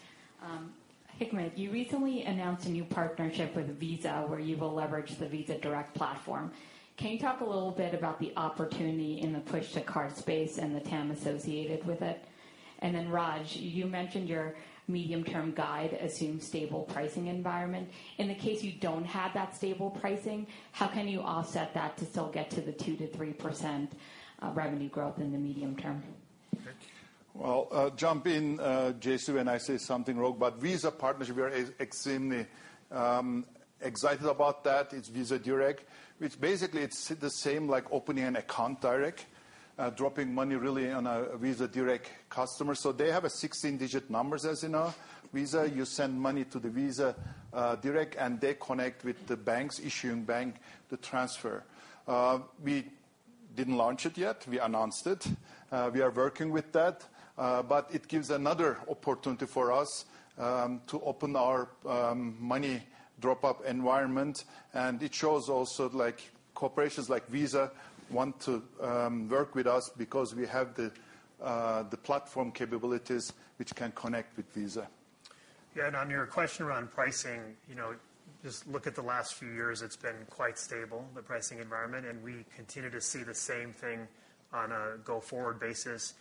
Hikmet, you recently announced a new partnership with Visa where you will leverage the Visa Direct platform. Can you talk a little bit about the opportunity in the push-to-card space and the TAM associated with it? Raj, you mentioned your medium-term guide assumed stable pricing environment. In the case you don't have that stable pricing, how can you offset that to still get to the 2%-3% revenue growth in the medium term? Well, jump in, Jasu, when I say something wrong. Visa partnership, we are extremely excited about that. It's Visa Direct, which basically it's the same like opening an account direct, dropping money really on a Visa Direct customer. They have a 16-digit numbers as in a Visa. You send money to the Visa Direct, they connect with the banks, issuing bank the transfer. We didn't launch it yet. We announced it. We are working with that. It gives another opportunity for us to open our money drop-up environment. It shows also corporations like Visa want to work with us because we have the platform capabilities which can connect with Visa. On your question around pricing, just look at the last few years. It's been quite stable, the pricing environment, and we continue to see the same thing on a go-forward basis.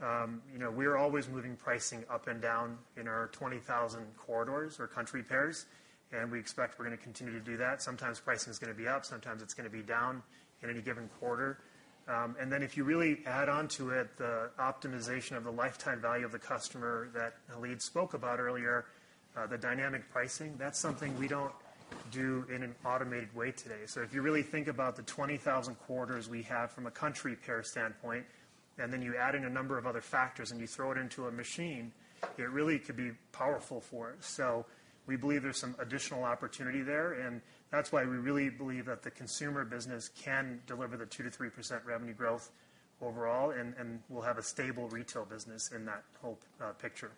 We're always moving pricing up and down in our 20,000 corridors or country pairs, and we expect we're going to continue to do that. Sometimes pricing is going to be up, sometimes it's going to be down in any given quarter. If you really add onto it the optimization of the lifetime value of the customer that Khalid spoke about earlier, the dynamic pricing, that's something we don't do in an automated way today. If you really think about the 20,000 corridors we have from a country pair standpoint, and then you add in a number of other factors, and you throw it into a machine, it really could be powerful for us. We believe there's some additional opportunity there, and that's why we really believe that the consumer business can deliver the 2% to 3% revenue growth overall, and we'll have a stable retail business in that whole picture.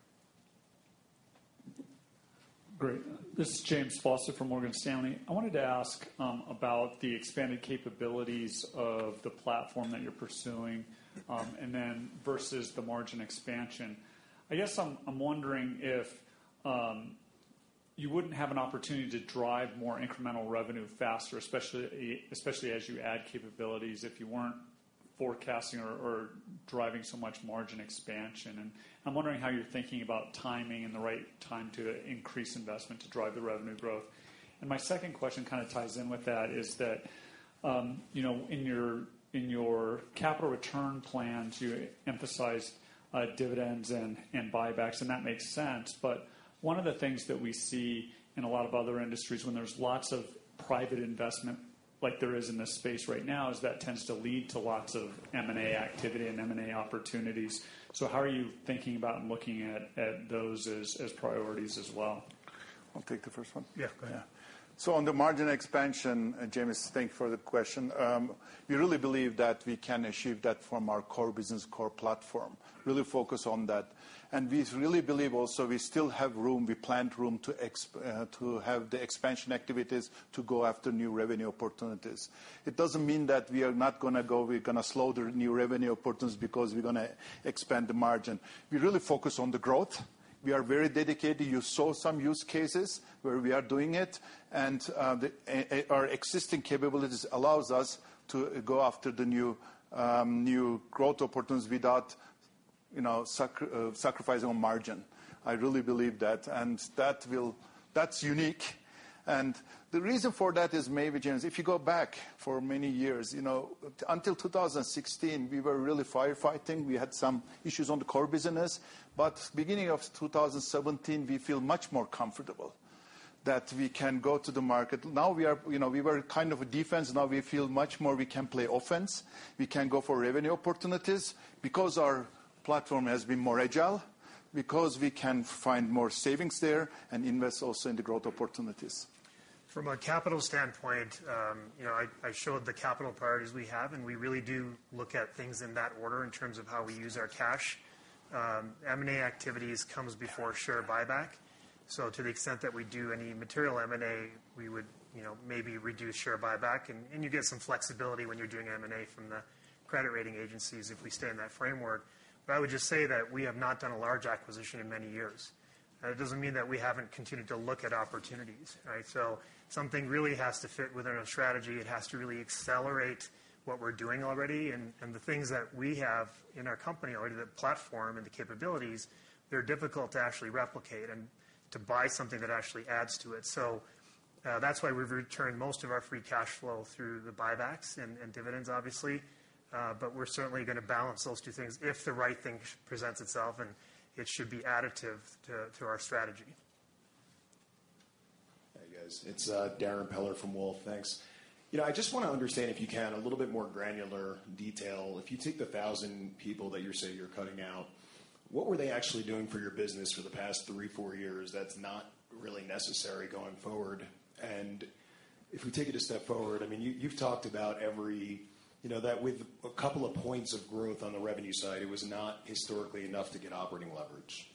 Great. This is James Faucette from Morgan Stanley. I wanted to ask about the expanded capabilities of the platform that you're pursuing, and then versus the margin expansion. I guess I'm wondering if you wouldn't have an opportunity to drive more incremental revenue faster, especially as you add capabilities if you weren't forecasting or driving so much margin expansion. I'm wondering how you're thinking about timing and the right time to increase investment to drive the revenue growth. My second question kind of ties in with that, is that in your capital return plan to emphasize dividends and buybacks, and that makes sense. One of the things that we see in a lot of other industries when there's lots of private investment like there is in this space right now, is that tends to lead to lots of M&A activity and M&A opportunities. How are you thinking about and looking at those as priorities as well? I'll take the first one. Yeah, go ahead. On the margin expansion, James, thank you for the question. We really believe that we can achieve that from our core business, core platform. Really focus on that. We really believe also we still have room, we planned room to have the expansion activities to go after new revenue opportunities. It doesn't mean that we are not going to go, we're going to slow the new revenue opportunities because we're going to expand the margin. We really focus on the growth. We are very dedicated. You saw some use cases where we are doing it, our existing capabilities allows us to go after the new growth opportunities without sacrificing on margin. I really believe that. That's unique. The reason for that is maybe, James, if you go back for many years, until 2016, we were really firefighting. We had some issues on the core business. Beginning of 2017, we feel much more comfortable that we can go to the market. Now we were kind of a defense. Now we feel much more we can play offense. We can go for revenue opportunities because our platform has been more agile, because we can find more savings there and invest also in the growth opportunities. From a capital standpoint, I showed the capital priorities we have. We really do look at things in that order in terms of how we use our cash. M&A activities comes before share buyback. To the extent that we do any material M&A, we would maybe reduce share buyback. You get some flexibility when you're doing M&A from the credit rating agencies if we stay in that framework. I would just say that we have not done a large acquisition in many years. That doesn't mean that we haven't continued to look at opportunities, right? Something really has to fit within our strategy. It has to really accelerate what we're doing already. The things that we have in our company already, the platform and the capabilities, they're difficult to actually replicate and to buy something that actually adds to it. That's why we've returned most of our free cash flow through the buybacks and dividends, obviously. We're certainly going to balance those two things if the right thing presents itself, and it should be additive to our strategy. Hi, guys. It's Darrin Peller from Wolfe. Thanks. I just want to understand, if you can, a little bit more granular detail. If you take the 1,000 people that you say you're cutting out, what were they actually doing for your business for the past three, four years that's not really necessary going forward? If we take it a step forward, you've talked about that with a couple of points of growth on the revenue side, it was not historically enough to get operating leverage.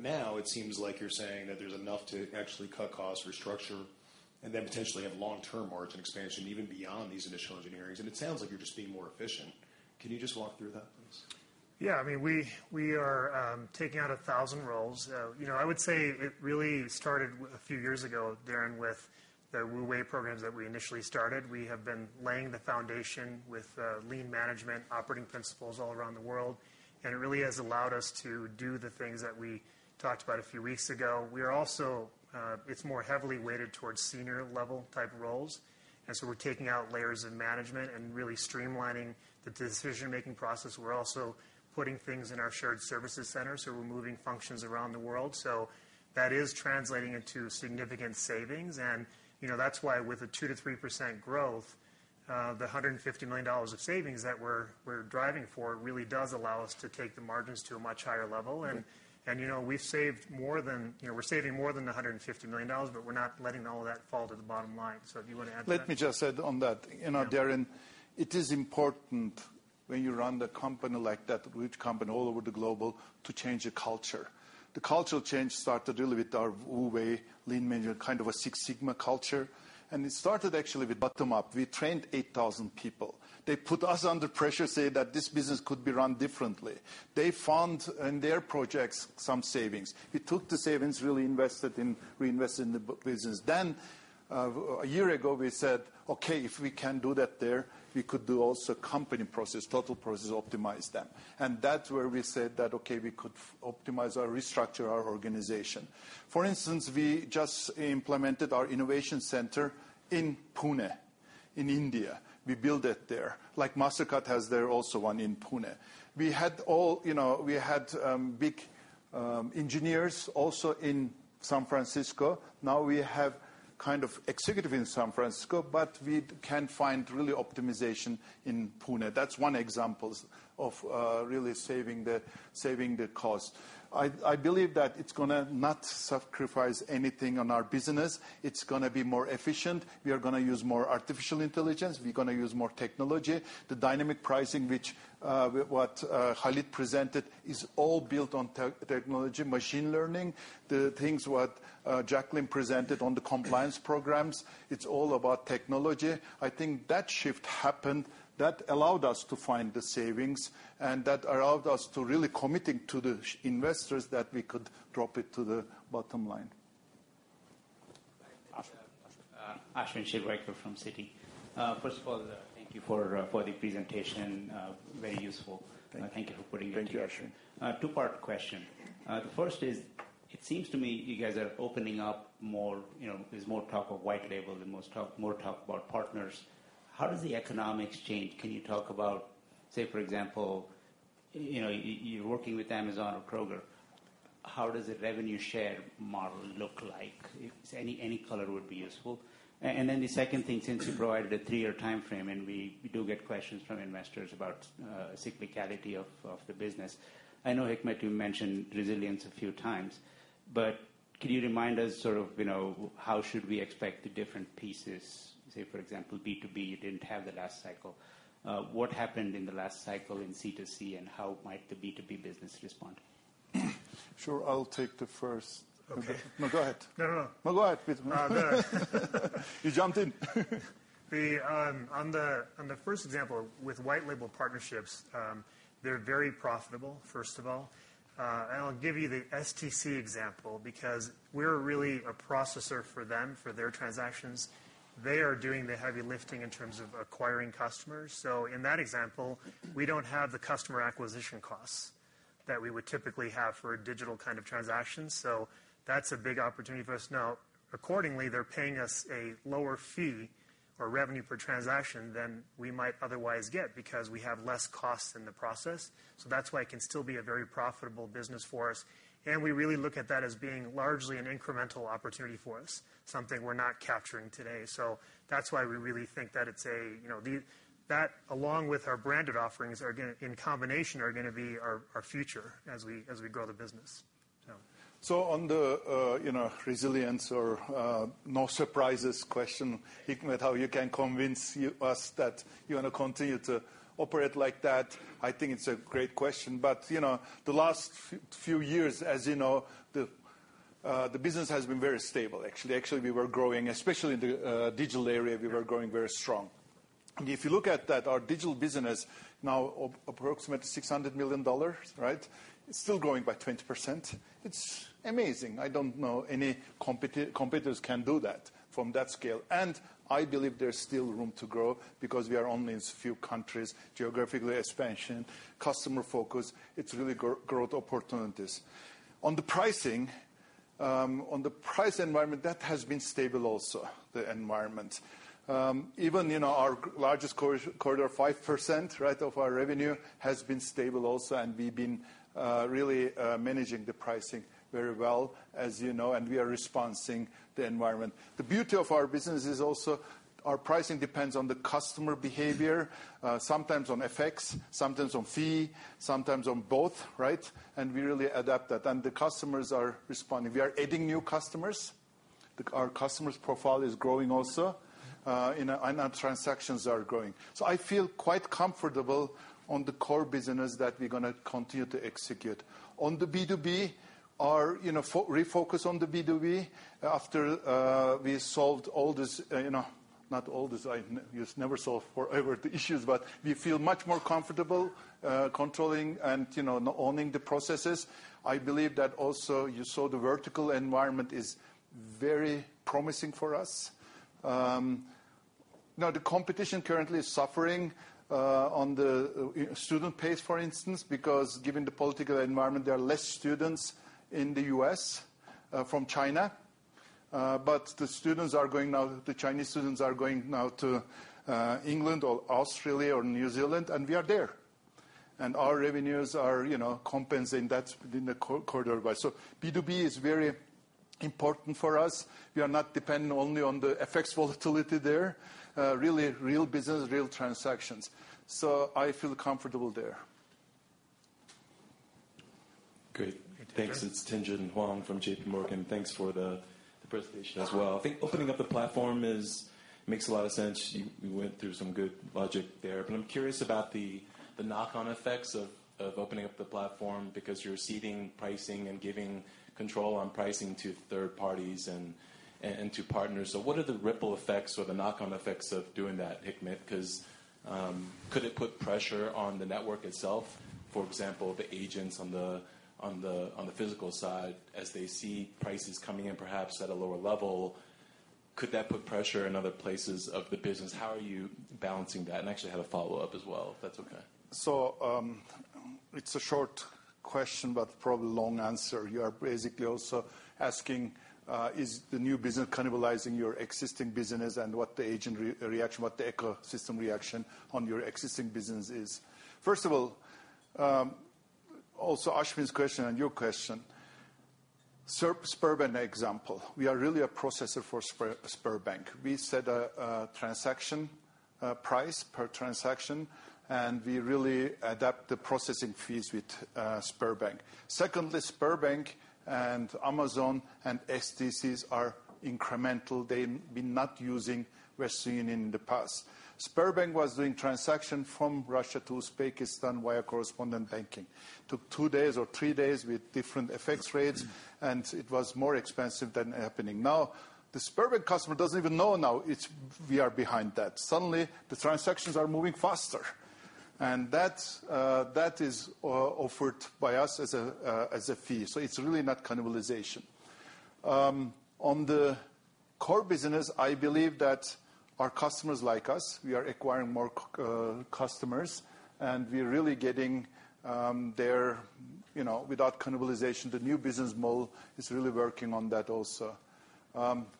Now it seems like you're saying that there's enough to actually cut costs, restructure, and then potentially have long-term margin expansion, even beyond these initial engineerings. It sounds like you're just being more efficient. Can you just walk through that, please? Yeah. We are taking out 1,000 roles. I would say it really started a few years ago, Darren, with the WU Way programs that we initially started. We have been laying the foundation with lean management operating principles all around the world, and it really has allowed us to do the things that we talked about a few weeks ago. It's more heavily weighted towards senior level type roles, and so we're taking out layers of management and really streamlining the decision-making process. We're also putting things in our shared services center, so we're moving functions around the world. That is translating into significant savings, and that's why with a 2%-3% growth, the $150 million of savings that we're driving for really does allow us to take the margins to a much higher level. We're saving more than the $150 million, but we're not letting all of that fall to the bottom line. If you want to add to that. Let me just add on that. Darren, it is important when you run the company like that, which company all over the global to change a culture. The cultural change started really with our Wu Wei lean management, kind of a Six Sigma culture. It started actually with bottom up. We trained 8,000 people. They put us under pressure, say that this business could be run differently. They found in their projects some savings. We took the savings, really reinvested in the business. A year ago, we said, "Okay, if we can do that there, we could do also company process, total process, optimize them." That's where we said that, okay, we could optimize or restructure our organization. For instance, we just implemented our innovation center in Pune, in India. We built it there. Like Muscat has their also one in Pune. We had big engineers also in San Francisco. Now we have kind of executive in San Francisco, but we can find really optimization in Pune. That's one example of really saving the cost. I believe that it's going to not sacrifice anything on our business. It's going to be more efficient. We are going to use more artificial intelligence. We're going to use more technology. The dynamic pricing, which what Khalid presented, is all built on technology, machine learning. The things what Jacqueline presented on the compliance programs, it's all about technology. I think that shift happened that allowed us to find the savings and that allowed us to really committing to the investors that we could drop it to the bottom line. Ashwin. Ashwin Shirvaikar from Citi. First of all, thank you for the presentation. Very useful. Thank you. Thank you for putting your team. Thank you, Ashwin. A two-part question. The first is, it seems to me you guys are opening up more. There's more talk of white label and more talk about partners. How does the economics change? Can you talk about, say, for example you're working with Amazon or Kroger, how does the revenue share model look like? Any color would be useful. Then the second thing, since you provided a three-year timeframe, and we do get questions from investors about cyclicality of the business. I know, Hikmet, you mentioned resilience a few times, but can you remind us sort of how should we expect the different pieces? Say, for example, B2B, you didn't have the last cycle. What happened in the last cycle in C2C, and how might the B2B business respond? Sure. I'll take the first. Okay. No, go ahead. No. No, go ahead please. No, go ahead. You jumped in. On the first example with white label partnerships, they're very profitable, first of all. I'll give you the STC example, because we're really a processor for them, for their transactions. They are doing the heavy lifting in terms of acquiring customers. In that example, we don't have the customer acquisition costs that we would typically have for a digital kind of transaction. That's a big opportunity for us. Now, accordingly, they're paying us a lower fee or revenue per transaction than we might otherwise get because we have less costs in the process. That's why it can still be a very profitable business for us. We really look at that as being largely an incremental opportunity for us, something we're not capturing today. That's why we really think that along with our branded offerings, in combination, are going to be our future as we grow the business. On the resilience or no surprises question, Hikmet, how you can convince us that you want to continue to operate like that, I think it's a great question. The last few years, as you know, the business has been very stable, actually. We were growing, especially in the digital area, we were growing very strong. If you look at that, our digital business, now approximately $600 million. It's still growing by 20%. It's amazing. I don't know any competitors can do that from that scale. I believe there's still room to grow because we are only in a few countries, geographically expansion, customer focus. It's really growth opportunities. On the pricing environment, that has been stable also, the environment. Even our largest corridor, 5% of our revenue has been stable also, and we've been really managing the pricing very well, as you know, and we are responding the environment. The beauty of our business is also our pricing depends on the customer behavior, sometimes on FX, sometimes on fee, sometimes on both. We really adapt that. The customers are responding. We are adding new customers. Our customer's profile is growing also. Our transactions are growing. I feel quite comfortable on the core business that we're going to continue to execute. On the B2B, our refocus on the B2B after we solved all this, not all this, you never solve forever the issues, but we feel much more comfortable controlling and owning the processes. I believe that also you saw the vertical environment is very promising for us. The competition currently is suffering on the student pays for instance, because given the political environment, there are less students in the U.S. from China. The Chinese students are going now to England or Australia or New Zealand, and we are there. Our revenues are compensating that within the corridor. B2B is very important for us. We are not dependent only on the effects volatility there. Really real business, real transactions. I feel comfortable there. Great. Thanks. It's Tien-tsin Huang from J.P. Morgan. Thanks for the presentation as well. I think opening up the platform makes a lot of sense. You went through some good logic there. I'm curious about the knock-on effects of opening up the platform because you're ceding pricing and giving control on pricing to third parties and to partners. What are the ripple effects or the knock-on effects of doing that, Hikmet? Could it put pressure on the network itself? For example, the agents on the physical side, as they see prices coming in perhaps at a lower level, could that put pressure in other places of the business? How are you balancing that? Actually, I have a follow-up as well, if that's okay. It's a short question, but probably long answer. You are basically also asking is the new business cannibalizing your existing business and what the agent reaction, what the ecosystem reaction on your existing business is. First of all, also Ashwin's question and your question. Sberbank example. We are really a processor for Sberbank. We set a transaction price per transaction, and we really adapt the processing fees with Sberbank. Secondly, Sberbank and Amazon and stc are incremental. They've been not using Western Union in the past. Sberbank was doing transaction from Russia to Uzbekistan via correspondent banking. Took two days or three days with different FX rates, and it was more expensive than happening now. The Sberbank customer doesn't even know now we are behind that. Suddenly, the transactions are moving faster. That is offered by us as a fee. It's really not cannibalization. On the core business, I believe that our customers like us. We are acquiring more customers, and we are really getting there without cannibalization. The new business model is really working on that also.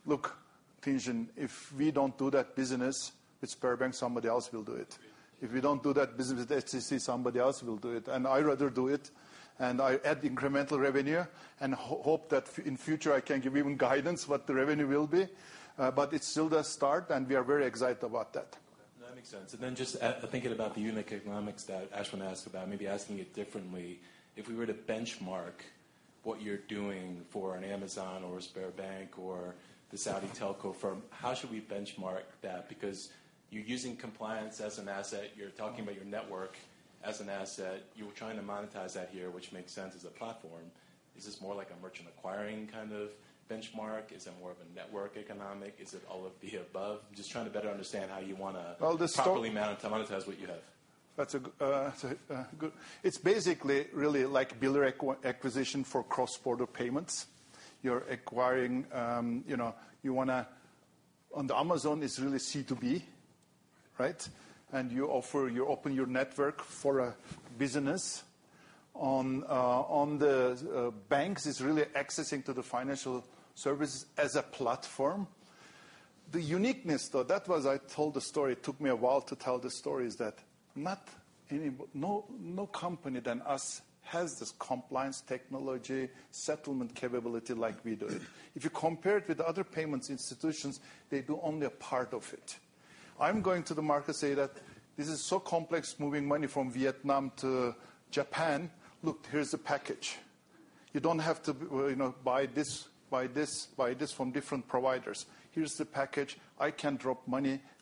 Look, Tien-tsin, if we don't do that business with Sberbank, somebody else will do it. If we don't do that business with stc, somebody else will do it. I rather do it, and I add incremental revenue and hope that in future I can give even guidance what the revenue will be. It's still the start, and we are very excited about that. That makes sense. Just thinking about the unit economics that Ashwin asked about, maybe asking it differently, if we were to benchmark what you're doing for an Amazon or a Sberbank or the Saudi telco firm, how should we benchmark that? Because you're using compliance as an asset. You're talking about your network as an asset. You're trying to monetize that here, which makes sense as a platform. Is this more like a merchant acquiring kind of benchmark? Is it more of a network economic? Is it all of the above? Just trying to better understand how you want to- Well. properly monetize what you have. It's basically really builder acquisition for cross-border payments. You're acquiring, on the Amazon, it's really C2B. You open your network for a business. On the banks, it's really accessing to the financial services as a platform. The uniqueness, though, that was I told the story, it took me a while to tell the story, is that no company than us has this compliance technology settlement capability like we do. If you compare it with other payments institutions, they do only a part of it. I'm going to the market, say that this is so complex, moving money from Vietnam to Japan. Look, here's the package. You don't have to buy this from different providers. Here's the package. I can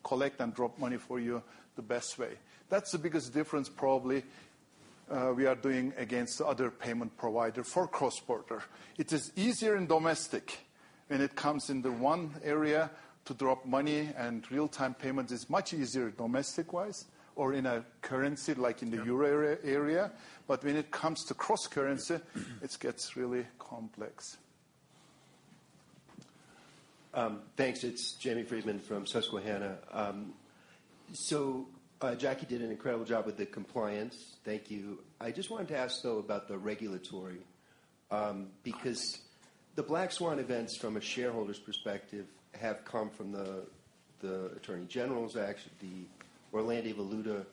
collect and drop money for you the best way. That's the biggest difference, probably, we are doing against other payment provider for cross-border. It is easier in domestic when it comes in the one area to drop money. Real-time payments is much easier domestic-wise or in a currency like in the Euro area. When it comes to cross-currency, it gets really complex. Thanks. It's Jamie Friedman from Susquehanna. Jackie did an incredible job with the compliance. Thank you. I just wanted to ask, though, about the regulatory. The black swan events, from a shareholder's perspective, have come from the Attorney General's act, the Orlandi Valuta.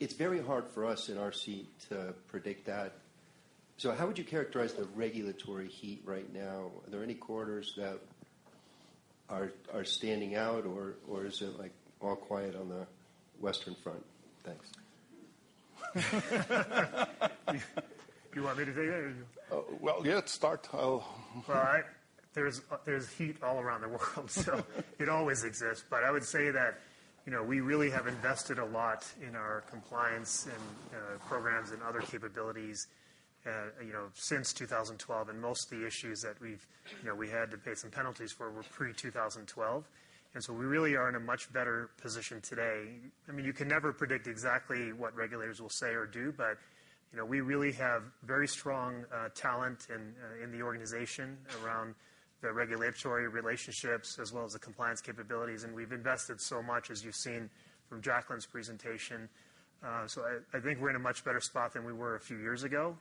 It's very hard for us in our seat to predict that. How would you characterize the regulatory heat right now? Are there any corridors that are standing out, or is it all quiet on the Western front? Thanks. Do you want me to take it? Well, yeah, start. All right. There's heat all around the world, so it always exists. I would say that we really have invested a lot in our compliance programs and other capabilities since 2012. Most of the issues that we've had to pay some penalties for were pre-2012. We really are in a much better position today. You can never predict exactly what regulators will say or do, but we really have very strong talent in the organization around the regulatory relationships as well as the compliance capabilities. We've invested so much, as you've seen from Jacqueline's presentation. I think we're in a much better spot than we were a few years ago.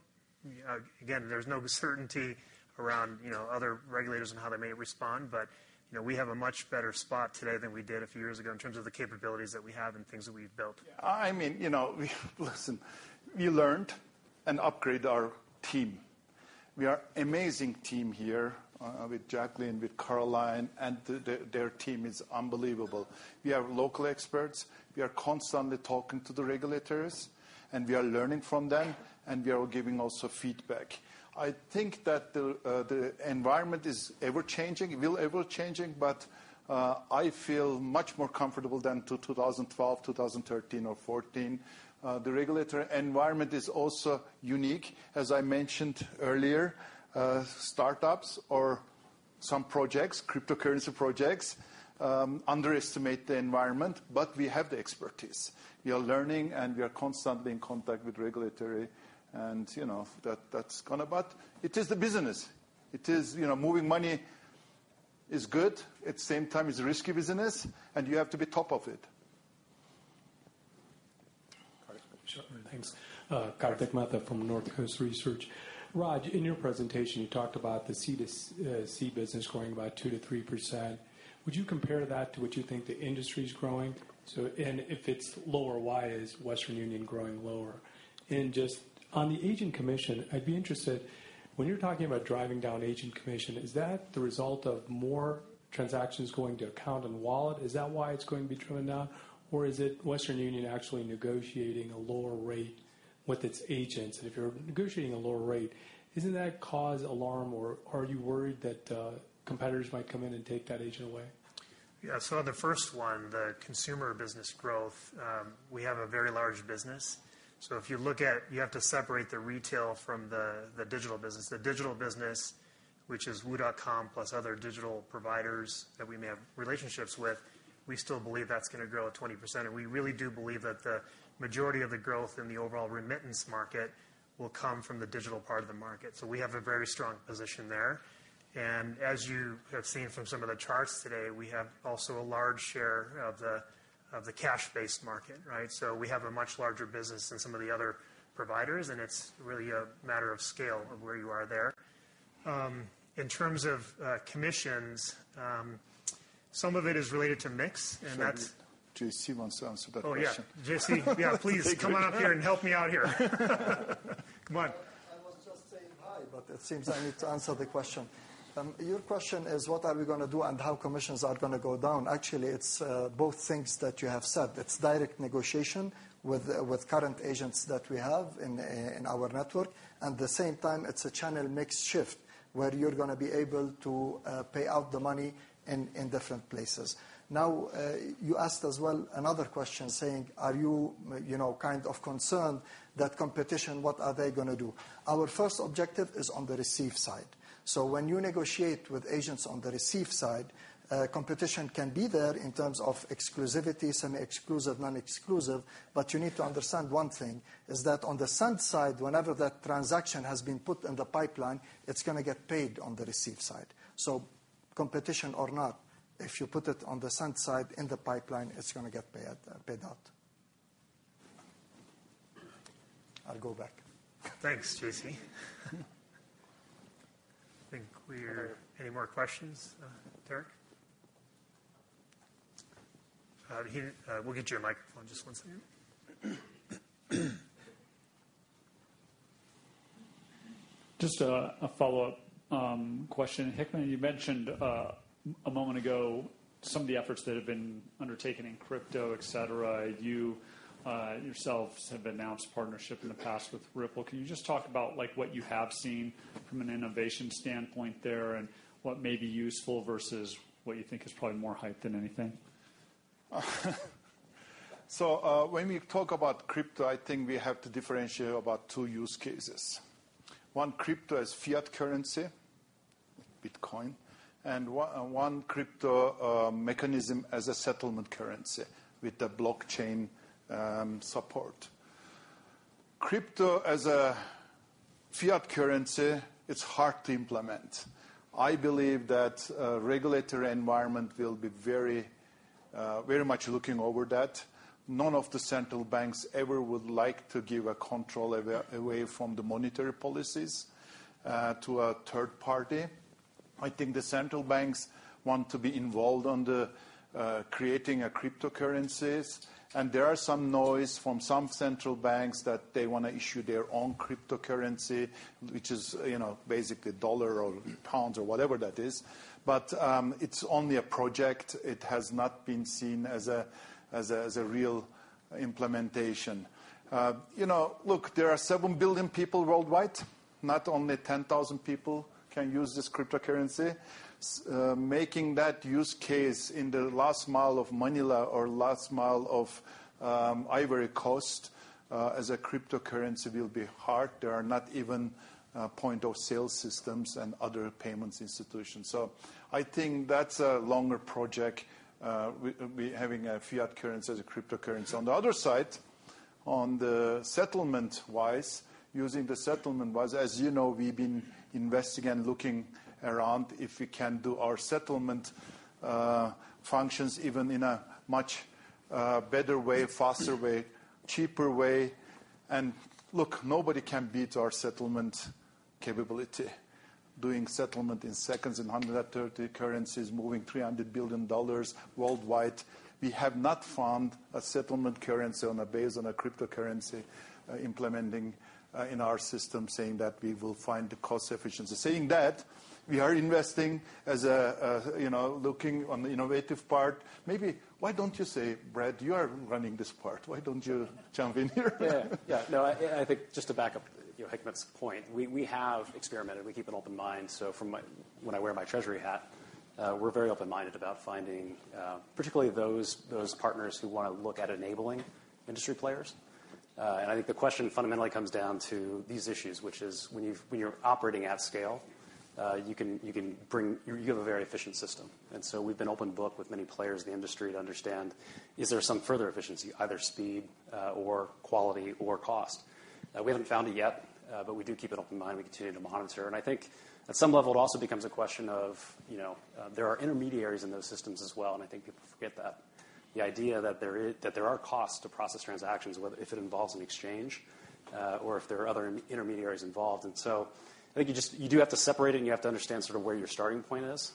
There's no certainty around other regulators and how they may respond, but we have a much better spot today than we did a few years ago in terms of the capabilities that we have and things that we've built. Listen, we learned and upgrade our team. We are amazing team here, with Jacqueline, with Caroline, and their team is unbelievable. We have local experts. We are constantly talking to the regulators, and we are learning from them, and we are giving also feedback. I think that the environment is ever-changing. It will ever-changing. I feel much more comfortable than to 2012, 2013, or 2014. The regulatory environment is also unique. As I mentioned earlier, startups or some projects, cryptocurrency projects, underestimate the environment. We have the expertise. We are learning. We are constantly in contact with regulatory. That's gone. It is the business. Moving money is good. At the same time, it's a risky business. You have to be top of it. Kartik. Sure. Thanks. Kartik Mehta from Northcoast Research. Raj, in your presentation, you talked about the C2C business growing by 2%-3%. Would you compare that to what you think the industry's growing? If it's lower, why is Western Union growing lower? Just on the agent commission, I'd be interested, when you're talking about driving down agent commission, is that the result of more transactions going to account and wallet? Is that why it's going to be driven down? Is it Western Union actually negotiating a lower rate with its agents? If you're negotiating a lower rate, isn't that cause alarm, or are you worried that competitors might come in and take that agent away? On the first one, the consumer business growth, we have a very large business. If you look at, you have to separate the retail from the digital business. The digital business, which is wu.com, plus other digital providers that we may have relationships with, we still believe that's going to grow at 20%. We really do believe that the majority of the growth in the overall remittance market will come from the digital part of the market. We have a very strong position there. As you have seen from some of the charts today, we have also a large share of the cash-based market, right? We have a much larger business than some of the other providers, and it's really a matter of scale of where you are there. In terms of commissions, some of it is related to mix, and that's. Maybe JC wants to answer that question. Oh, yeah. JC, yeah, please come on up here and help me out here. Come on. I was just saying hi, but it seems I need to answer the question. Your question is, what are we going to do and how commissions are going to go down. Actually, it's both things that you have said. It's direct negotiation with current agents that we have in our network, and the same time, it's a channel mix shift where you're going to be able to pay out the money in different places. You asked as well another question saying, are you concerned that competition, what are they going to do? Our first objective is on the receive side. When you negotiate with agents on the receive side, competition can be there in terms of exclusivity, semi-exclusive, non-exclusive, but you need to understand one thing, is that on the send side, whenever that transaction has been put in the pipeline, it's going to get paid on the receive side. Competition or not, if you put it on the send side in the pipeline, it's going to get paid out. I'll go back. Thanks, JC. I think any more questions? Derek? We'll get you a microphone. Just one second. Just a follow-up question. Hikmet, you mentioned a moment ago some of the efforts that have been undertaken in crypto, et cetera. You yourselves have announced a partnership in the past with Ripple. Can you just talk about what you have seen from an innovation standpoint there, and what may be useful versus what you think is probably more hype than anything? When we talk about crypto, I think we have to differentiate about two use cases, one crypto as fiat currency, Bitcoin, and one crypto mechanism as a settlement currency with the blockchain support. Crypto as a fiat currency is hard to implement. I believe that regulatory environment will be very much looking over that. None of the central banks ever would like to give a control away from the monetary policies to a third party. I think the central banks want to be involved on the creating a cryptocurrencies, and there are some noise from some central banks that they want to issue their own cryptocurrency, which is basically dollar or pound or whatever that is. It's only a project. It has not been seen as a real implementation. There are 7 billion people worldwide. Not only 10,000 people can use this cryptocurrency. Making that use case in the last mile of Manila or last mile of Ivory Coast, as a cryptocurrency will be hard. There are not even point-of-sale systems and other payments institutions. I think that's a longer project, we having a fiat currency as a cryptocurrency. On the other side, on the settlement wise, as you know, we've been investigating and looking around if we can do our settlement functions even in a much better way, faster way, cheaper way. Look, nobody can beat our settlement capability. Doing settlement in seconds in 130 currencies, moving $300 billion worldwide. We have not found a settlement currency on a base on a cryptocurrency, implementing in our system saying that we will find the cost efficiency. Saying that, we are investing as looking on the innovative part. Maybe why don't you say, Brad, you are running this part. Why don't you jump in here? Yeah. No, I think just to back up Hikmet's point, we have experimented. We keep an open mind. From when I wear my treasury hat, we're very open-minded about finding, particularly those partners who want to look at enabling industry players. I think the question fundamentally comes down to these issues, which is when you're operating at scale, you have a very efficient system. We've been open book with many players in the industry to understand, is there some further efficiency, either speed or quality or cost? We haven't found it yet, but we do keep an open mind. We continue to monitor. I think at some level, it also becomes a question of, there are intermediaries in those systems as well, and I think people forget that. The idea that there are costs to process transactions, whether if it involves an exchange or if there are other intermediaries involved. I think you do have to separate it, and you have to understand sort of where your starting point is.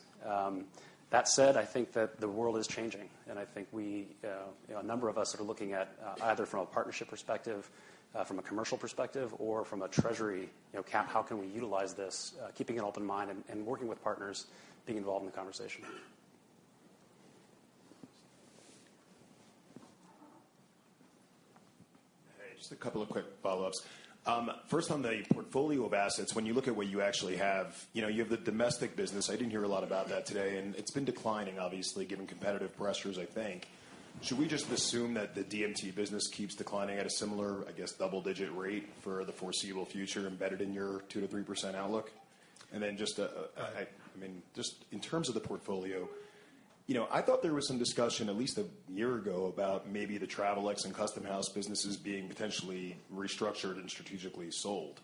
That said, I think that the world is changing, and I think a number of us are looking at, either from a partnership perspective, from a commercial perspective, or from a treasury cap, how can we utilize this, keeping an open mind and working with partners, being involved in the conversation. Hey, just a couple of quick follow-ups. On the portfolio of assets, when you look at what you actually have, you have the domestic business. I didn't hear a lot about that today. It's been declining, obviously, given competitive pressures, I think. Should we just assume that the DMT business keeps declining at a similar, I guess, double-digit rate for the foreseeable future embedded in your 2%-3% outlook? Just in terms of the portfolio, I thought there was some discussion at least a year ago about maybe the Travelex and Custom House businesses being potentially restructured and strategically sold.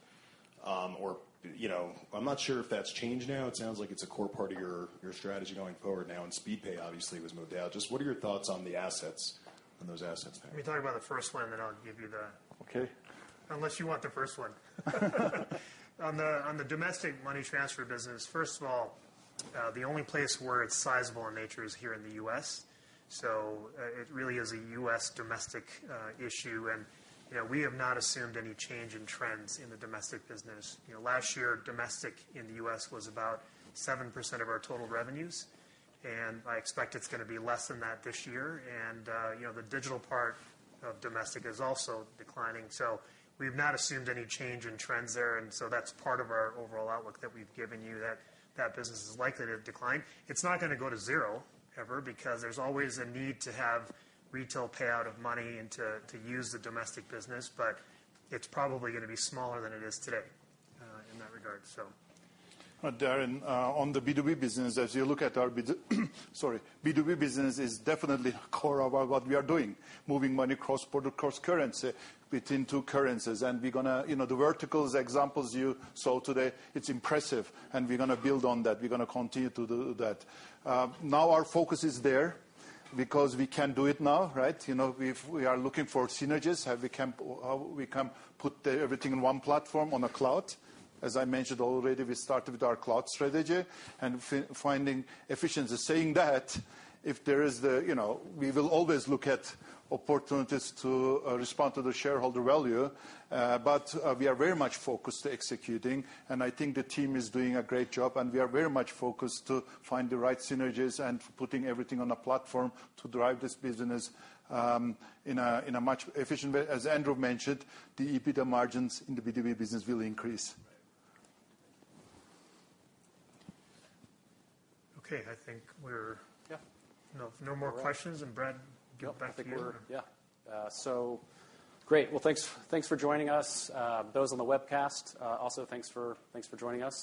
I'm not sure if that's changed now. It sounds like it's a core part of your strategy going forward now. Speedpay obviously was moved out. Just what are your thoughts on the assets, on those assets now? Let me talk about the first one, then I'll give you the- Okay unless you want the first one. On the domestic money transfer business, first of all, the only place where it's sizable in nature is here in the U.S., so it really is a U.S. domestic issue. We have not assumed any change in trends in the domestic business. Last year, domestic in the U.S. was about 7% of our total revenues, and I expect it's going to be less than that this year. The digital part of domestic is also declining, so we've not assumed any change in trends there. That's part of our overall outlook that we've given you, that that business is likely to decline. It's not going to go to zero ever, because there's always a need to have retail payout of money and to use the domestic business, but it's probably going to be smaller than it is today in that regard. Darren, on the B2B business, as you look at our B2B business is definitely core of what we are doing, moving money cross-border, cross-currency between two currencies. The verticals examples you saw today, it's impressive, and we're going to build on that. We're going to continue to do that. Now our focus is there because we can do it now, right? We are looking for synergies, how we can put everything in one platform on a cloud. As I mentioned already, we started with our cloud strategy and finding efficiencies. Saying that, we will always look at opportunities to respond to the shareholder value. We are very much focused to executing, and I think the team is doing a great job, and we are very much focused to find the right synergies and putting everything on a platform to drive this business in a much efficient way. As Andrew mentioned, the EBITDA margins in the B2B business will increase. Okay. I think we're- Yeah no more questions. Brad, back to you. Yeah. Great. Thanks for joining us. Those on the webcast, also, thanks for joining us.